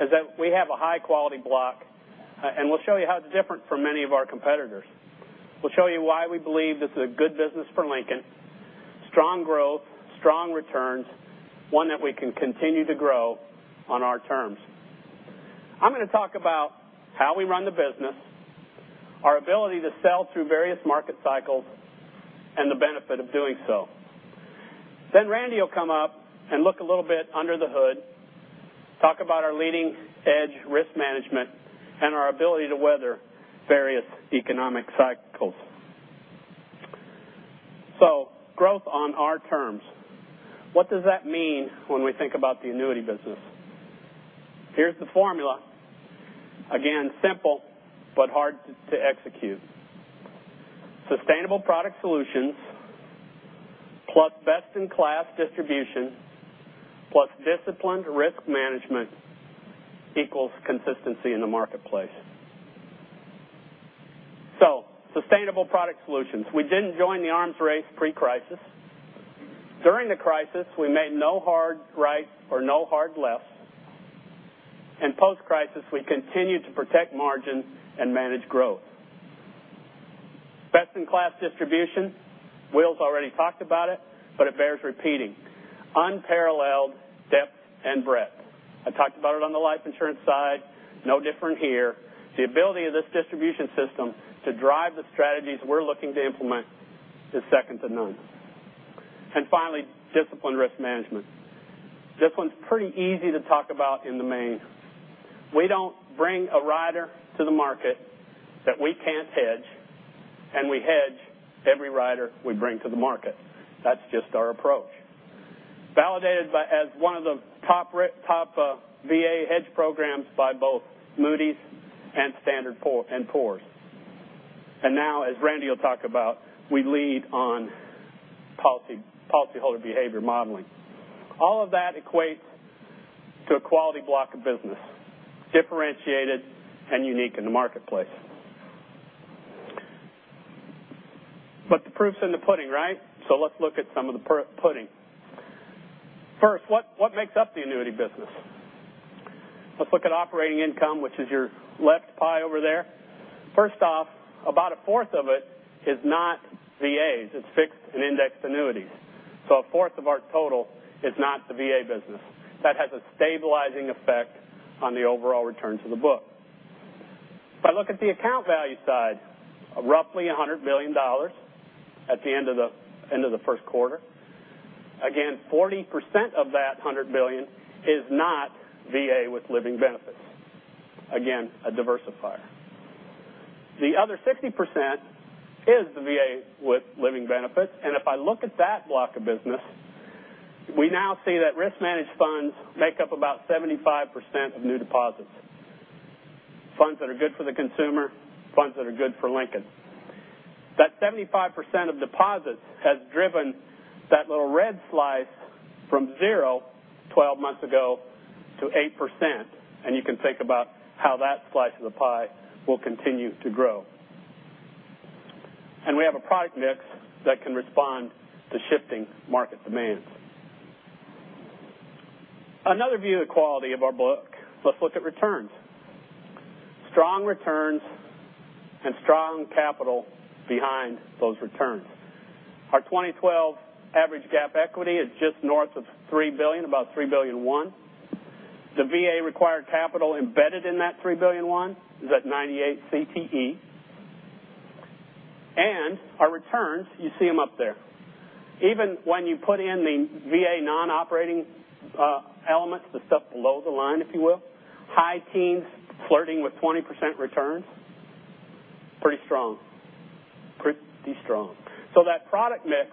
is that we have a high-quality block, and we'll show you how it's different from many of our competitors. We'll show you why we believe this is a good business for Lincoln. Strong growth, strong returns, one that we can continue to grow on our terms. I'm going to talk about how we run the business, our ability to sell through various market cycles, and the benefit of doing so. Then Randy will come up and look a little bit under the hood, talk about our leading-edge risk management, and our ability to weather various economic cycles. Growth on our terms. What does that mean when we think about the annuity business? Here's the formula. Again, simple but hard to execute. Sustainable product solutions plus best-in-class distribution plus disciplined risk management equals consistency in the marketplace. Sustainable product solutions. We didn't join the arms race pre-crisis. During the crisis, we made no hard rights or no hard left. In post-crisis, we continued to protect margins and manage growth. Best-in-class distribution. Will's already talked about it, but it bears repeating. Unparalleled depth and breadth. I talked about it on the life insurance side, no different here. The ability of this distribution system to drive the strategies we're looking to implement is second to none. Finally, disciplined risk management. This one's pretty easy to talk about in the main. We don't bring a rider to the market that we can't hedge, and we hedge every rider we bring to the market. That's just our approach. Validated as one of the top VA hedge programs by both Moody's and Standard & Poor's. Now, as Randy will talk about, we lead on policyholder behavior modeling. All of that equates to a quality block of business, differentiated and unique in the marketplace. The proof's in the pudding, right? Let's look at some of the pudding. First, what makes up the annuity business? Let's look at operating income, which is your left pie over there. First off, about a fourth of it is not VAs. It's fixed and indexed annuities. A fourth of our total is not the VA business. That has a stabilizing effect on the overall returns of the book. If I look at the account value side, roughly $100 billion at the end of the first quarter. Again, 40% of that $100 billion is not VA with living benefits. Again, a diversifier. The other 60% is the VA with living benefits. If I look at that block of business, we now see that Risk Managed Funds make up about 75% of new deposits. Funds that are good for the consumer, funds that are good for Lincoln. That 75% of deposits has driven that little red slice from 0 12 months ago to 8%, you can think about how that slice of the pie will continue to grow. We have a product mix that can respond to shifting market demands. Another view of the quality of our book, let's look at returns. Strong returns and strong capital behind those returns. Our 2012 average GAAP equity is just north of $3 billion, about $3 billion and $0.01. The VA required capital embedded in that $3 billion and $0.01 is at 98 CTE. Our returns, you see them up there. Even when you put in the VA non-operating elements, the stuff below the line, if you will, high teens flirting with 20% returns. Pretty strong. That product mix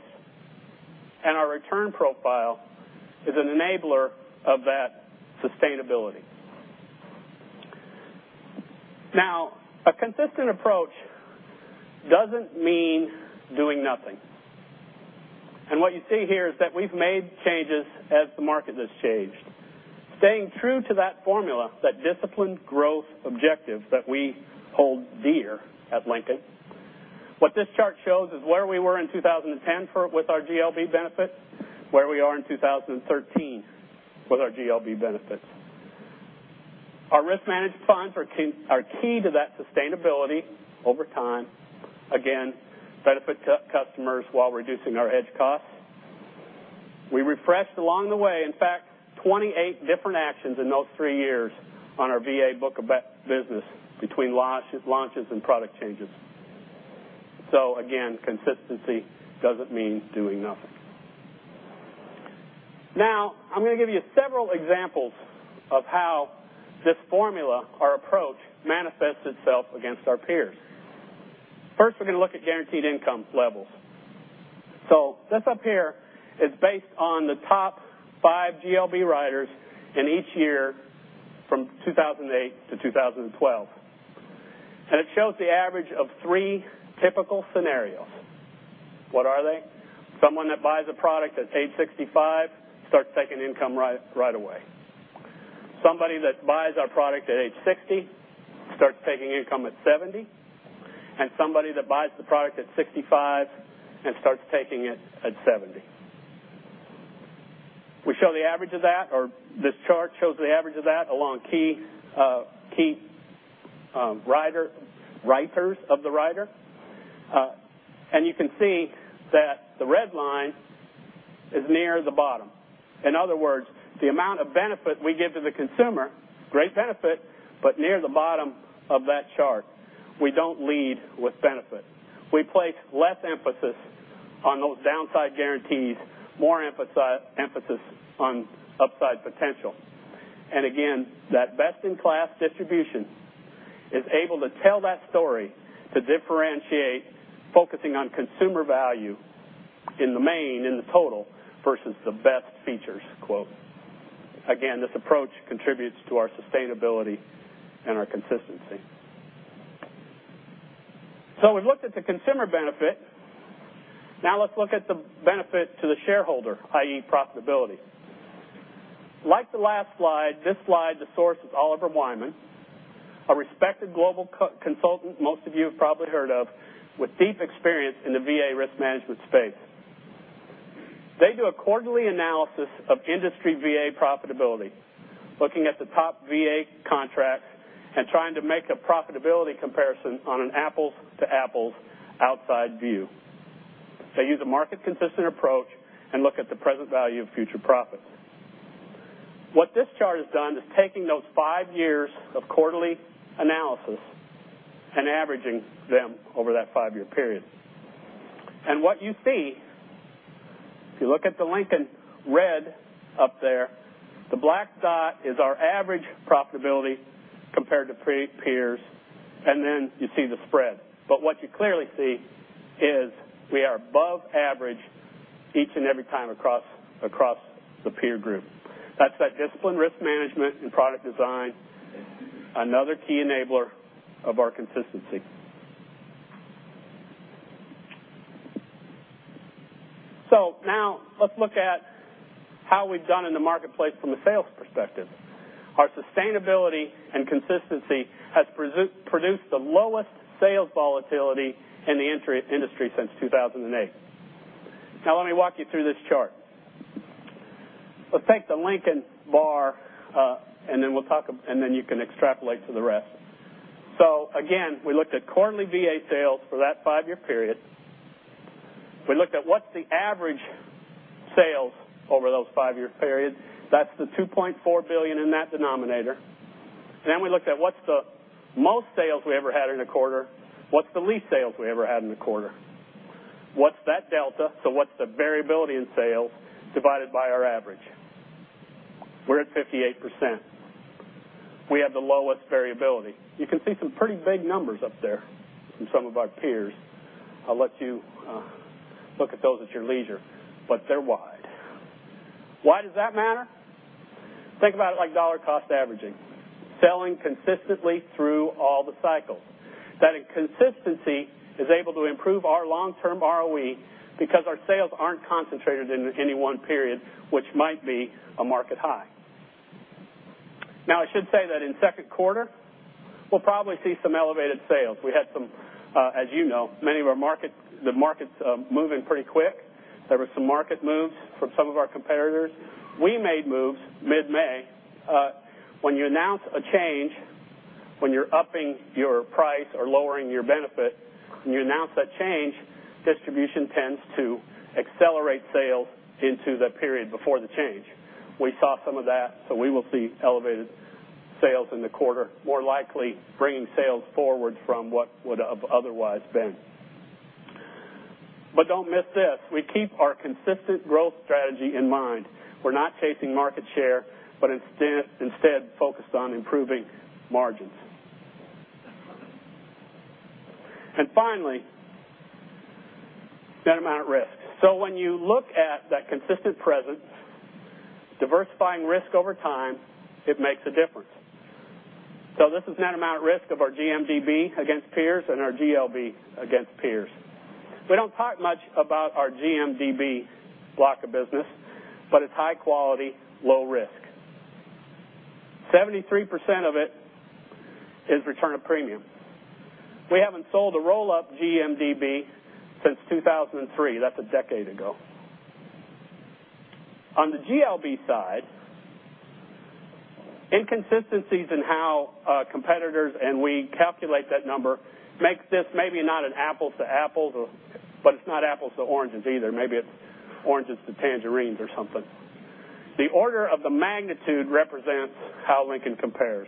and our return profile is an enabler of that sustainability. A consistent approach doesn't mean doing nothing. What you see here is that we've made changes as the market has changed. Staying true to that formula, that disciplined growth objective that we hold dear at Lincoln. What this chart shows is where we were in 2010 with our GLB benefits, where we are in 2013 with our GLB benefits. Our Risk Managed Funds are key to that sustainability over time. Again, benefit to customers while reducing our edge costs. We refreshed along the way, in fact, 28 different actions in those 3 years on our VA book of business between launches and product changes. Again, consistency doesn't mean doing nothing. I'm going to give you several examples of how this formula, our approach, manifests itself against our peers. First, we're going to look at guaranteed income levels. This up here is based on the top 5 GLB riders in each year from 2008-2012. It shows the average of 3 typical scenarios. What are they? Someone that buys a product at age 65, starts taking income right away. Somebody that buys our product at age 60, starts taking income at 70. Somebody that buys the product at 65 and starts taking it at 70. We show the average of that, or this chart shows the average of that along key riders of the rider. You can see that the red line is near the bottom. In other words, the amount of benefit we give to the consumer, great benefit, but near the bottom of that chart. We don't lead with benefit. We place less emphasis on those downside guarantees, more emphasis on upside potential. Again, that best-in-class distribution is able to tell that story to differentiate focusing on consumer value in the main, in the total, versus the best features, quote. Again, this approach contributes to our sustainability and our consistency. We've looked at the consumer benefit. Let's look at the benefit to the shareholder, i.e., profitability. Like the last slide, this slide, the source is Oliver Wyman, a respected global consultant most of you have probably heard of, with deep experience in the VA risk management space. They do a quarterly analysis of industry VA profitability, looking at the top VA contracts and trying to make a profitability comparison on an apples to apples outside view. They use a market-consistent approach and look at the present value of future profits. What this chart has done is taking those five years of quarterly analysis and averaging them over that five-year period. What you see, if you look at the Lincoln red up there, the black dot is our average profitability compared to peers, and then you see the spread. What you clearly see is we are above average each and every time across the peer group. That's that disciplined risk management and product design, another key enabler of our consistency. Let's look at how we've done in the marketplace from a sales perspective. Our sustainability and consistency has produced the lowest sales volatility in the industry since 2008. Let me walk you through this chart. Let's take the Lincoln bar, and then you can extrapolate to the rest. Again, we looked at quarterly VA sales for that five-year period. We looked at what's the average sales over those five-year periods. That's the $2.4 billion in that denominator. We looked at what's the most sales we ever had in a quarter, what's the least sales we ever had in a quarter. What's that delta? What's the variability in sales divided by our average? We're at 58%. We have the lowest variability. You can see some pretty big numbers up there in some of our peers. I'll let you look at those at your leisure, but they're wide. Why does that matter? Think about it like dollar cost averaging, selling consistently through all the cycles. That consistency is able to improve our long-term ROE because our sales aren't concentrated in any one period, which might be a market high. I should say that in second quarter, we'll probably see some elevated sales. We had some, as you know, the market's moving pretty quick. There were some market moves from some of our competitors. We made moves mid-May. When you announce a change, when you're upping your price or lowering your benefit, when you announce that change, distribution tends to accelerate sales into the period before the change. We saw some of that, so we will see elevated sales in the quarter, more likely bringing sales forward from what would have otherwise been. Don't miss this. We keep our consistent growth strategy in mind. We're not chasing market share, but instead focused on improving margins. Finally, net amount at risk. When you look at that consistent presence, diversifying risk over time, it makes a difference. This is net amount at risk of our GMDB against peers and our GLB against peers. We don't talk much about our GMDB block of business, but it's high quality, low risk. 73% of it is return of premium. We haven't sold a roll-up GMDB since 2003. That's a decade ago. On the GLB side, inconsistencies in how competitors and we calculate that number makes this maybe not an apples to apples, but it's not apples to oranges either. Maybe it's oranges to tangerines or something. The order of the magnitude represents how Lincoln compares.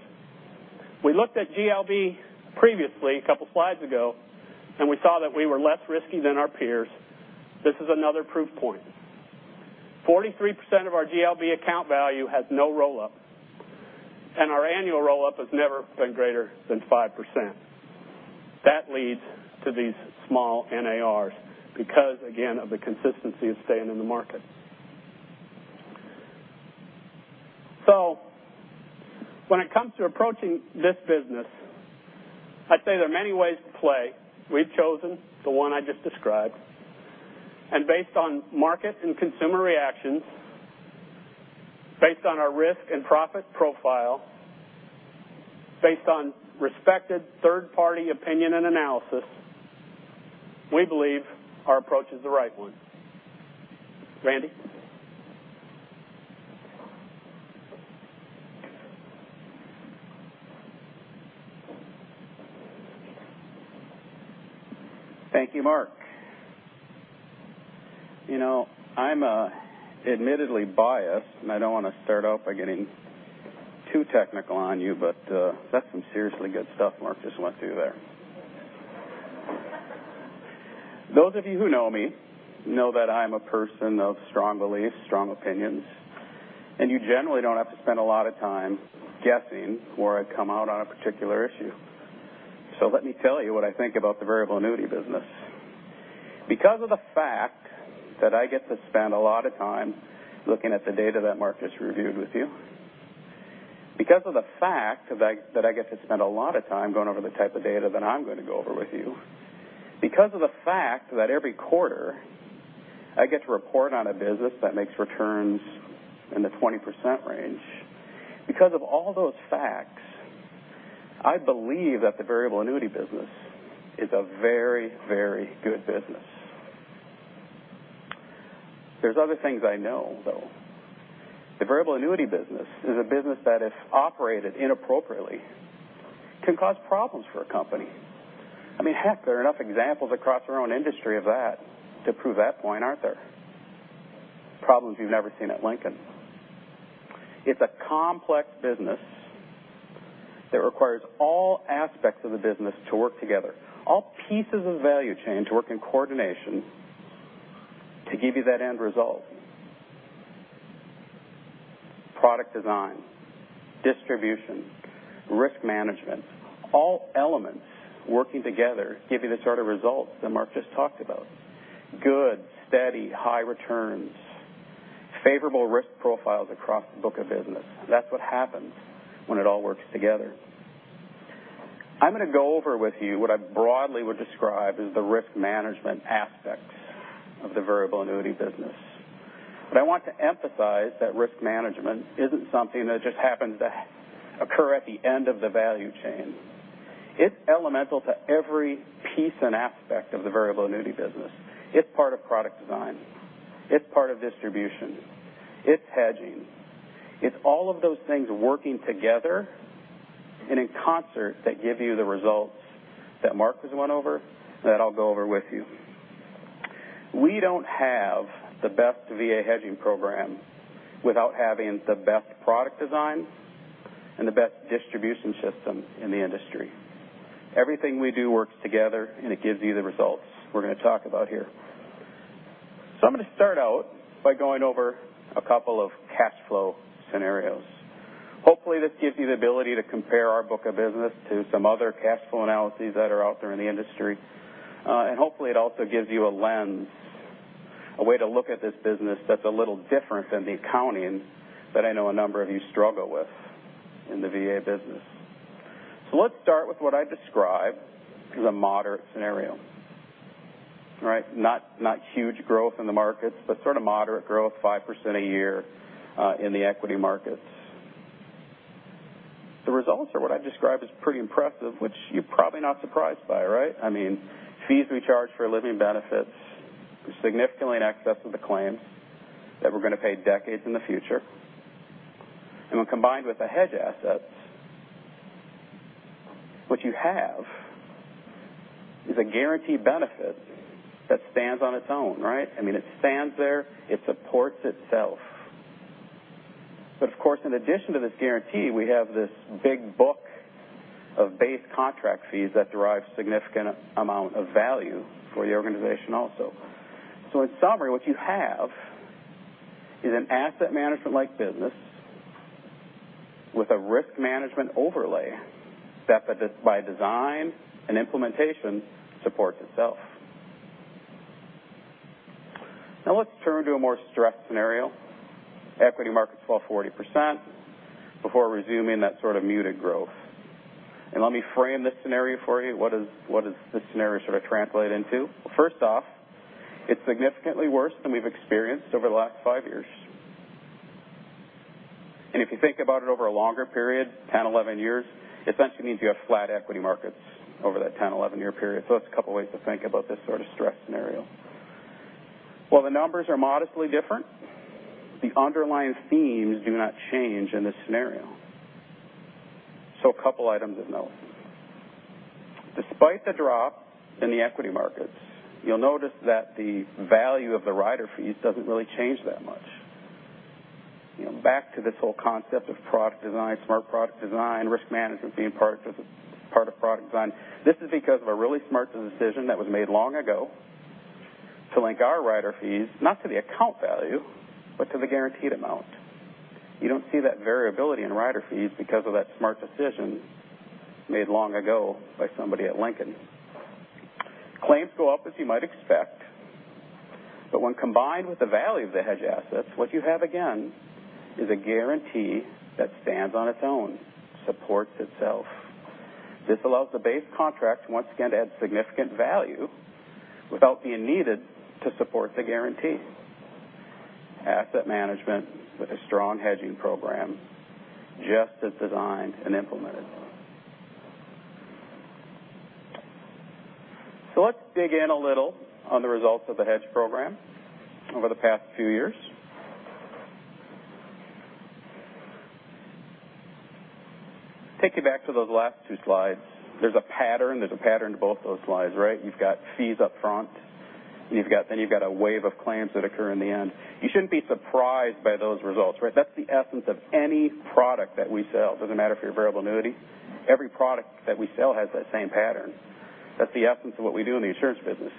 We looked at GLB previously, a couple of slides ago, and we saw that we were less risky than our peers. This is another proof point. 43% of our GLB account value has no roll-up, and our annual roll-up has never been greater than 5%. That leads to these small NARs because, again, of the consistency of staying in the market. When it comes to approaching this business, I'd say there are many ways to play. We've chosen the one I just described. Based on market and consumer reactions, based on our risk and profit profile, based on respected third-party opinion and analysis, we believe our approach is the right one. Randy? Thank you, Mark. I'm admittedly biased, and I don't want to start off by getting too technical on you, but that's some seriously good stuff Mark just went through there. Those of you who know me know that I'm a person of strong beliefs, strong opinions, and you generally don't have to spend a lot of time guessing where I'd come out on a particular issue. Let me tell you what I think about the variable annuity business. Because of the fact that I get to spend a lot of time looking at the data that Mark just reviewed with you, because of the fact that I get to spend a lot of time going over the type of data that I'm going to go over with you, because of the fact that every quarter I get to report on a business that makes returns in the 20% range, because of all those facts I believe that the variable annuity business is a very good business. There's other things I know, though. The variable annuity business is a business that, if operated inappropriately, can cause problems for a company. Heck, there are enough examples across our own industry of that to prove that point, aren't there? Problems you've never seen at Lincoln. It's a complex business that requires all aspects of the business to work together, all pieces of value chain to work in coordination to give you that end result. Product design, distribution, risk management, all elements working together give you the sort of results that Mark just talked about. Good, steady, high returns, favorable risk profiles across the book of business. That's what happens when it all works together. I'm going to go over with you what I broadly would describe as the risk management aspects of the variable annuity business. I want to emphasize that risk management isn't something that just happens to occur at the end of the value chain. It's elemental to every piece and aspect of the variable annuity business. It's part of product design. It's part of distribution. It's hedging. It's all of those things working together and in concert that give you the results that Mark just went over, that I'll go over with you. We don't have the best VA hedging program without having the best product design and the best distribution system in the industry. Everything we do works together, and it gives you the results we're going to talk about here. I'm going to start out by going over a couple of cash flow scenarios. Hopefully, this gives you the ability to compare our book of business to some other cash flow analyses that are out there in the industry. Hopefully it also gives you a lens, a way to look at this business that's a little different than the accounting that I know a number of you struggle with in the VA business. Let's start with what I describe as a moderate scenario. Not huge growth in the markets, but sort of moderate growth, 5% a year in the equity markets. The results are what I describe as pretty impressive, which you're probably not surprised by. Fees we charge for living benefits are significantly in excess of the claims that we're going to pay decades in the future. When combined with the hedge assets, what you have is a guaranteed benefit that stands on its own. It stands there, it supports itself. Of course, in addition to this guarantee, we have this big book of base contract fees that derive significant amount of value for the organization also. In summary, what you have is an asset management-like business with a risk management overlay that by design and implementation supports itself. Let's turn to a more stressed scenario. Equity markets fall 40% before resuming that sort of muted growth. Let me frame this scenario for you. What does this scenario sort of translate into? First off, it's significantly worse than we've experienced over the last five years. If you think about it over a longer period, 10, 11 years, essentially means you have flat equity markets over that 10, 11-year period. That's a couple ways to think about this sort of stress scenario. While the numbers are modestly different, the underlying themes do not change in this scenario. A couple items of note. Despite the drop in the equity markets, you'll notice that the value of the rider fees doesn't really change that much. Back to this whole concept of product design, smart product design, risk management being part of product design. This is because of a really smart decision that was made long ago to link our rider fees, not to the account value, but to the guaranteed amount. You don't see that variability in rider fees because of that smart decision made long ago by somebody at Lincoln. Claims go up as you might expect, but when combined with the value of the hedge assets, what you have again is a guarantee that stands on its own, supports itself. This allows the base contract, once again, to add significant value without being needed to support the guarantee. Asset management with a strong hedging program, just as designed and implemented. Let's dig in a little on the results of the hedge program over the past few years. Take you back to those last two slides. There's a pattern in both those slides. You've got fees up front, you've got a wave of claims that occur in the end. You shouldn't be surprised by those results. That's the essence of any product that we sell. Doesn't matter if you're variable annuity. Every product that we sell has that same pattern. That's the essence of what we do in the insurance business.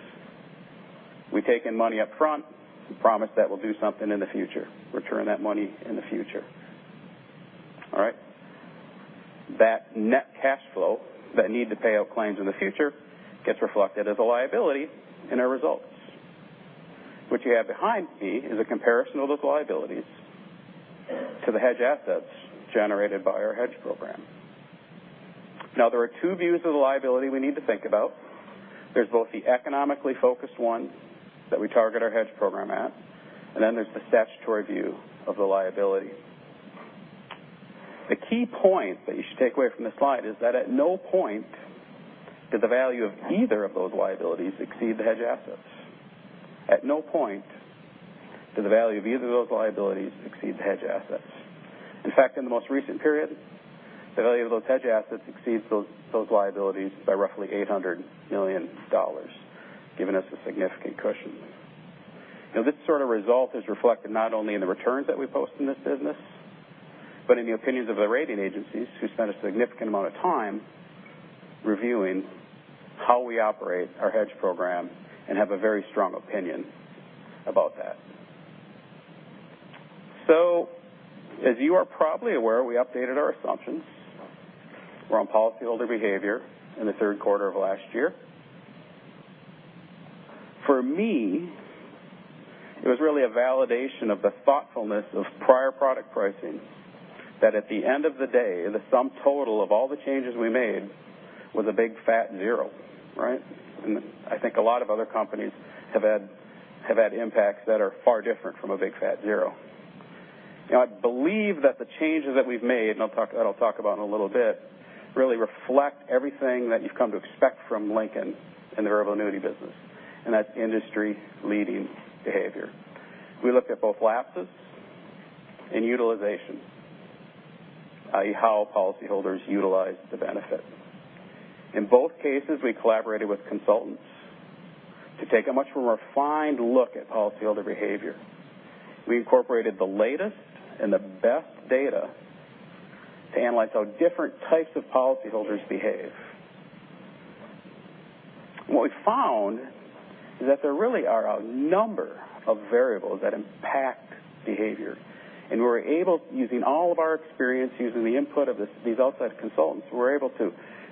We take in money up front. We promise that we'll do something in the future, return that money in the future. All right? That net cash flow that need to pay out claims in the future gets reflected as a liability in our results, which you have behind me is a comparison of those liabilities to the hedge assets generated by our hedge program. There are two views of the liability we need to think about. There's both the economically focused ones that we target our hedge program at, and then there's the statutory view of the liability. The key point that you should take away from this slide is that at no point did the value of either of those liabilities exceed the hedge assets. At no point did the value of either of those liabilities exceed the hedge assets. In fact, in the most recent period, the value of those hedge assets exceeds those liabilities by roughly $800 million, giving us a significant cushion. This sort of result is reflected not only in the returns that we post in this business, but in the opinions of the rating agencies who spend a significant amount of time reviewing how we operate our hedge program and have a very strong opinion about that. As you are probably aware, we updated our assumptions around policyholder behavior in the third quarter of last year. For me, it was really a validation of the thoughtfulness of prior product pricing, that at the end of the day, the sum total of all the changes we made was a big fat zero. Right? I think a lot of other companies have had impacts that are far different from a big fat zero. I believe that the changes that we've made, and I'll talk about in a little bit, really reflect everything that you've come to expect from Lincoln in the variable annuity business, and that's industry-leading behavior. We looked at both lapses and utilization, i.e., how policyholders utilize the benefit. In both cases, we collaborated with consultants to take a much more refined look at policyholder behavior. We incorporated the latest and the best data to analyze how different types of policyholders behave. What we found is that there really are a number of variables that impact behavior, and using all of our experience, using the input of these outside consultants, we are able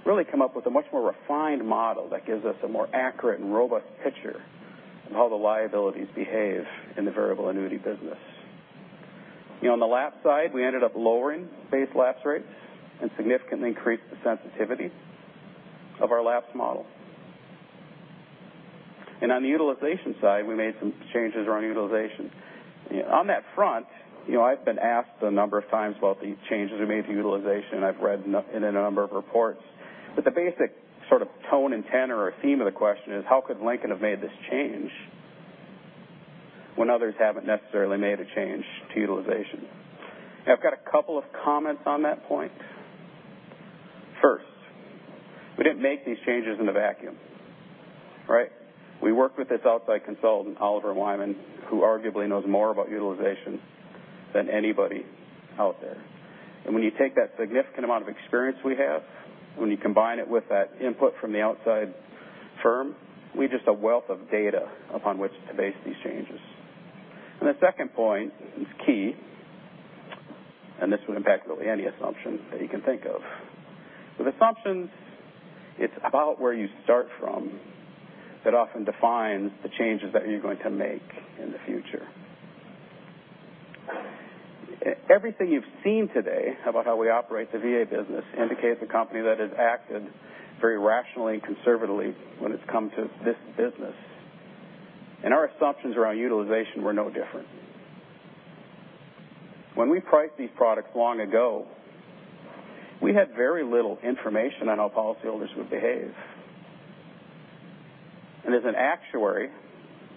to really come up with a much more refined model that gives us a more accurate and robust picture of how the liabilities behave in the variable annuity business. On the lapse side, we ended up lowering base lapse rates and significantly increased the sensitivity of our lapse model. On the utilization side, we made some changes around utilization. On that front, I've been asked a number of times about these changes we made to utilization, and I've read in a number of reports. The basic sort of tone and tenor or theme of the question is, how could Lincoln have made this change when others haven't necessarily made a change to utilization? Now, I've got a couple of comments on that point. First, we didn't make these changes in a vacuum. Right? We worked with this outside consultant, Oliver Wyman, who arguably knows more about utilization than anybody out there. When you take that significant amount of experience we have, when you combine it with that input from the outside firm, we just have a wealth of data upon which to base these changes. The second point is key, and this would impact, really, any assumption that you can think of. With assumptions, it's about where you start from that often defines the changes that you're going to make in the future. Everything you've seen today about how we operate the VA business indicates a company that has acted very rationally and conservatively when it's come to this business. Our assumptions around utilization were no different. When we priced these products long ago, we had very little information on how policyholders would behave. As an actuary,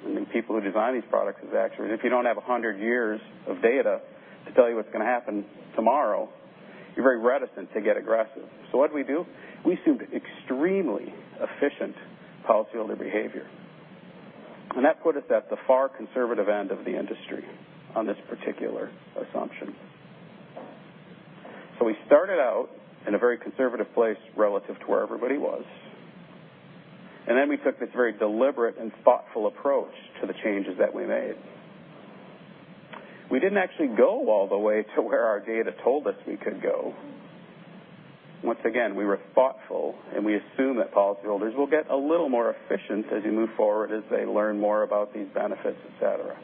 and the people who design these products as actuaries, if you don't have 100 years of data to tell you what's going to happen tomorrow, you're very reticent to get aggressive. What do we do? We assumed extremely efficient policyholder behavior, and that put us at the far conservative end of the industry on this particular assumption. We started out in a very conservative place relative to where everybody was, and then we took this very deliberate and thoughtful approach to the changes that we made. We didn't actually go all the way to where our data told us we could go. Once again, we were thoughtful, and we assume that policyholders will get a little more efficient as you move forward, as they learn more about these benefits, et cetera.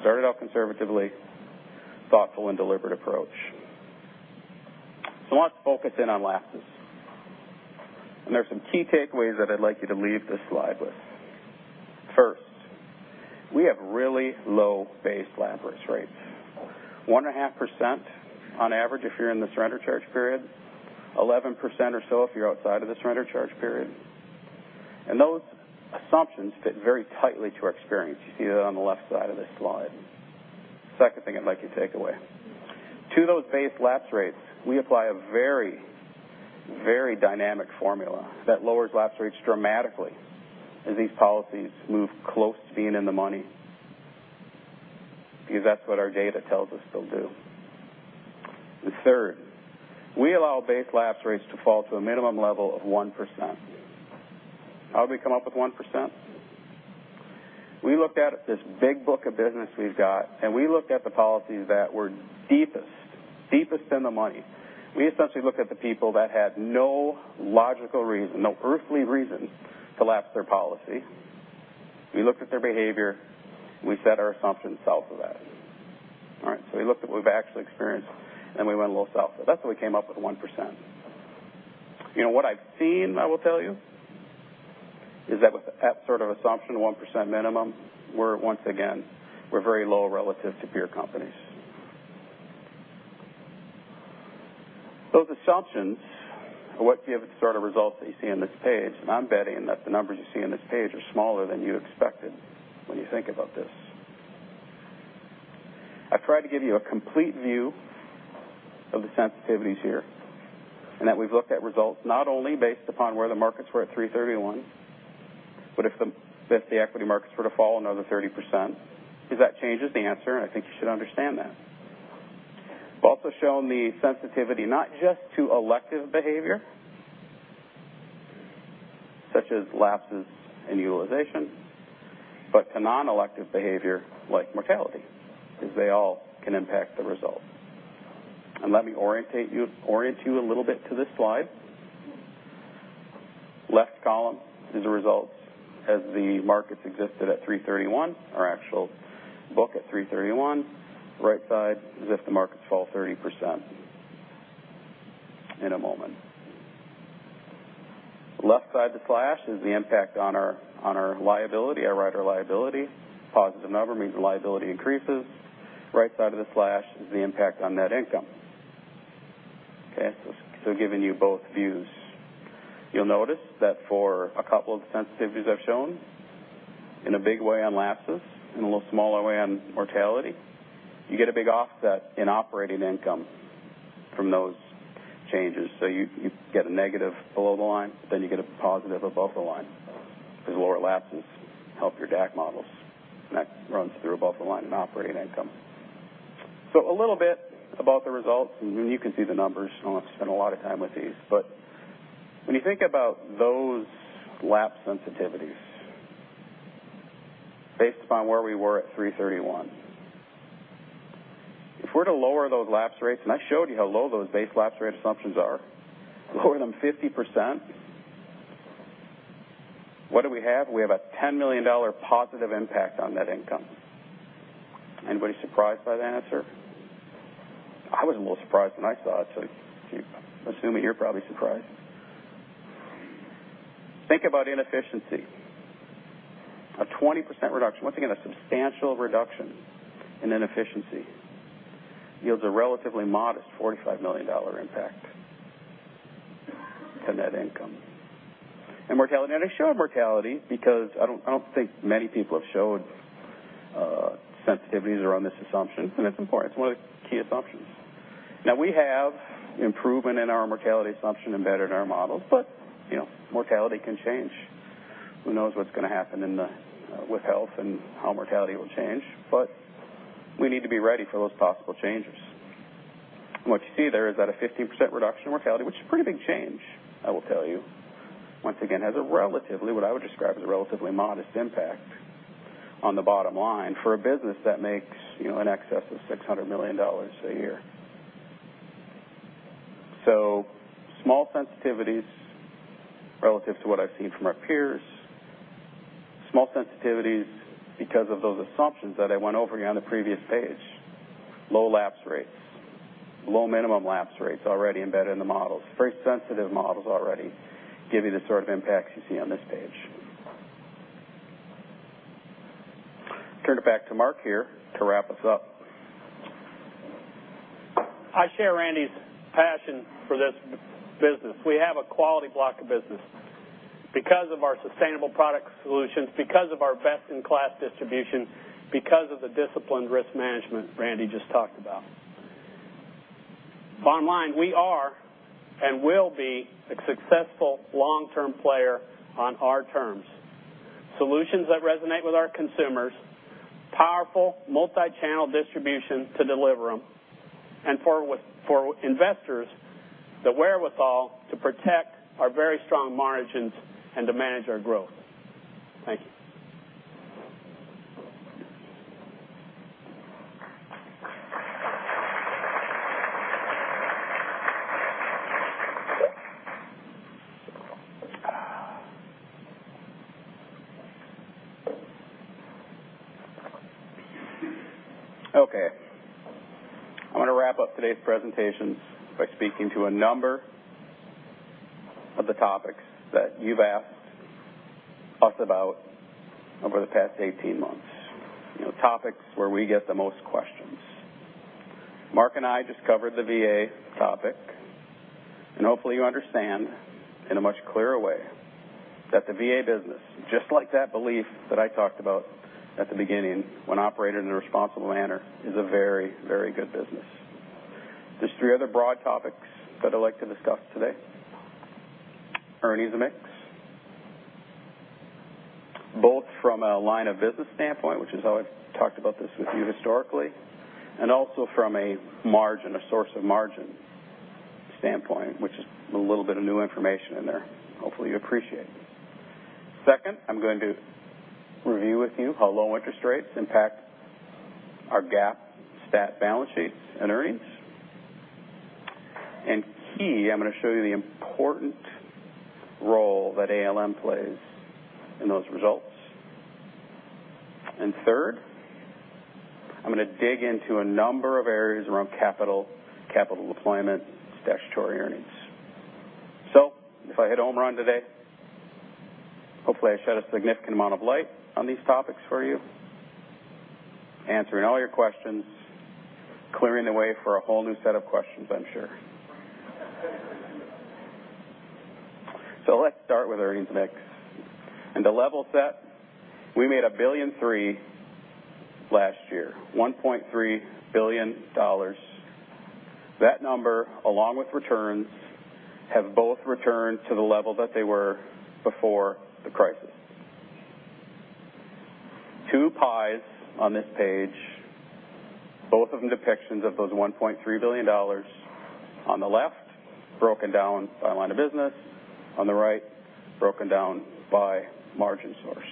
Started off conservatively, thoughtful and deliberate approach. Let's focus in on lapses. There's some key takeaways that I'd like you to leave this slide with. First, we have really low base lapse rates, 1.5% on average if you're in the surrender charge period, 11% or so if you're outside of the surrender charge period. Those assumptions fit very tightly to our experience. You see that on the left side of this slide. Second thing I'd like you take away. To those base lapse rates, we apply a very dynamic formula that lowers lapse rates dramatically as these policies move close to being in the money, because that's what our data tells us they'll do. Third, we allow base lapse rates to fall to a minimum level of 1%. How did we come up with 1%? We looked at this big book of business we've got, and we looked at the policies that were deepest in the money. We essentially looked at the people that had no logical reason, no earthly reason to lapse their policy. We looked at their behavior. We set our assumptions off of that. We looked at what we've actually experienced, and we went a little south. That's how we came up with 1%. What I've seen, I will tell you, is that with that sort of assumption, 1% minimum, once again, we're very low relative to peer companies. Those assumptions are what give the sort of results that you see on this page, I'm betting that the numbers you see on this page are smaller than you expected when you think about this. I've tried to give you a complete view of the sensitivities here, we've looked at results not only based upon where the markets were at 3/31, but if the equity markets were to fall another 30%, because that changes the answer, I think you should understand that. I've also shown the sensitivity not just to elective behavior, such as lapses in utilization, but to non-elective behavior like mortality, because they all can impact the result. Let me orient you a little bit to this slide. Left column is the results as the markets existed at 3/31, our actual book at 3/31. Right side is if the markets fall 30% in a moment. Left side of the slash is the impact on our liability, our rider liability. Positive number means the liability increases. Right side of the slash is the impact on net income. Okay? Giving you both views. You'll notice that for a couple of the sensitivities I've shown, in a big way on lapses, in a little smaller way on mortality, you get a big offset in operating income from those changes. You get a negative below the line, you get a positive above the line because lower lapses help your DAC models. That runs through above the line in operating income. A little bit about the results, and you can see the numbers. I won't spend a lot of time with these. When you think about those lapse sensitivities based upon where we were at 3/31, if we're to lower those lapse rates, I showed you how low those base lapse rate assumptions are, lower them 50%, what do we have? We have a $10 million positive impact on net income. Anybody surprised by that answer? I was a little surprised when I saw it, I'm assuming you're probably surprised. Think about inefficiency. A 20% reduction, once again, a substantial reduction in inefficiency yields a relatively modest $45 million impact to net income. Mortality, I showed mortality because I don't think many people have showed sensitivities around this assumption, and it's important. It's one of the key assumptions. We have improvement in our mortality assumption embedded in our models, but mortality can change. Who knows what's going to happen with health and how mortality will change, but we need to be ready for those possible changes. What you see there is that a 15% reduction in mortality, which is a pretty big change, I will tell you, once again, has what I would describe as a relatively modest impact on the bottom line for a business that makes in excess of $600 million a year. Small sensitivities relative to what I've seen from our peers. Small sensitivities because of those assumptions that I went over again on the previous page. Low lapse rates. Low minimum lapse rates already embedded in the models. Very sensitive models already give you the sort of impacts you see on this page. Turn it back to Mark here to wrap us up. I share Randy's passion for this business. We have a quality block of business because of our sustainable product solutions, because of our best-in-class distribution, because of the disciplined risk management Randy just talked about. Bottom line, we are and will be a successful long-term player on our terms. Solutions that resonate with our consumers, powerful multi-channel distribution to deliver them, and for investors, the wherewithal to protect our very strong margins and to manage our growth. Thank you. Okay. I want to wrap up today's presentation by speaking to a number of the topics that you've asked us about over the past 18 months. Topics where we get the most questions. Mark and I just covered the VA topic, and hopefully you understand in a much clearer way that the VA business, just like that belief that I talked about at the beginning, when operated in a responsible manner, is a very good business. There's three other broad topics that I'd like to discuss today. Earnings mix, both from a line of business standpoint, which is how I've talked about this with you historically, and also from a margin, a source of margin standpoint, which is a little bit of new information in there. Hopefully, you appreciate. Second, I'm going to review with you how low interest rates impact our GAAP stat balance sheets and earnings. Key, I'm going to show you the important role that ALM plays in those results. Third, I'm going to dig into a number of areas around capital deployment, statutory earnings. If I hit a home run today, hopefully I shed a significant amount of light on these topics for you, answering all your questions, clearing the way for a whole new set of questions, I'm sure. Let's start with earnings mix, and to level set, we made $1.3 billion last year. That number, along with returns, have both returned to the level that they were before the crisis. Two pies on this page, both of them depictions of those $1.3 billion. On the left, broken down by line of business. On the right, broken down by margin source.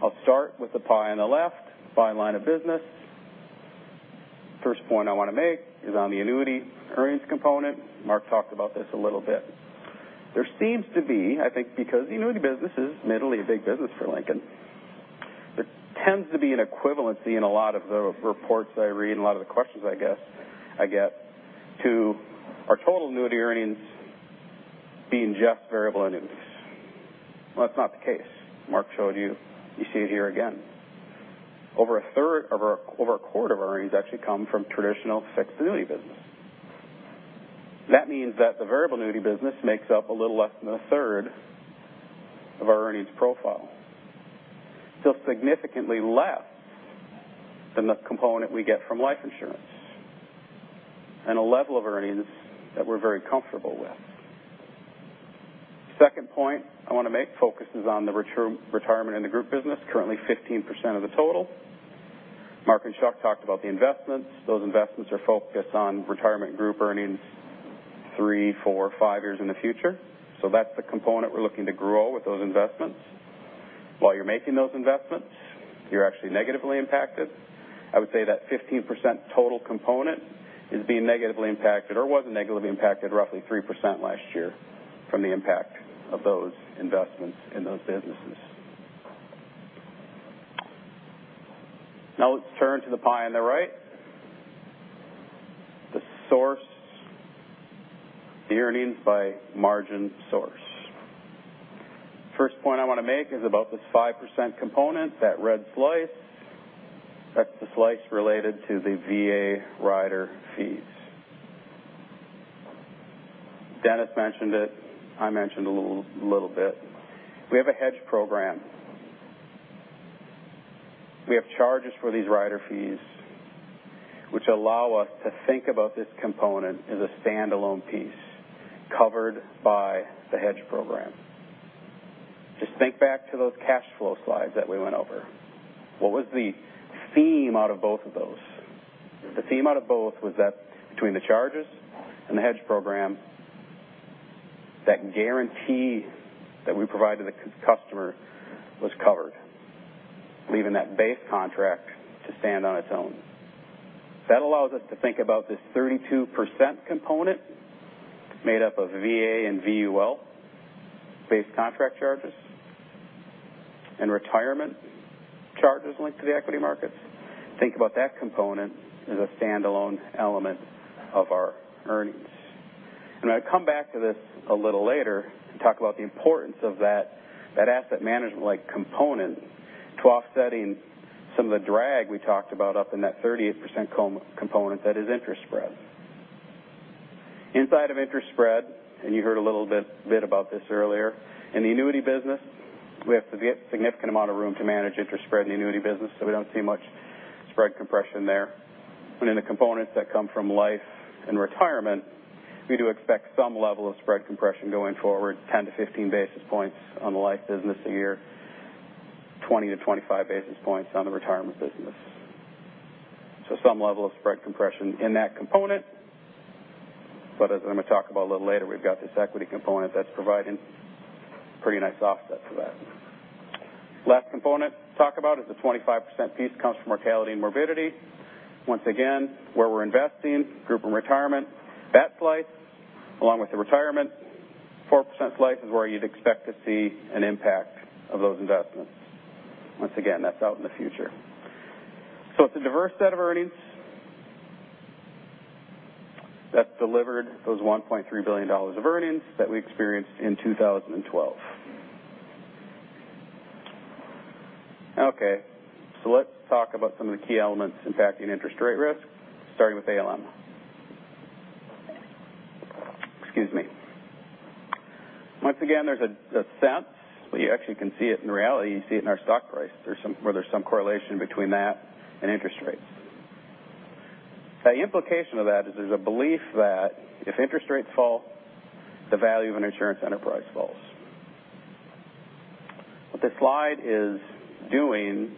I'll start with the pie on the left by line of business. First point I want to make is on the annuity earnings component. Mark talked about this a little bit. There seems to be, I think because the annuity business is admittedly a big business for Lincoln, there tends to be an equivalency in a lot of the reports I read and a lot of the questions I get to our total annuity earnings being just variable annuities. That's not the case. Mark showed you. You see it here again. Over a quarter of our earnings actually come from traditional fixed annuity business. That means that the variable annuity business makes up a little less than a third of our earnings profile. Still significantly less than the component we get from life insurance, and a level of earnings that we're very comfortable with. Second point I want to make focuses on the retirement and the group business, currently 15% of the total. Mark and Chuck talked about the investments. Those investments are focused on retirement group earnings three, four, five years in the future. That's the component we're looking to grow with those investments. While you're making those investments, you're actually negatively impacted. I would say that 15% total component is being negatively impacted or was negatively impacted roughly 3% last year from the impact of those investments in those businesses. Let's turn to the pie on the right. The source, the earnings by margin source. First point I want to make is about this 5% component, that red slice. That's the slice related to the VA rider fees. Dennis mentioned it. I mentioned it a little bit. We have a hedge program. We have charges for these rider fees, which allow us to think about this component as a standalone piece covered by the hedge program. Just think back to those cash flow slides that we went over. What was the theme out of both of those? The theme out of both was that between the charges and the hedge program, that guarantee that we provide to the customer was covered, leaving that base contract to stand on its own. That allows us to think about this 32% component made up of VA and VUL base contract charges and retirement charges linked to the equity markets. Think about that component as a standalone element of our earnings. I'll come back to this a little later to talk about the importance of that asset management-like component to offsetting some of the drag we talked about up in that 38% component that is interest spread. Inside of interest spread, and you heard a little bit about this earlier, in the annuity business, so we don't see much spread compression there. In the components that come from life and retirement, we do expect some level of spread compression going forward, 10-15 basis points on the life business a year, 20-25 basis points on the retirement business. Some level of spread compression in that component. As I'm going to talk about a little later, we've got this equity component that's providing pretty nice offset to that. Last component to talk about is the 25% piece comes from mortality and morbidity. Once again, where we're investing, group and retirement. That slice, along with the retirement 4% slice, is where you'd expect to see an impact of those investments. That's out in the future. It's a diverse set of earnings that delivered those $1.3 billion of earnings that we experienced in 2012. Let's talk about some of the key elements impacting interest rate risk, starting with ALM. Excuse me. There's a sense, but you actually can see it in reality, you see it in our stock price, where there's some correlation between that and interest rates. The implication of that is there's a belief that if interest rates fall, the value of an insurance enterprise falls. What this slide is doing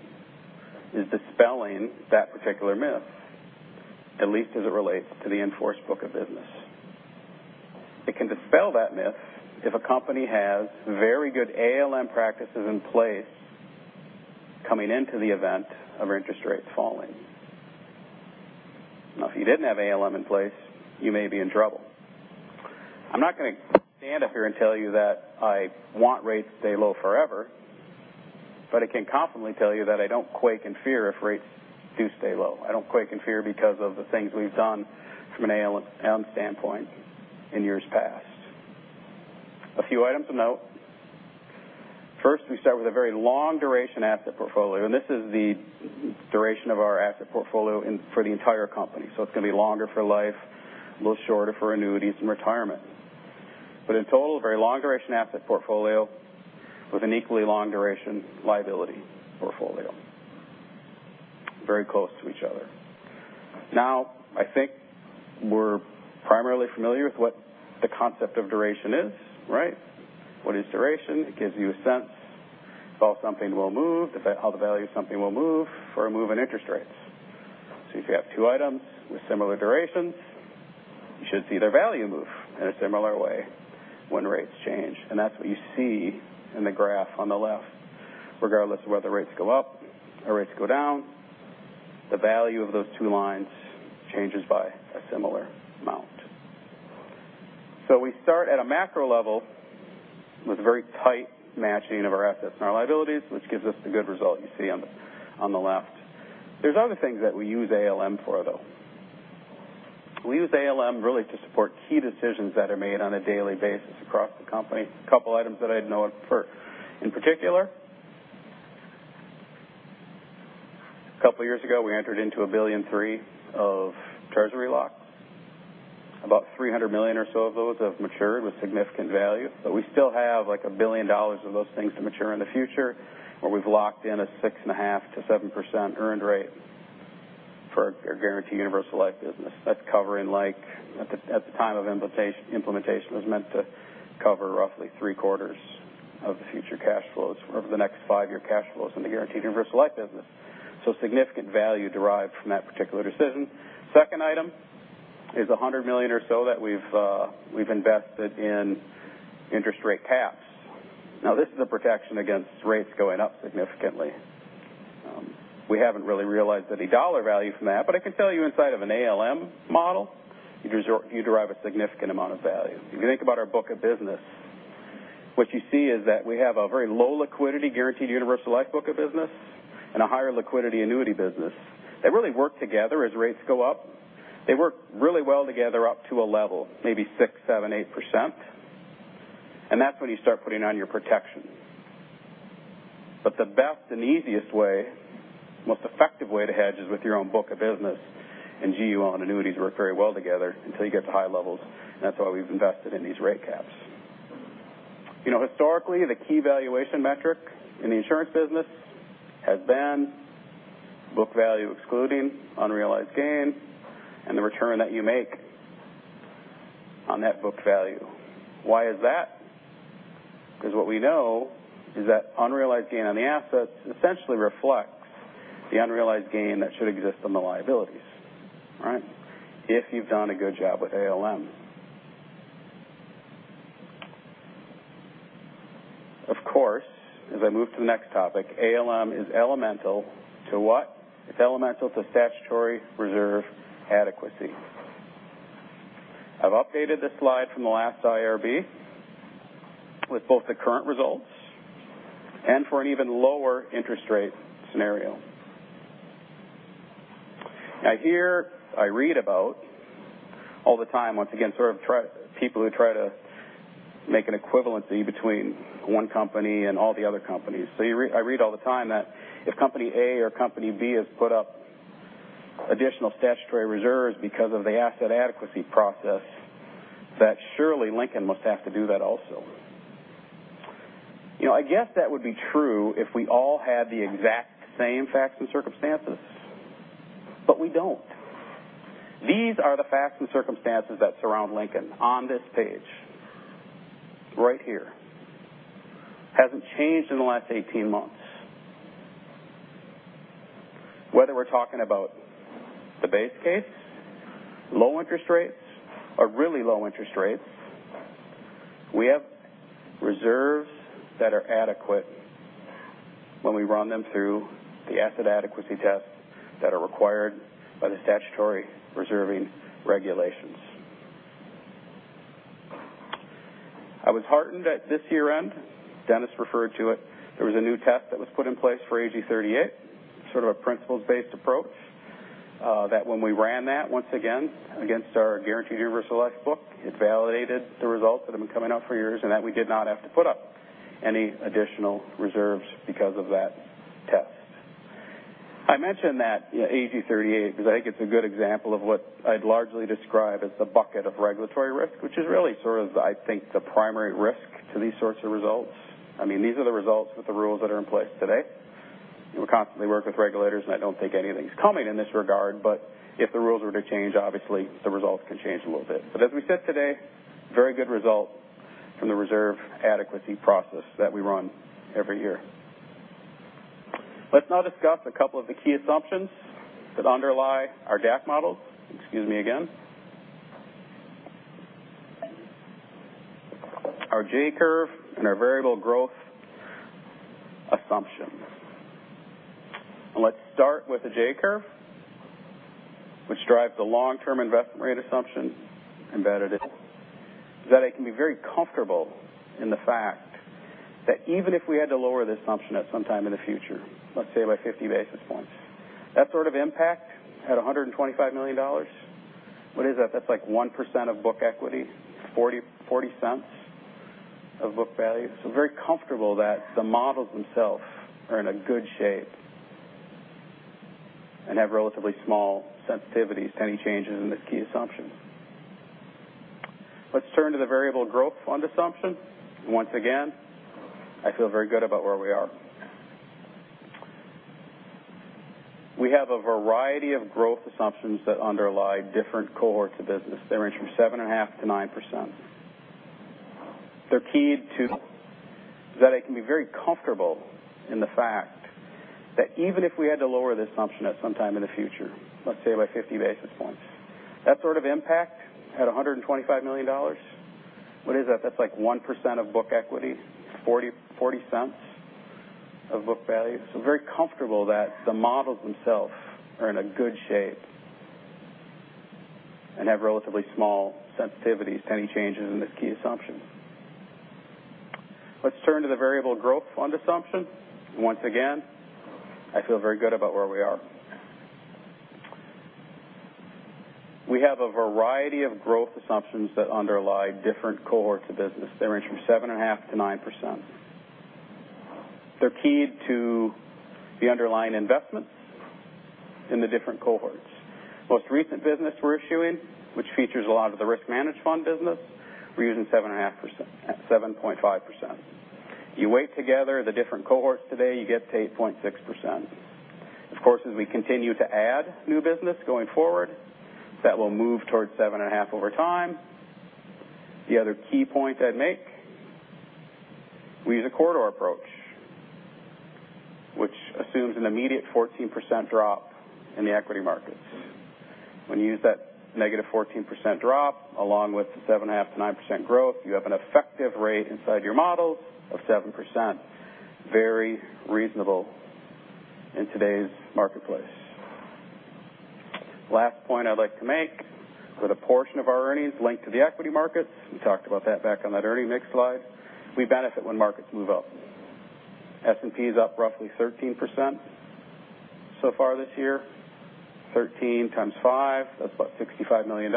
is dispelling that particular myth, at least as it relates to the in-force book of business. It can dispel that myth if a company has very good ALM practices in place coming into the event of interest rates falling. If you didn't have ALM in place, you may be in trouble. I'm not going to stand up here and tell you that I want rates to stay low forever, but I can confidently tell you that I don't quake in fear if rates do stay low. I don't quake in fear because of the things we've done from an ALM standpoint in years past. A few items to note. First, we start with a very long duration asset portfolio, and this is the duration of our asset portfolio for the entire company. It's going to be longer for life, a little shorter for annuities and retirement. In total, a very long duration asset portfolio with an equally long duration liability portfolio. Very close to each other. I think we're primarily familiar with what the concept of duration is. Right? What is duration? It gives you a sense of how something will move, how the value of something will move for a move in interest rates. If you have two items with similar durations, you should see their value move in a similar way when rates change. That's what you see in the graph on the left. Regardless of whether rates go up or rates go down, the value of those two lines changes by a similar amount. We start at a macro level with very tight matching of our assets and our liabilities, which gives us the good result you see on the left. There's other things that we use ALM for, though. We use ALM really to support key decisions that are made on a daily basis across the company. A couple items that I'd note for in particular. A couple of years ago, we entered into $1.3 billion of treasury locks. About $300 million or so of those have matured with significant value. We still have, like, $1 billion of those things to mature in the future, where we've locked in a 6.5%-7% earned rate for our Guaranteed Universal Life business. That's covering at the time of implementation, it was meant to cover roughly three-quarters of the future cash flows or the next five-year cash flows in the Guaranteed Universal Life business. Significant value derived from that particular decision. Second item is $100 million or so that we've invested in interest rate caps. This is a protection against rates going up significantly. We haven't really realized any dollar value from that, but I can tell you inside of an ALM model, you derive a significant amount of value. If you think about our book of business, what you see is that we have a very low liquidity Guaranteed Universal Life book of business and a higher liquidity annuity business. They really work together as rates go up. They work really well together up to a level, maybe six, seven, eight%, that's when you start putting on your protection. The best and easiest way, most effective way to hedge is with your own book of business. GU on annuities work very well together until you get to high levels, that's why we've invested in these rate caps. Historically, the key valuation metric in the insurance business has been book value, excluding unrealized gain and the return that you make on that book value. Why is that? Because what we know is that unrealized gain on the assets essentially reflects the unrealized gain that should exist on the liabilities, right, if you've done a good job with ALM. Of course, as I move to the next topic, ALM is elemental to what? It's elemental to statutory reserve adequacy. I've updated this slide from the last IRB with both the current results and for an even lower interest rate scenario. Here, I read about all the time, once again, sort of people who try to make an equivalency between one company and all the other companies. I read all the time that if company A or company B has put up additional statutory reserves because of the asset adequacy process, that surely Lincoln must have to do that also. I guess that would be true if we all had the exact same facts and circumstances, but we don't. These are the facts and circumstances that surround Lincoln on this page right here. Hasn't changed in the last 18 months. Whether we're talking about the base case, low interest rates, or really low interest rates, we have reserves that are adequate when we run them through the asset adequacy tests that are required by the statutory reserving regulations. I was heartened at this year-end, Dennis referred to it, there was a new test that was put in place for AG 38, sort of a principles-based approach, that when we ran that once again against our Guaranteed Universal Life book, it validated the results that have been coming out for years, and that we did not have to put up any additional reserves because of that test. I mention that AG 38 because I think it's a good example of what I'd largely describe as the bucket of regulatory risk, which is really sort of, I think, the primary risk to these sorts of results. I mean, these are the results with the rules that are in place today. We constantly work with regulators, I don't think anything's coming in this regard. If the rules were to change, obviously the results can change a little bit. As we sit today, very good result from the reserve adequacy process that we run every year. Let's now discuss a couple of the key assumptions that underlie our DAC models. Excuse me again. Our J-curve and our variable growth assumptions. Let's start with the J-curve, which drives the long-term investment rate assumption embedded in. That I can be very comfortable in the fact that even if we had to lower the assumption at some time in the future, let's say by 50 basis points, that sort of impact at $125 million, what is that? That's like 1% of book equity, $0.40 of book value. Very comfortable that the models themselves are in a good shape and have relatively small sensitivities to any changes in the key assumptions. Let's turn to the variable growth fund assumption. Once again, I feel very good about where we are. We have a variety of growth assumptions that underlie different cohorts of business. They range from 7.5% to 9%. They're keyed to. That I can be very comfortable in the fact that even if we had to lower the assumption at some time in the future, let's say by 50 basis points, that sort of impact at $125 million, what is that? That's like 1% of book equity, $0.40 of book value. Very comfortable that the models themselves are in a good shape and have relatively small sensitivities to any changes in the key assumptions. Let's turn to the variable growth fund assumption. Once again, I feel very good about where we are. We have a variety of growth assumptions that underlie different cohorts of business. They range from 7.5% to 9%. They're keyed to the underlying investments in the different cohorts. Most recent business we're issuing, which features a lot of the Risk Managed Funds business, we're using 7.5%. You weight together the different cohorts today, you get to 8.6%. As we continue to add new business going forward, that will move towards 7.5% over time. The other key point I'd make, we use a corridor approach, which assumes an immediate 14% drop in the equity markets. When you use that negative 14% drop along with the 7.5% to 9% growth, you have an effective rate inside your models of 7%, very reasonable in today's marketplace. Last point I'd like to make, with a portion of our earnings linked to the equity markets, we talked about that back on that earning mix slide, we benefit when markets move up. S&P is up roughly 13% so far this year. 13 times five, that's about $65 million.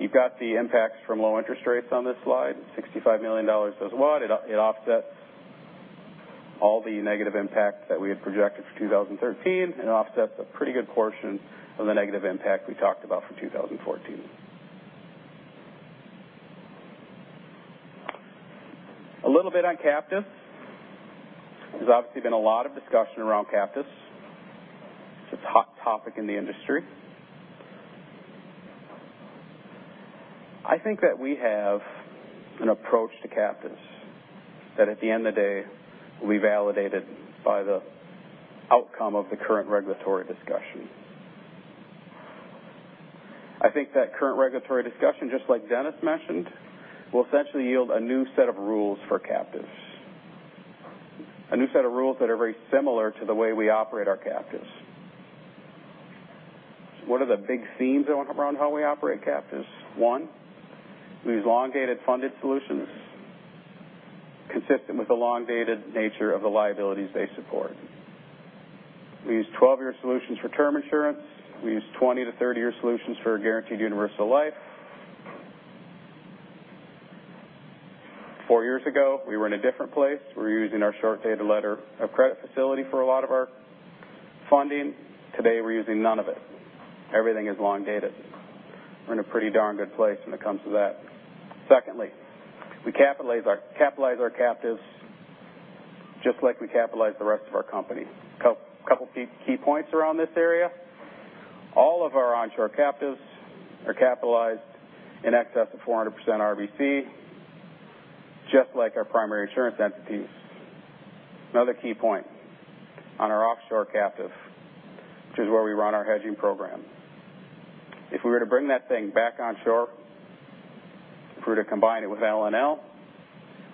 You've got the impacts from low interest rates on this slide. $65 million does what? It offsets all the negative impact that we had projected for 2013, it offsets a pretty good portion of the negative impact we talked about for 2014. A little bit on captives. There's obviously been a lot of discussion around captives. It's a hot topic in the industry. I think that we have an approach to captives that at the end of the day, will be validated by the outcome of the current regulatory discussion. I think that current regulatory discussion, just like Dennis mentioned, will essentially yield a new set of rules for captives, a new set of rules that are very similar to the way we operate our captives. What are the big themes around how we operate captives? One, we use long-dated funded solutions consistent with the long-dated nature of the liabilities they support. We use 12-year solutions for Term Insurance. We use 20 to 30-year solutions for our Guaranteed Universal Life. Four years ago, we were in a different place. We were using our short-dated letter of credit facility for a lot of our funding. Today, we're using none of it. Everything is long-dated. We're in a pretty darn good place when it comes to that. Secondly, we capitalize our captives just like we capitalize the rest of our company. Couple key points around this area. All of our onshore captives are capitalized in excess of 400% RBC, just like our primary insurance entities. Another key point, on our offshore captive, which is where we run our hedging program. If we were to bring that thing back onshore, if we were to combine it with L&L,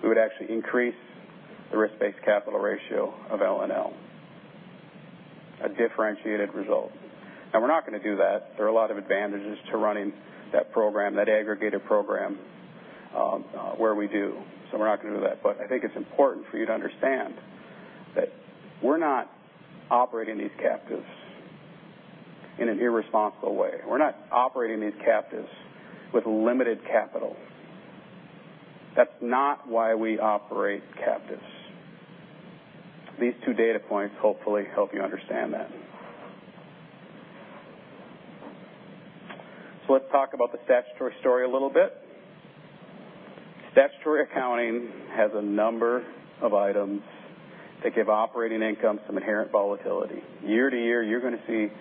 we would actually increase the risk-based capital ratio of L&L. A differentiated result. We're not going to do that. There are a lot of advantages to running that program, that aggregated program, where we do. We're not going to do that. But I think it's important for you to understand that we're not operating these captives in an irresponsible way. We're not operating these captives with limited capital. That's not why we operate captives. These two data points hopefully help you understand that. Let's talk about the statutory story a little bit. Statutory accounting has a number of items that give operating income some inherent volatility. Year to year, you're going to see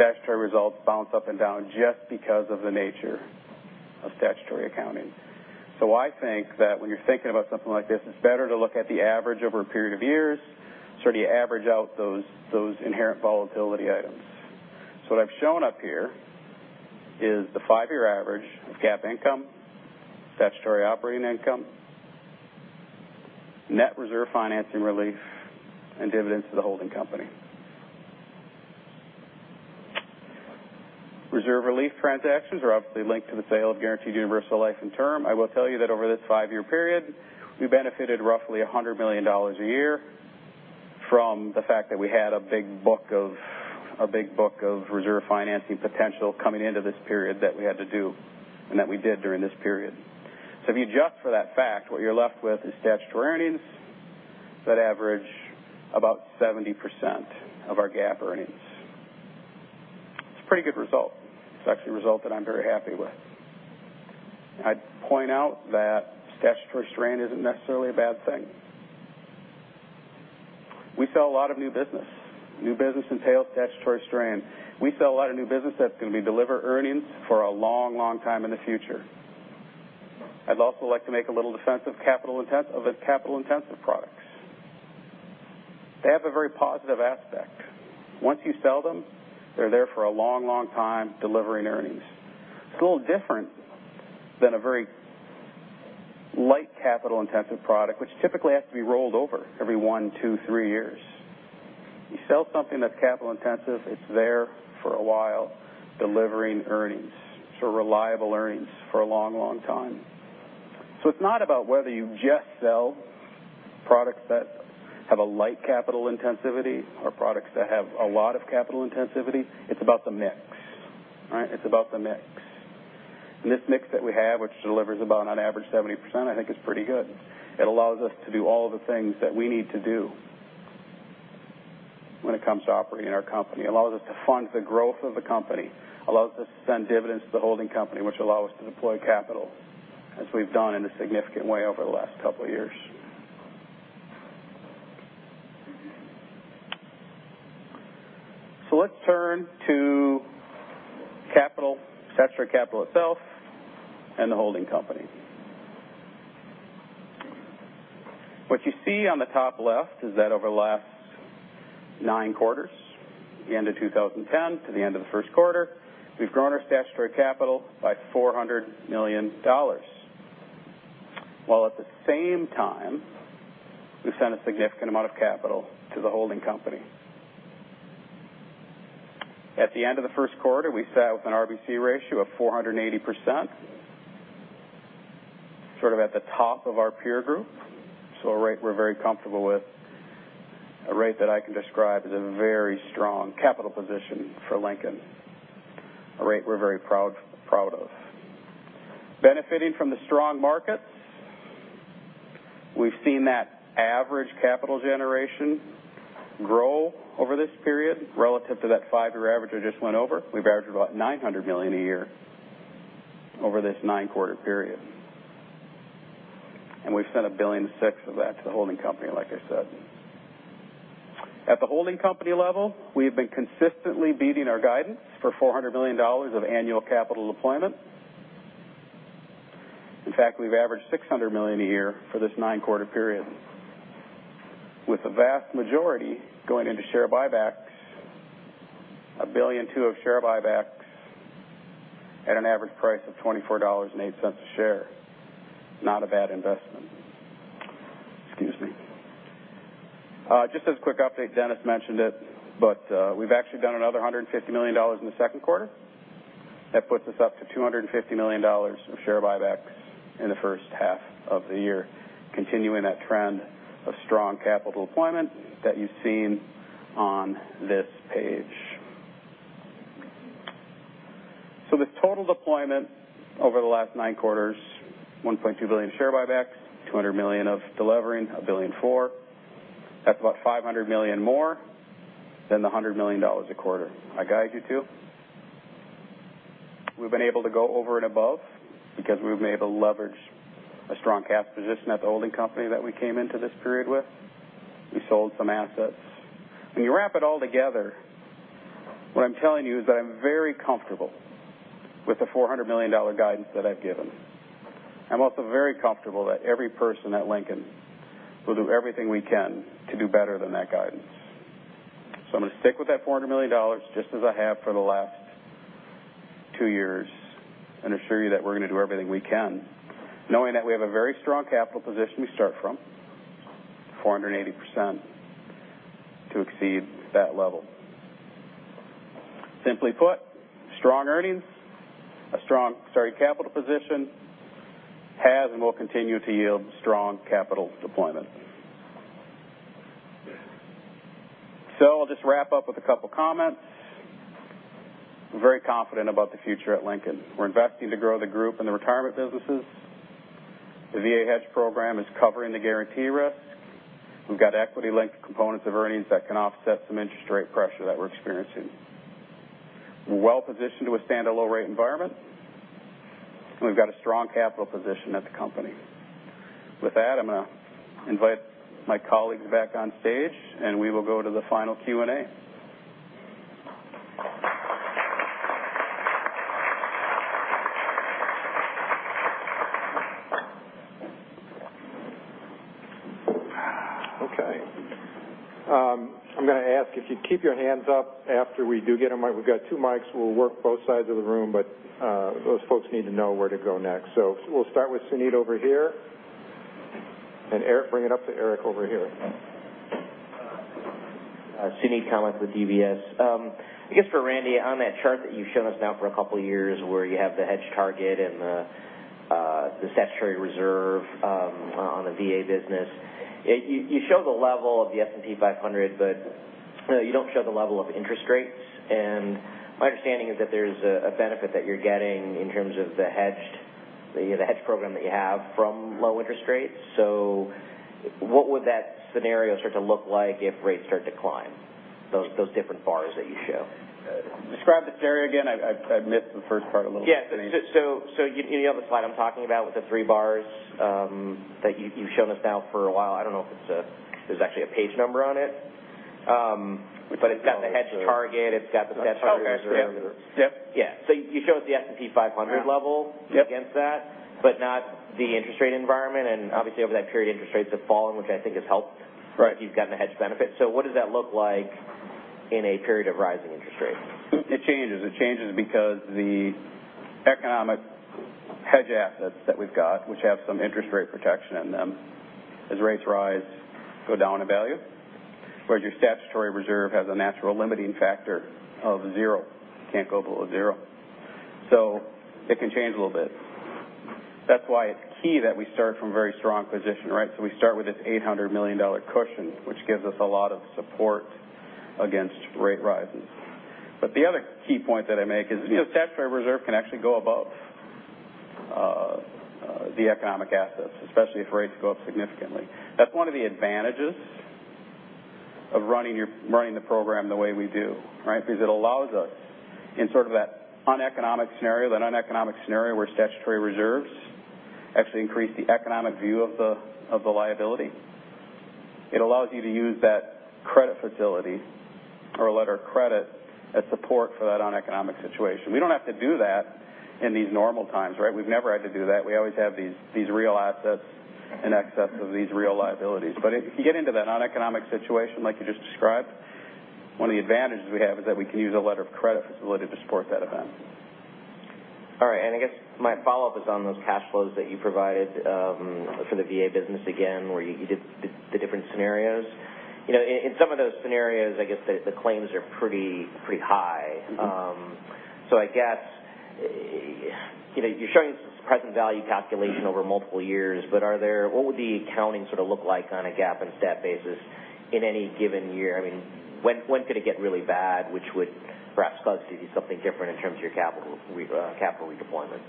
statutory results bounce up and down just because of the nature of statutory accounting. I think that when you're thinking about something like this, it's better to look at the average over a period of years, sort of average out those inherent volatility items. What I've shown up here is the five-year average of GAAP income, statutory operating income, net reserve financing relief, and dividends to the holding company. Reserve relief transactions are obviously linked to the sale of Guaranteed Universal Life and Term. I will tell you that over this five-year period, we benefited roughly $100 million a year from the fact that we had a big book of reserve financing potential coming into this period that we had to do, and that we did during this period. If you adjust for that fact, what you're left with is statutory earnings that average about 70% of our GAAP earnings. It's a pretty good result. It's actually a result that I'm very happy with. I'd point out that statutory strain isn't necessarily a bad thing. We sell a lot of new business. New business entails statutory strain. We sell a lot of new business that's going to be deliver earnings for a long time in the future. I'd also like to make a little defense of capital intensive products. They have a very positive aspect. Once you sell them, they're there for a long time delivering earnings. It's a little different than a very light capital intensive product, which typically has to be rolled over every one, two, three years. You sell something that's capital intensive, it's there for a while, delivering earnings. Reliable earnings for a long time. It's not about whether you just sell products that have a light capital intensivity or products that have a lot of capital intensivity. It's about the mix. Right? It's about the mix. This mix that we have, which delivers about on average 70%, I think is pretty good. It allows us to do all the things that we need to do when it comes to operating our company. Allows us to fund the growth of the company, allows us to send dividends to the holding company, which allow us to deploy capital as we've done in a significant way over the last couple of years. Let's turn to statutory capital itself and the holding company. What you see on the top left is that over the last 9 quarters, the end of 2010 to the end of the first quarter, we've grown our statutory capital by $400 million. While at the same time, we've sent a significant amount of capital to the holding company. At the end of the first quarter, we sat with an RBC ratio of 480%, sort of at the top of our peer group. A rate we're very comfortable with, a rate that I can describe as a very strong capital position for Lincoln. A rate we're very proud of. Benefiting from the strong markets, we've seen that average capital generation grow over this period relative to that five-year average I just went over. We've averaged about $900 million a year over this 9-quarter period. We've sent $1.6 billion of that to the holding company, like I said. At the holding company level, we have been consistently beating our guidance for $400 million of annual capital deployment. In fact, we've averaged $600 million a year for this 9-quarter period, with the vast majority going into share buybacks, $1.2 billion of share buybacks at an average price of $24.08 a share. Not a bad investment. Excuse me. Just as a quick update, Dennis mentioned it, but we've actually done another $150 million in the second quarter. That puts us up to $250 million of share buybacks in the first half of the year, continuing that trend of strong capital deployment that you've seen on this page. The total deployment over the last 9 quarters, $1.2 billion share buybacks, $200 million of delivering, $1.4 billion. That's about $500 million more than the $100 million a quarter I guide you to. We've been able to go over and above because we've been able to leverage a strong cash position at the holding company that we came into this period with. We sold some assets. When you wrap it all together, what I'm telling you is that I'm very comfortable with the $400 million guidance that I've given. I'm also very comfortable that every person at Lincoln will do everything we can to do better than that guidance. I'm going to stick with that $400 million, just as I have for the last two years and assure you that we're going to do everything we can, knowing that we have a very strong capital position we start from, 480%, to exceed that level. Simply put, strong earnings, a strong capital position has and will continue to yield strong capital deployment. I'll just wrap up with a couple comments. I'm very confident about the future at Lincoln. We're investing to grow the group and the retirement businesses. The VA hedge program is covering the guarantee risk. We've got equity-linked components of earnings that can offset some interest rate pressure that we're experiencing. We're well-positioned to withstand a low-rate environment, and we've got a strong capital position at the company. With that, I'm going to invite my colleagues back on stage, and we will go to the final Q&A. Okay. I'm going to ask if you keep your hands up after we do get a mic. We've got two mics. We'll work both sides of the room, but those folks need to know where to go next. We'll start with Suneet over here, and bring it up to Eric over here. Suneet Kamath with UBS. I guess for Randy, on that chart that you've shown us now for a couple of years, where you have the hedge target and the statutory reserve on the VA business. You show the level of the S&P 500, but you don't show the level of interest rates. My understanding is that there's a benefit that you're getting in terms of the hedged program that you have from low interest rates. What would that scenario start to look like if rates start to climb, those different bars that you show? Describe the scenario again. I missed the first part a little bit. Yeah. You know the slide I'm talking about with the three bars that you've shown us now for a while. I don't know if there's actually a page number on it. It's got the hedge target, it's got the statutory reserve. Okay. Yep. Yeah. You show us the S&P 500 level- Yep against that, but not the interest rate environment. Obviously over that period, interest rates have fallen, which I think has helped. Right. You've gotten the hedge benefit. What does that look like in a period of rising interest rates? It changes. It changes because the economic hedge assets that we've got, which have some interest rate protection in them, as rates rise, go down in value. Whereas your statutory reserve has a natural limiting factor of zero. Can't go below zero. It can change a little bit. That's why it's key that we start from a very strong position, right? We start with this $800 million cushion, which gives us a lot of support against rate rises. The other key point that I make is statutory reserve can actually go above the economic assets, especially if rates go up significantly. That's one of the advantages of running the program the way we do, right? Because it allows us in sort of that uneconomic scenario, that uneconomic scenario where statutory reserves actually increase the economic view of the liability. It allows you to use that credit facility or a letter of credit as support for that uneconomic situation. We don't have to do that in these normal times, right? We've never had to do that. We always have these real assets in excess of these real liabilities. If you get into that uneconomic situation like you just described, one of the advantages we have is that we can use a letter of credit facility to support that event. All right. I guess my follow-up is on those cash flows that you provided for the VA business again, where you did the different scenarios. In some of those scenarios, I guess the claims are pretty high. I guess, you're showing present value calculation over multiple years, but what would the accounting sort of look like on a GAAP and stat basis in any given year? When could it get really bad, which would perhaps cause you to do something different in terms of your capital redeployment?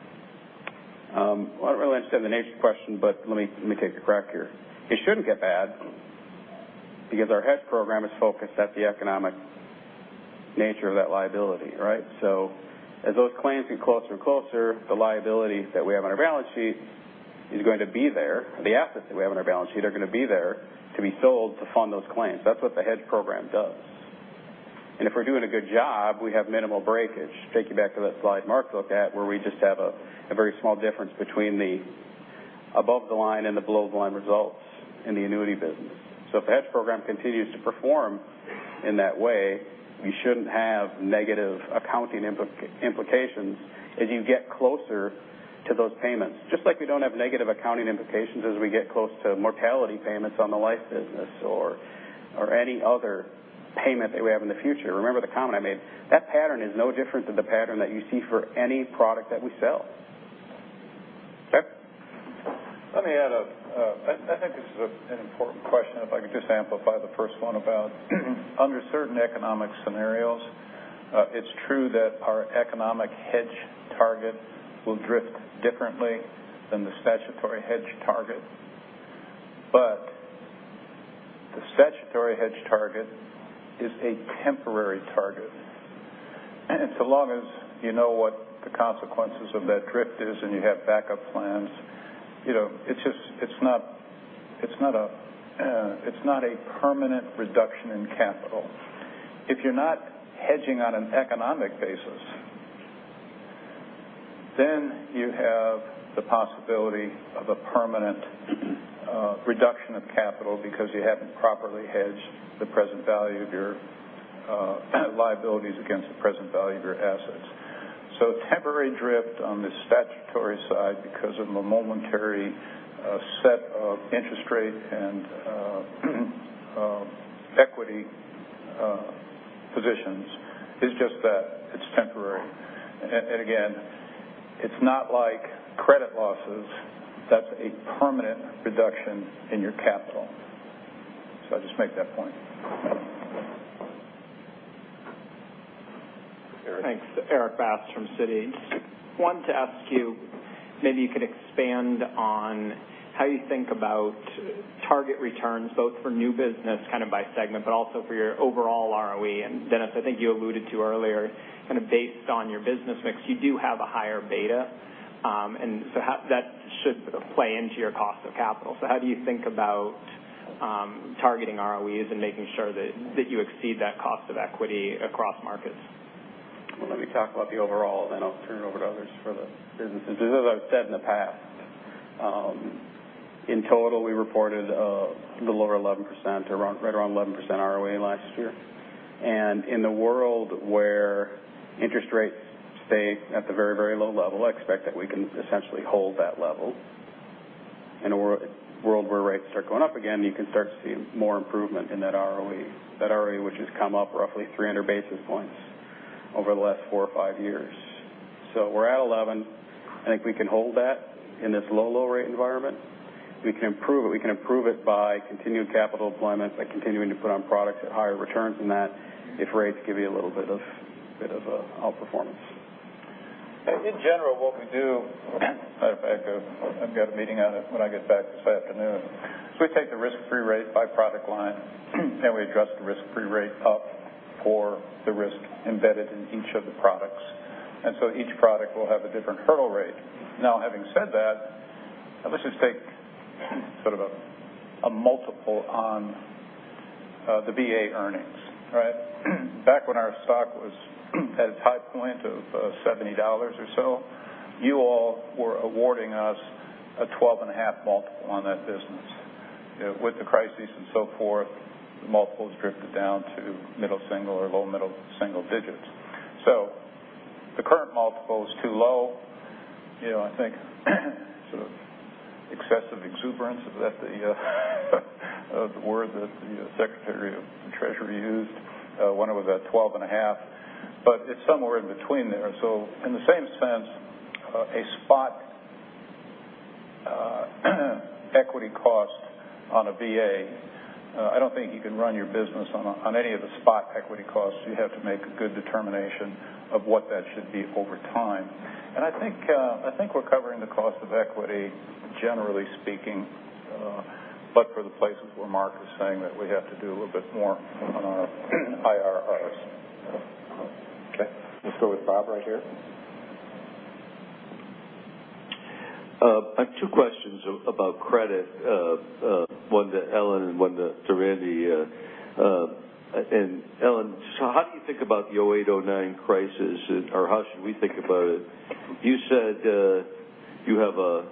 I don't really understand the nature of the question, but let me take a crack here. It shouldn't get bad because our hedge program is focused at the economic nature of that liability, right? As those claims get closer and closer, the liability that we have on our balance sheet is going to be there. The assets that we have on our balance sheet are going to be there to be sold to fund those claims. That's what the hedge program does. If we're doing a good job, we have minimal breakage. Take you back to that slide Mark looked at, where we just have a very small difference between the above the line and the below the line results in the annuity business. If the hedge program continues to perform in that way, we shouldn't have negative accounting implications as you get closer to those payments. Just like we don't have negative accounting implications as we get close to mortality payments on the life business or any other payment that we have in the future. Remember the comment I made. That pattern is no different than the pattern that you see for any product that we sell. Yep. Let me add. I think this is an important question, if I could just amplify the first one. Under certain economic scenarios, it's true that our economic hedge target will drift differently than the statutory hedge target. The statutory hedge target is a temporary target. So long as you know what the consequences of that drift is and you have backup plans, it's not a permanent reduction in capital. If you're not hedging on an economic basis, then you have the possibility of a permanent reduction of capital because you haven't properly hedged the present value of your liabilities against the present value of your assets. Temporary drift on the statutory side because of a momentary set of interest rate and equity positions is just that. It's temporary. Again, it's not like credit losses. That's a permanent reduction in your capital. I'll just make that point. Eric. Thanks. Eric Bass from Citi. Wanted to ask you, maybe you could expand on how you think about target returns, both for new business kind of by segment, but also for your overall ROE. Dennis, I think you alluded to earlier, kind of based on your business mix, you do have a higher beta. That should play into your cost of capital. How do you think about targeting ROEs and making sure that you exceed that cost of equity across markets. Well, let me talk about the overall, I'll turn it over to others for the businesses. As I've said in the past, in total, we reported the lower 11%, right around 11% ROA last year. In the world where interest rates stay at the very low level, I expect that we can essentially hold that level. In a world where rates start going up again, you can start to see more improvement in that ROE. That ROE, which has come up roughly 300 basis points over the last four or five years. We're at 11. I think we can hold that in this low rate environment. We can improve it by continued capital deployment, by continuing to put on products at higher returns than that if rates give you a little bit of outperformance. In general, what we do, matter of fact, I've got a meeting on it when I get back this afternoon. We take the risk-free rate by product line, we adjust the risk-free rate up for the risk embedded in each of the products. Each product will have a different hurdle rate. Now, having said that, let's just take sort of a multiple on the VA earnings. Back when our stock was at its high point of $70 or so, you all were awarding us a 12 and a half multiple on that business. With the crisis and so forth, the multiple has drifted down to middle single or low middle single digits. The current multiple is too low. I think sort of excessive exuberance. Is that the word that the Secretary of the Treasury used when it was at 12 and a half? It's somewhere in between there. In the same sense, a spot equity cost on a VA, I don't think you can run your business on any of the spot equity costs. You have to make a good determination of what that should be over time. I think we're covering the cost of equity, generally speaking, but for the places where Mark was saying that we have to do a little bit more on our IRRs. Let's go with Bob right here. I have two questions about credit, one to Ellen and one to Randy. Ellen, how do you think about the 2008, 2009 crisis, or how should we think about it? You said you have a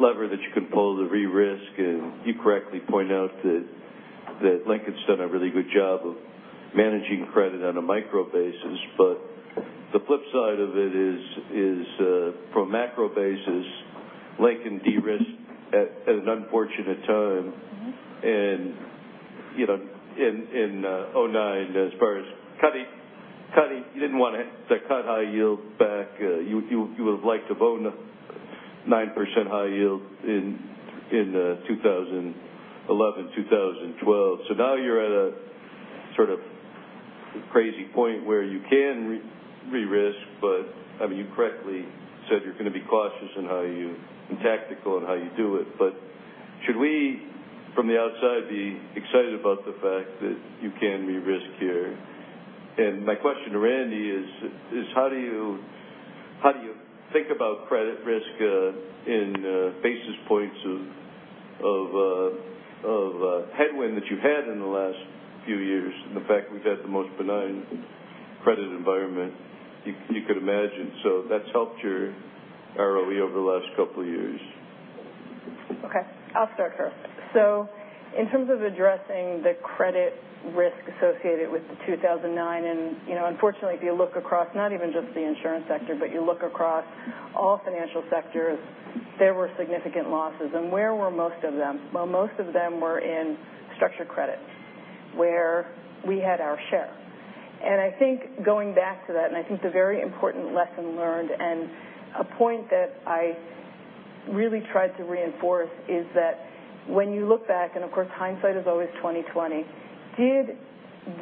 lever that you can pull to re-risk, and you correctly point out that Lincoln's done a really good job of managing credit on a micro basis. The flip side of it is from a macro basis, Lincoln de-risked at an unfortunate time. In 2009, as far as cutting, you didn't want to cut high yields back. You would've liked to have owned a 9% high yield in 2011, 2012. Now you're at a sort of crazy point where you can re-risk but you correctly said you're going to be cautious and tactical in how you do it. Should we, from the outside, be excited about the fact that you can re-risk here? My question to Randy is how do you think about credit risk in basis points of headwind that you had in the last few years, and the fact we've had the most benign credit environment you could imagine? That's helped your ROE over the last couple of years. In terms of addressing the credit risk associated with 2009. Unfortunately, if you look across not even just the insurance sector, but you look across all financial sectors, there were significant losses. Where were most of them? Well, most of them were in structured credit, where we had our share. I think going back to that. I think the very important lesson learned and a point that I really tried to reinforce is that when you look back, and of course, hindsight is always 20/20, did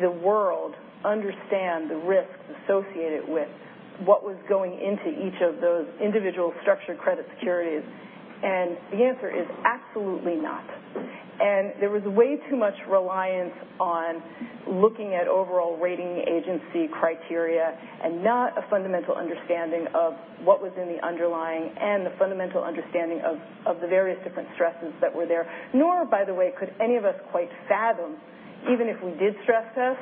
the world understand the risks associated with what was going into each of those individual structured credit securities? The answer is absolutely not. There was way too much reliance on looking at overall rating agency criteria and not a fundamental understanding of what was in the underlying and the fundamental understanding of the various different stresses that were there. Nor, by the way, could any of us quite fathom, even if we did stress test,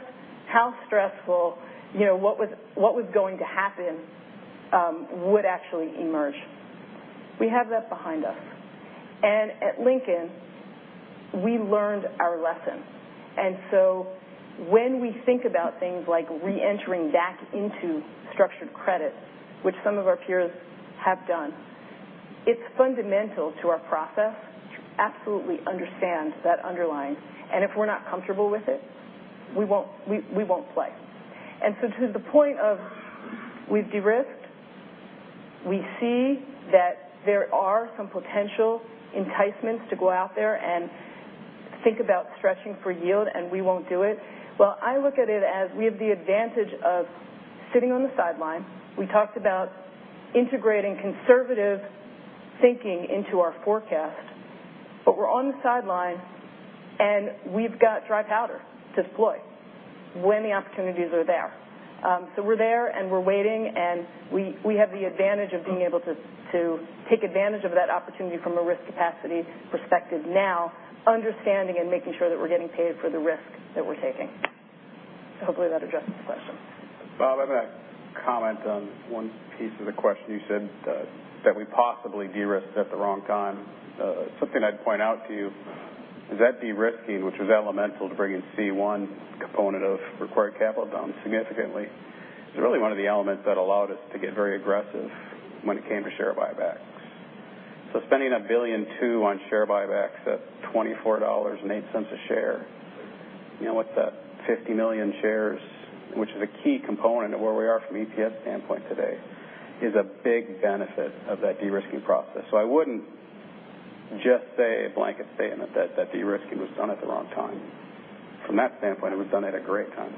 how stressful what was going to happen would actually emerge. We have that behind us. At Lincoln, we learned our lesson. When we think about things like re-entering back into structured credit, which some of our peers have done, it's fundamental to our process to absolutely understand that underlying. If we're not comfortable with it, we won't play. To the point of we've de-risked, we see that there are some potential enticements to go out there and think about stretching for yield. We won't do it. Well, I look at it as we have the advantage of sitting on the sideline. We talked about integrating conservative thinking into our forecast, but we're on the sideline. We've got dry powder to deploy. When the opportunities are there. We're there and we're waiting. We have the advantage of being able to take advantage of that opportunity from a risk capacity perspective now, understanding and making sure that we're getting paid for the risk that we're taking. Hopefully that addresses the question. Bob, I'm going to comment on one piece of the question. You said that we possibly de-risked at the wrong time. Something I'd point out to you is that de-risking, which was elemental to bringing C1 component of required capital down significantly, is really one of the elements that allowed us to get very aggressive when it came to share buybacks. Spending $1.2 billion on share buybacks at $24.08 a share, what's that, 50 million shares, which is a key component of where we are from an EPS standpoint today, is a big benefit of that de-risking process. I wouldn't just say a blanket statement that de-risking was done at the wrong time. From that standpoint, it was done at a great time.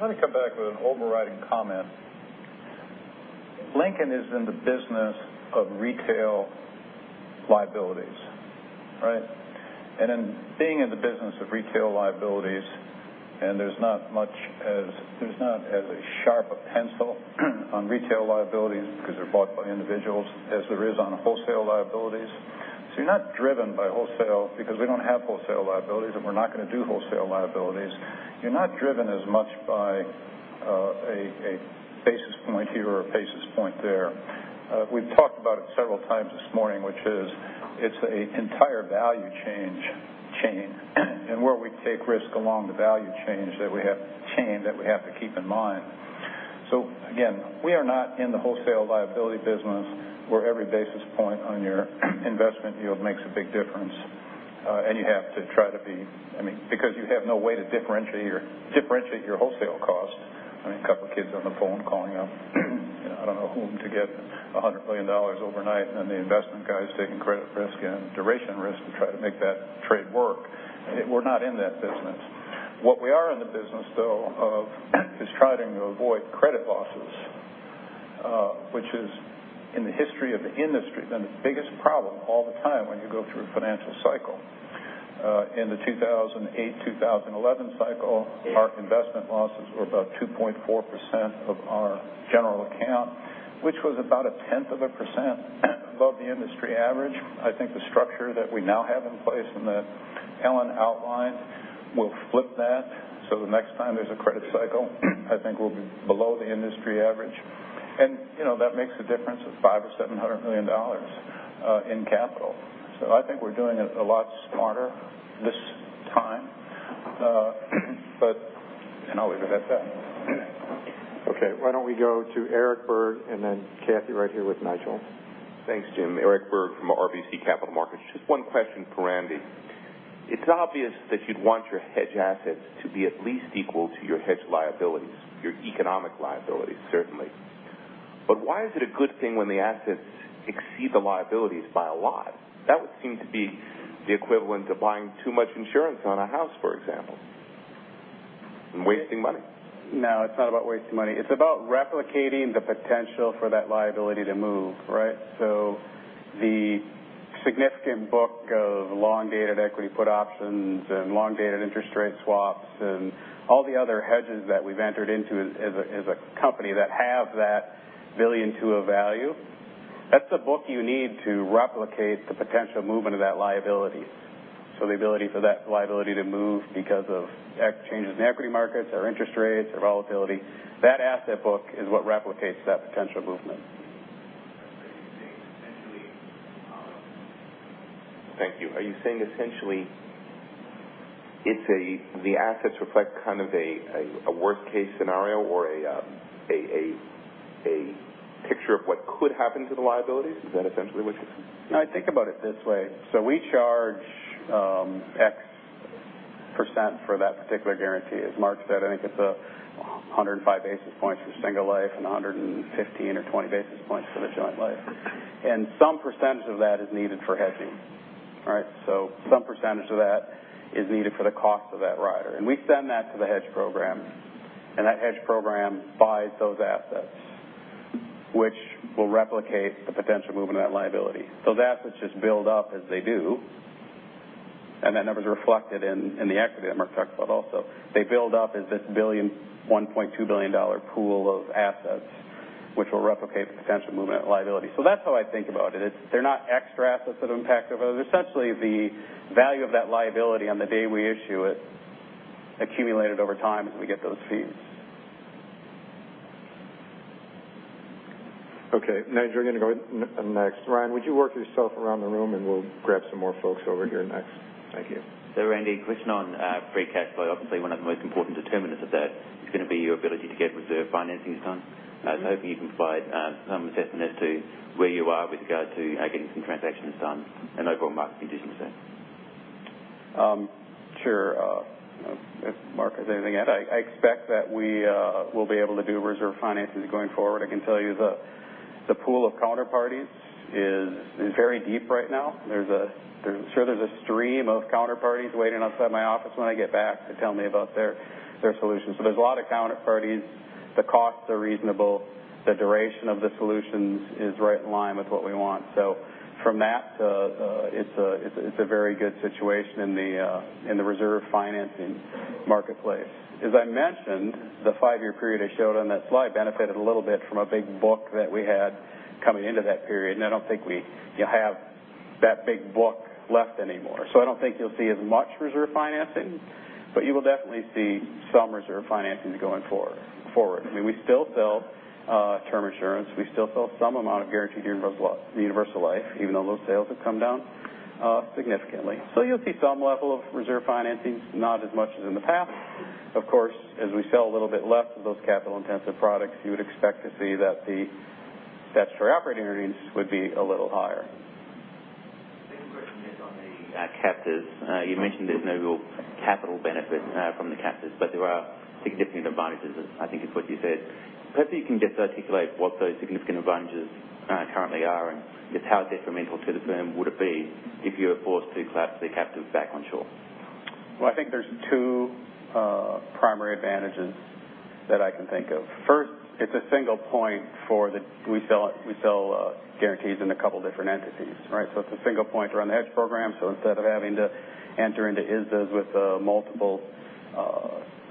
Let me come back with an overriding comment. Lincoln is in the business of retail liabilities, right? In being in the business of retail liabilities, and there's not as sharp a pencil on retail liabilities because they're bought by individuals as there is on wholesale liabilities. You're not driven by wholesale because we don't have wholesale liabilities, and we're not going to do wholesale liabilities. You're not driven as much by a basis point here or a basis point there. We've talked about it several times this morning, which is it's an entire value chain, and where we take risk along the value chain that we have to keep in mind. Again, we are not in the wholesale liability business where every basis point on your investment yield makes a big difference. Because you have no way to differentiate your wholesale cost. A couple of kids on the phone calling up, I don't know whom to get $100 million overnight, and then the investment guy's taking credit risk and duration risk to try to make that trade work. We're not in that business. What we are in the business, though, of is trying to avoid credit losses, which is, in the history of the industry, been the biggest problem all the time when you go through a financial cycle. In the 2008/2011 cycle, our investment losses were about 2.4% of our general account, which was about a tenth of a percent above the industry average. I think the structure that we now have in place and that Ellen outlined will flip that, the next time there's a credit cycle, I think we'll be below the industry average. That makes a difference of $500 or $700 million in capital. I think we're doing it a lot smarter this time. I'll leave it at that. Okay. Why don't we go to Eric Berg and then y right here with Nigel. Thanks, Jim. Eric Berg from RBC Capital Markets. Just one question for Randy. It's obvious that you'd want your hedge assets to be at least equal to your hedge liabilities, your economic liabilities, certainly. Why is it a good thing when the assets exceed the liabilities by a lot? That would seem to be the equivalent of buying too much insurance on a house, for example, and wasting money. No, it's not about wasting money. It's about replicating the potential for that liability to move, right? The significant book of long-dated equity put options and long-dated interest rate swaps and all the other hedges that we've entered into as a company that have that $1.2 billion of value, that's the book you need to replicate the potential movement of that liability. The ability for that liability to move because of changes in equity markets or interest rates or volatility, that asset book is what replicates that potential movement. Thank you. Are you saying essentially the assets reflect kind of a worst-case scenario or a picture of what could happen to the liabilities? Is that essentially what you're saying? No, think about it this way. We charge X% for that particular guarantee. As Mark said, I think it's 105 basis points for single life and 115 or 120 basis points for the joint life. Some % of that is needed for hedging. Some % of that is needed for the cost of that rider. We send that to the hedge program, and that hedge program buys those assets, which will replicate the potential movement of that liability. Those assets just build up as they do, and that number's reflected in the equity that Mark talked about also. They build up as this $1.2 billion pool of assets, which will replicate the potential movement of liability. That's how I think about it. They're not extra assets that impact it. They're essentially the value of that liability on the day we issue it, accumulated over time as we get those fees. Okay. Nigel, you're going to go next. Ryan, would you work yourself around the room, and we'll grab some more folks over here next. Thank you. Randy, question on free cash flow. Obviously, one of the most important determinants of that is going to be your ability to get reserve financings done. I was hoping you can provide some assessment as to where you are with regard to getting some transactions done and overall market conditions there. Sure. If Mark has anything to add. I expect that we will be able to do reserve financings going forward. I can tell you the pool of counterparties is very deep right now. I'm sure there's a stream of counterparties waiting outside my office when I get back to tell me about Their solutions. There's a lot of counterparties. The costs are reasonable. The duration of the solutions is right in line with what we want. From that, it's a very good situation in the reserve financing marketplace. As I mentioned, the five-year period I showed on that slide benefited a little bit from a big book that we had coming into that period. I don't think we have that big book left anymore. I don't think you'll see as much reserve financing, but you will definitely see some reserve financing going forward. We still sell Term Insurance. We still sell some amount of Guaranteed Universal Life, even though those sales have come down significantly. You'll see some level of reserve financing, not as much as in the past. Of course, as we sell a little bit less of those capital-intensive products, you would expect to see that the statutory operating earnings would be a little higher. Second question is on the captives. You mentioned there's no real capital benefit from the captives, but there are significant advantages, I think is what you said. Perhaps you can just articulate what those significant advantages currently are, and just how detrimental to the firm would it be if you were forced to clap the captives back onshore? Well, I think there's two primary advantages that I can think of. First, it's a single point for the. We sell guarantees in a couple different entities. It's a single point to run the hedge program. Instead of having to enter into ISDA with multiple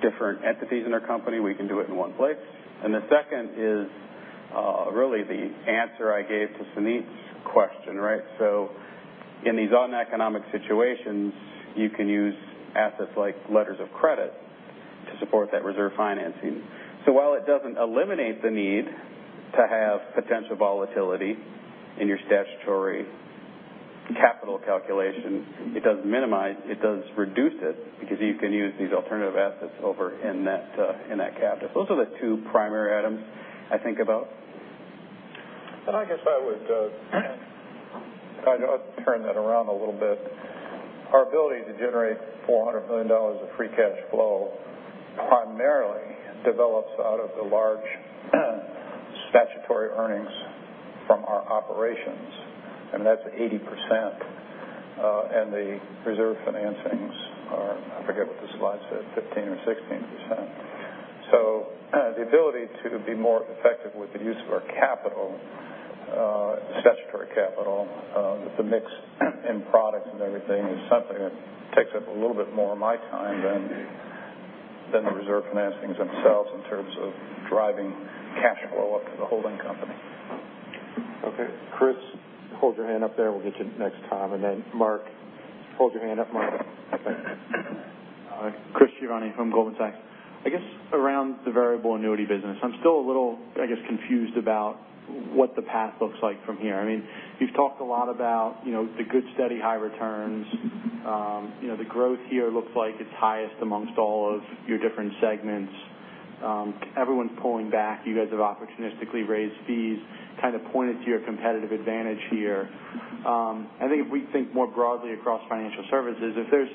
different entities in our company, we can do it in one place. The second is really the answer I gave to Suneet's question. In these odd economic situations, you can use assets like letters of credit to support that reserve financing. While it doesn't eliminate the need to have potential volatility in your statutory capital calculation, it does minimize, it does reduce it because you can use these alternative assets over in that captive. Those are the two primary items I think about. I guess I would turn that around a little bit. Our ability to generate $400 million of free cash flow primarily develops out of the large statutory earnings from our operations, and that's 80%. The reserve financings are, I forget what the slide said, 15% or 16%. The ability to be more effective with the use of our capital, statutory capital with the mix in products and everything is something that takes up a little bit more of my time than the reserve financings themselves in terms of driving cash flow up to the holding company. Okay. Chris, hold your hand up there. We'll get you next, Tom. Then Mark, hold your hand up, Mark. Chris Giovanni from Goldman Sachs. I guess around the variable annuity business, I'm still a little, I guess, confused about what the path looks like from here. You've talked a lot about the good, steady, high returns. The growth here looks like it's highest amongst all of your different segments. Everyone's pulling back. You guys have opportunistically raised fees, kind of pointed to your competitive advantage here. I think if we think more broadly across financial services, if there's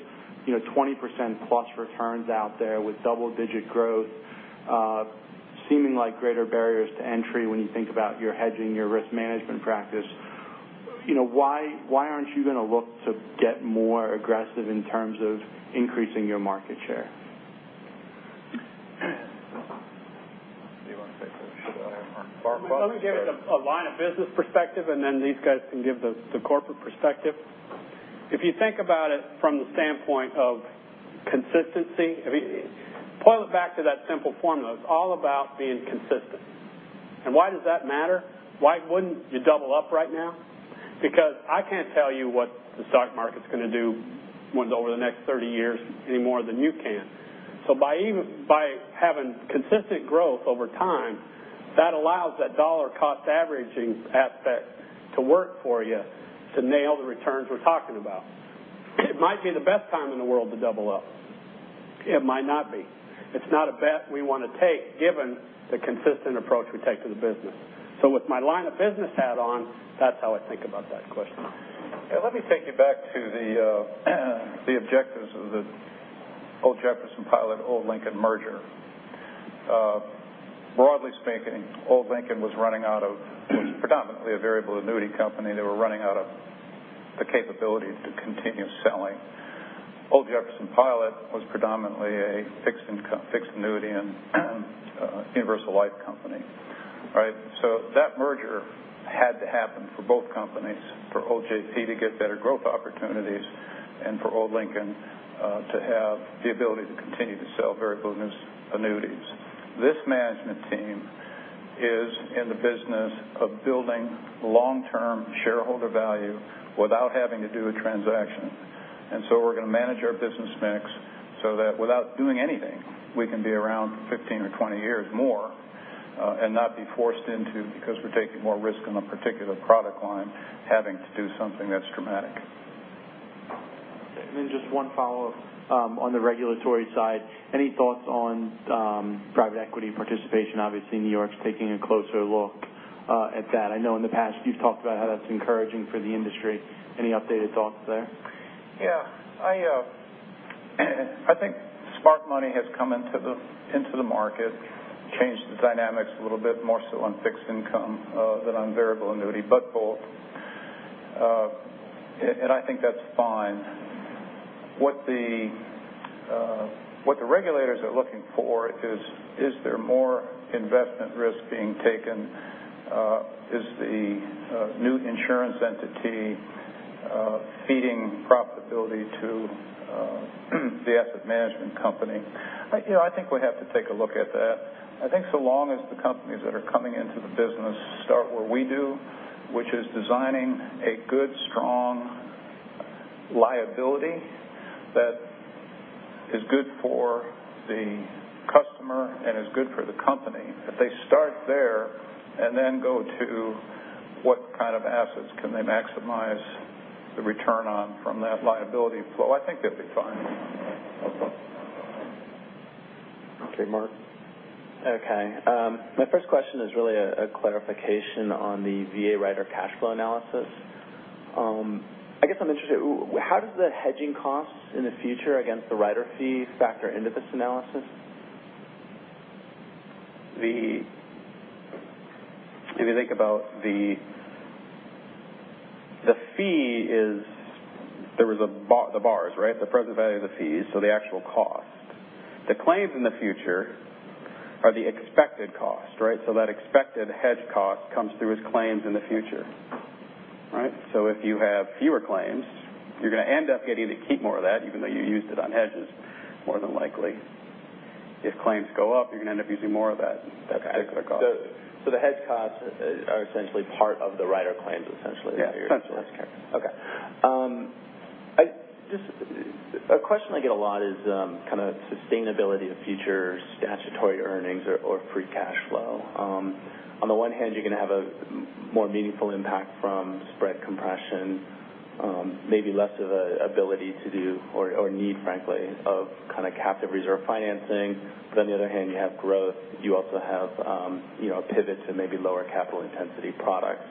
20%+ returns out there with double-digit growth, seeming like greater barriers to entry when you think about your hedging, your risk management practice. Why aren't you going to look to get more aggressive in terms of increasing your market share? Do you want to take this? Let me give a line of business perspective, then these guys can give the corporate perspective. If you think about it from the standpoint of consistency, pull it back to that simple formula. It's all about being consistent. Why does that matter? Why wouldn't you double up right now? Because I can't tell you what the stock market's going to do over the next 30 years any more than you can. By having consistent growth over time, that allows that dollar cost averaging aspect to work for you to nail the returns we're talking about. It might be the best time in the world to double up. It might not be. It's not a bet we want to take given the consistent approach we take to the business. With my line of business hat on, that's how I think about that question. Let me take you back to the objectives of the Old Jefferson Pilot, Old Lincoln merger. Broadly speaking, Old Lincoln was predominantly a variable annuity company. They were running out of the capability to continue selling. Old Jefferson Pilot was predominantly a fixed annuity and universal life company. That merger had to happen for both companies, for OJP to get better growth opportunities and for Old Lincoln to have the ability to continue to sell variable annuities. This management team is in the business of building long-term shareholder value without having to do a transaction. We're going to manage our business mix so that without doing anything, we can be around for 15 or 20 years more and not be forced into, because we're taking more risk in a particular product line, having to do something that's dramatic. Just one follow-up. On the regulatory side, any thoughts on private equity participation? Obviously, New York's taking a closer look at that. I know in the past you've talked about how that's encouraging for the industry. Any updated thoughts there? Yeah. I think smart money has come into the market, changed the dynamics a little bit more so on fixed income than on variable annuity, but both. I think that's fine. What the regulators are looking for is there more investment risk being taken? Is the new insurance entity feeding profitability to the asset management company? I think we have to take a look at that. I think so long as the companies that are coming into the business start where we do, which is designing a good, strong liability that is good for the customer and is good for the company. If they start there and then go to what kind of assets can they maximize the return on from that liability flow, I think they'll be fine. Okay, Mark. Okay. My first question is really a clarification on the VA rider cash flow analysis. I guess I'm interested, how does the hedging costs in the future against the rider fee factor into this analysis? If you think about the fee is, there was the bars, right? The present value of the fees, the actual cost. The claims in the future are the expected cost, right? That expected hedge cost comes through as claims in the future. Right? If you have fewer claims, you're going to end up getting to keep more of that, even though you used it on hedges, more than likely. If claims go up, you're going to end up using more of that. That's a clear cost. The hedge costs are essentially part of the rider claims, essentially. Yeah, essentially. Okay. A question I get a lot is kind of sustainability of future statutory earnings or free cash flow. On the one hand, you're going to have a more meaningful impact from spread compression, maybe less of an ability to do or need, frankly, of kind of captive reserve financing. On the other hand, you have growth. You also have a pivot to maybe lower capital intensity products.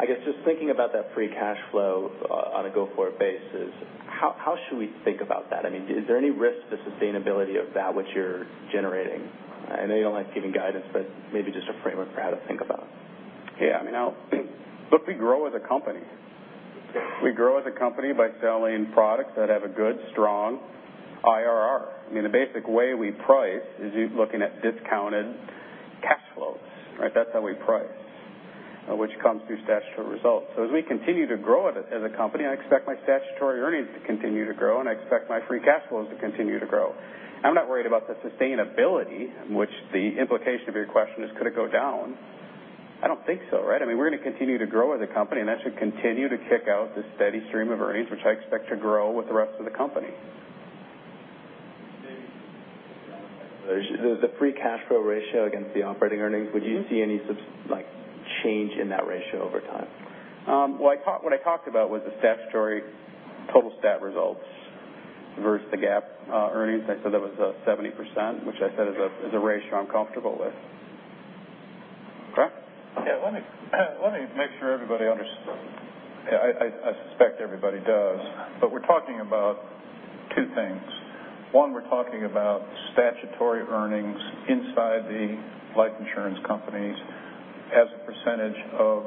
I guess just thinking about that free cash flow on a go-forward basis, how should we think about that? I mean, is there any risk to sustainability of that which you're generating? I know you don't like giving guidance, maybe just a framework for how to think about it. Yeah. Look, we grow as a company. We grow as a company by selling products that have a good, strong IRR. I mean, the basic way we price is you looking at discounted cash flows, right? That's how we price. Which comes through statutory results. As we continue to grow as a company, I expect my statutory earnings to continue to grow, and I expect my free cash flows to continue to grow. I'm not worried about the sustainability, which the implication of your question is, could it go down? I don't think so, right? I mean, we're going to continue to grow as a company, and that should continue to kick out the steady stream of earnings, which I expect to grow with the rest of the company. The free cash flow ratio against the operating earnings. Would you see any sort of change in that ratio over time? What I talked about was the statutory total stat results versus the GAAP earnings. I said that was a 70%, which I said is a ratio I'm comfortable with. Craig? Yeah. Let me make sure everybody understands. I suspect everybody does. We're talking about two things. One, we're talking about statutory earnings inside the life insurance companies as a percentage of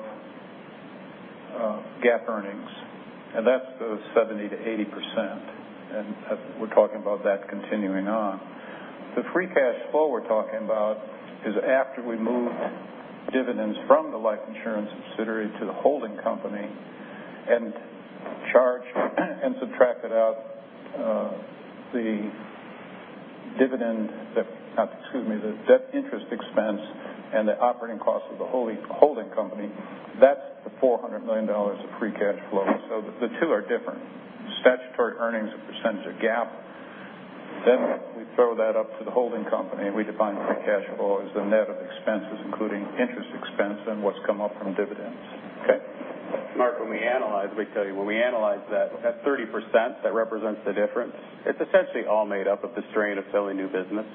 GAAP earnings, and that's the 70%-80%. We're talking about that continuing on. The free cash flow we're talking about is after we moved dividends from the life insurance subsidiary to the holding company and charged and subtracted out the debt interest expense and the operating cost of the holding company. That's the $400 million of free cash flow. The two are different. Statutory earnings, a percentage of GAAP. We throw that up to the holding company, and we define free cash flow as the net of expenses, including interest expense and what's come up from dividends. Okay. Mark, when we analyze, let me tell you, when we analyze that 30% that represents the difference, it's essentially all made up of the strain of selling new business.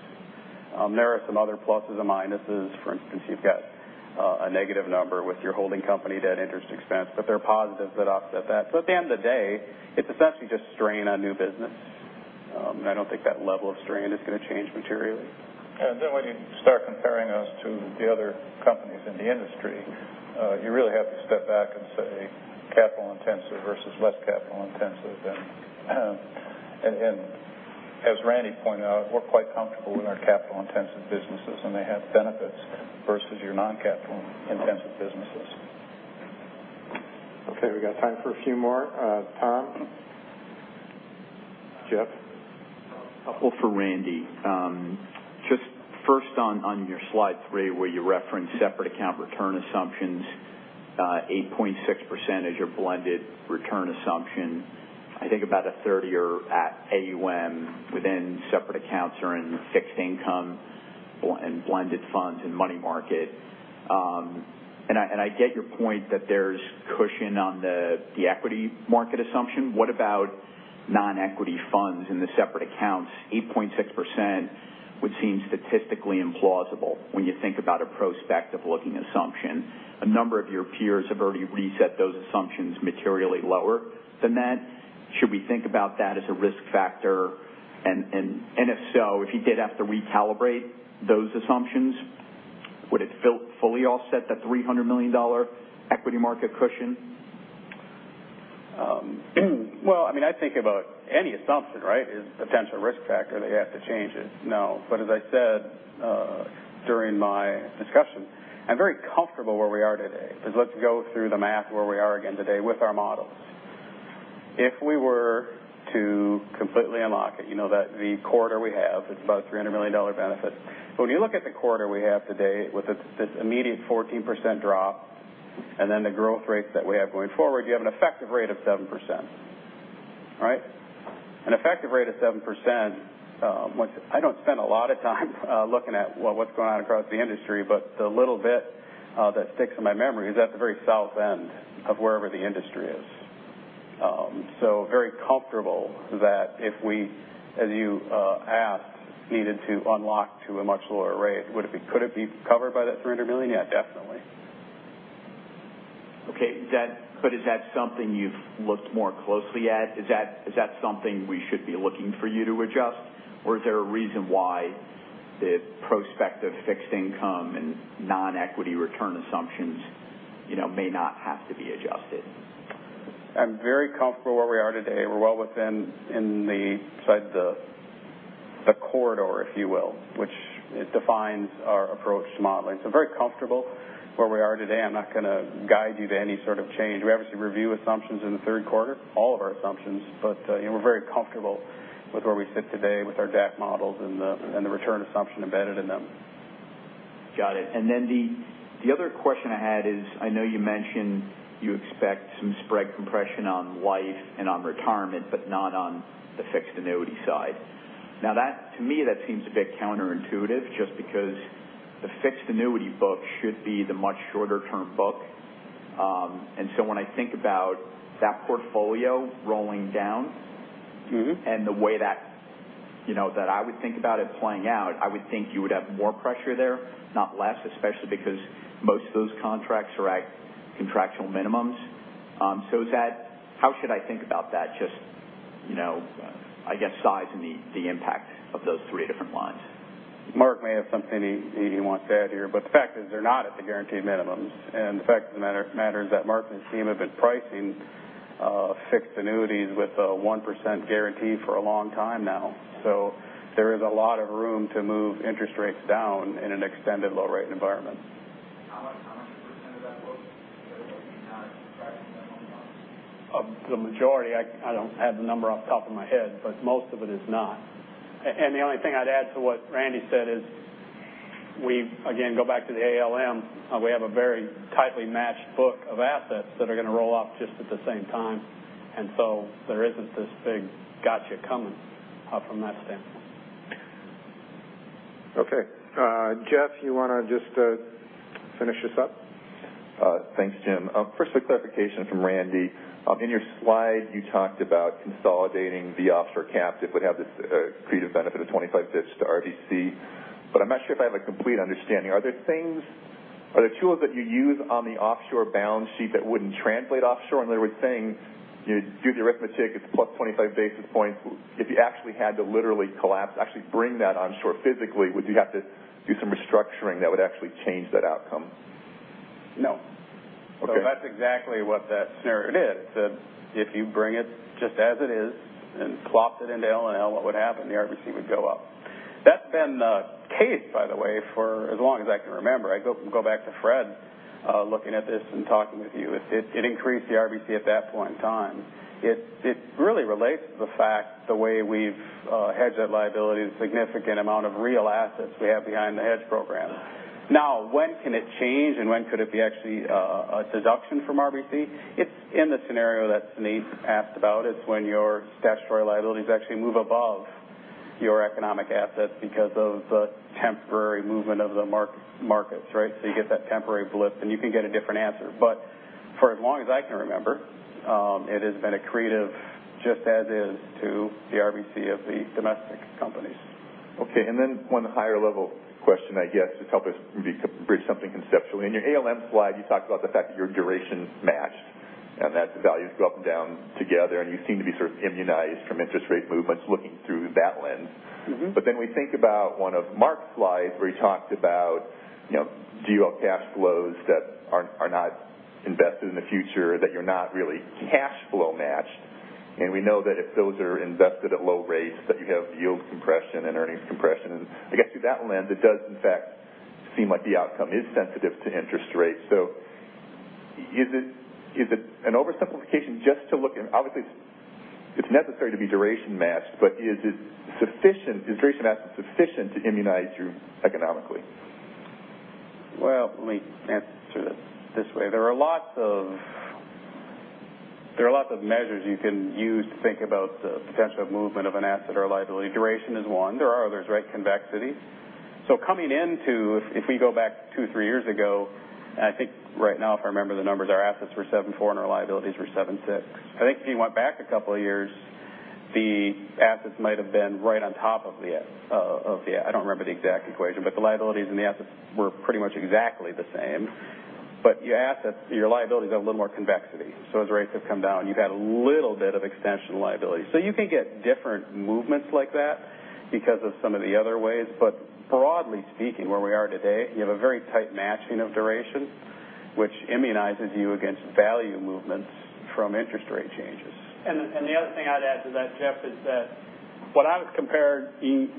There are some other pluses and minuses. For instance, you've got a negative number with your holding company debt interest expense, there are positives that offset that. At the end of the day, it's essentially just strain on new business. I don't think that level of strain is going to change materially. When you start comparing us to the other companies in the industry, you really have to step back and say capital intensive versus less capital intensive. As Randy pointed out, we're quite comfortable with our capital intensive businesses, and they have benefits versus your non-capital intensive businesses. Okay. We got time for a few more. Tom? Jeff? A couple for Randy. First on your slide three where you reference separate account return assumptions, 8.6% is your blended return assumption. I think about a third or at AUM within separate accounts are in fixed income and blended funds and money market. I get your point that there's cushion on the equity market assumption. What about non-equity funds in the separate accounts? 8.6% would seem statistically implausible when you think about a prospective-looking assumption. A number of your peers have already reset those assumptions materially lower than that. Should we think about that as a risk factor? If so, if you did have to recalibrate those assumptions, would it fully offset the $300 million equity market cushion? Well, I think about any assumption, right? It is a potential risk factor that you have to change it. No, as I said during my discussion, I'm very comfortable where we are today. Let's go through the math where we are again today with our models. If we were to completely unlock it, you know that the corridor we have is about a $300 million benefit. When you look at the corridor we have today with this immediate 14% drop and then the growth rates that we have going forward, you have an effective rate of 7%. Right? An effective rate of 7%, I don't spend a lot of time looking at what's going on across the industry, the little bit that sticks in my memory is at the very south end of wherever the industry is. Very comfortable that if we, as you asked, needed to unlock to a much lower rate, could it be covered by that $300 million? Yeah, definitely. Okay. Is that something you've looked more closely at? Is that something we should be looking for you to adjust? Or is there a reason why the prospect of fixed income and non-equity return assumptions may not have to be adjusted? I'm very comfortable where we are today. We're well within the corridor, if you will, which defines our approach to modeling. Very comfortable where we are today. I'm not going to guide you to any sort of change. We obviously review assumptions in the third quarter, all of our assumptions, but we're very comfortable with where we sit today with our DAC models and the return assumption embedded in them. Got it. The other question I had is, I know you mentioned you expect some spread compression on life and on retirement, but not on the fixed annuity side. To me, that seems a bit counterintuitive, just because the fixed annuity book should be the much shorter-term book. When I think about that portfolio rolling down- The way that I would think about it playing out, I would think you would have more pressure there, not less, especially because most of those contracts are at contractual minimums. How should I think about that? Just I guess sizing the impact of those three different lines. Mark may have something he wants to add here, the fact is they're not at the guaranteed minimums. The fact of the matter is that Mark and his team have been pricing fixed annuities with a 1% guarantee for a long time now. There is a lot of room to move interest rates down in an extended low-rate environment. How much a percent of that book is not at the contracted minimums? The majority. I don't have the number off the top of my head, most of it is not. The only thing I'd add to what Randy said is we again go back to the ALM. We have a very tightly matched book of assets that are going to roll off just at the same time, there isn't this big gotcha coming from that standpoint. Okay. Jeff, you want to just finish this up? Thanks, Jim. First, a clarification from Randy. In your slide, you talked about consolidating the offshore captive would have this accretive benefit of 25 basis points to RBC, but I'm not sure if I have a complete understanding. Are there tools that you use on the offshore balance sheet that wouldn't translate offshore? There were things, do the arithmetic, it's plus 25 basis points. If you actually had to literally collapse, actually bring that onshore physically, would you have to do some restructuring that would actually change that outcome? No. Okay. That's exactly what that scenario is, that if you bring it just as it is and plop it into L&L, what would happen? The RBC would go up. That's been the case, by the way, for as long as I can remember. I go back to Fred looking at this and talking with you. It increased the RBC at that point in time. It really relates to the fact the way we've hedged that liability and the significant amount of real assets we have behind the hedge program. Now, when can it change and when could it be actually a deduction from RBC? It's in the scenario that Nate asked about. It's when your statutory liabilities actually move above your economic assets because of the temporary movement of the markets, right? You get that temporary blip, and you can get a different answer. For as long as I can remember, it has been accretive just as is to the RBC of the domestic companies. Okay. One higher-level question, I guess, to help us bridge something conceptually. In your ALM slide, you talked about the fact that your durations match and that the values go up and down together, and you seem to be sort of immunized from interest rate movements looking through that lens. We think about one of Mark's slides where he talked about do you have cash flows that are not invested in the future, that you're not really cash flow matched. We know that if those are invested at low rates, that you have yield compression and earnings compression. I guess through that lens, it does in fact seem like the outcome is sensitive to interest rates. Is it an oversimplification just to look, and obviously it's necessary to be duration matched, but is duration asset sufficient to immunize you economically? Well, let me answer this this way. There are lots of measures you can use to think about the potential movement of an asset or a liability. Duration is one. There are others, right? Convexity. Coming into, if we go back two, three years ago, and I think right now, if I remember the numbers, our assets were 7.4 and our liabilities were 7.6. I think if you went back a couple of years, the assets might have been right on top of I don't remember the exact equation, but the liabilities and the assets were pretty much exactly the same. Your liabilities have a little more convexity. As rates have come down, you've had a little bit of extension liability. You can get different movements like that because of some of the other ways. Broadly speaking, where we are today, you have a very tight matching of duration, which immunizes you against value movements from interest rate changes. The other thing I'd add to that, Jeff, is that what I was comparing is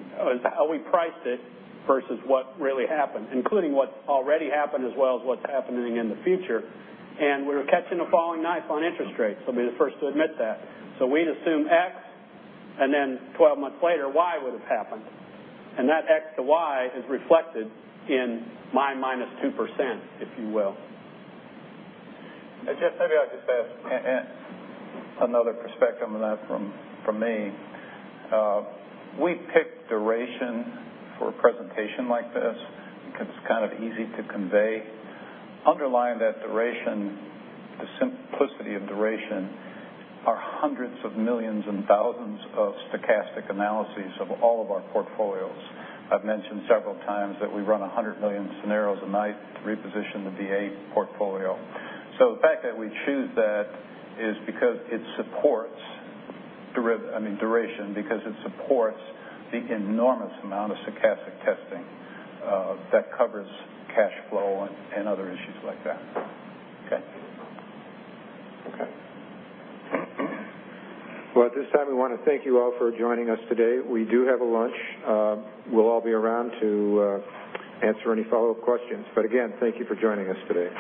how we priced it versus what really happened, including what already happened as well as what's happening in the future. We were catching a falling knife on interest rates. I'll be the first to admit that. We'd assume X, then 12 months later, Y would have happened. That X to Y is reflected in my minus 2%, if you will. Jeff, maybe I could add another perspective on that from me. We picked duration for a presentation like this because it's kind of easy to convey. Underlying that duration, the simplicity of duration are hundreds of millions and thousands of stochastic analyses of all of our portfolios. I've mentioned several times that we run 100 million scenarios a night to reposition the DA portfolio. The fact that we choose that is because it supports duration because it supports the enormous amount of stochastic testing that covers cash flow and other issues like that. Okay. Well, at this time, we want to thank you all for joining us today. We do have a lunch. We'll all be around to answer any follow-up questions. Again, thank you for joining us today.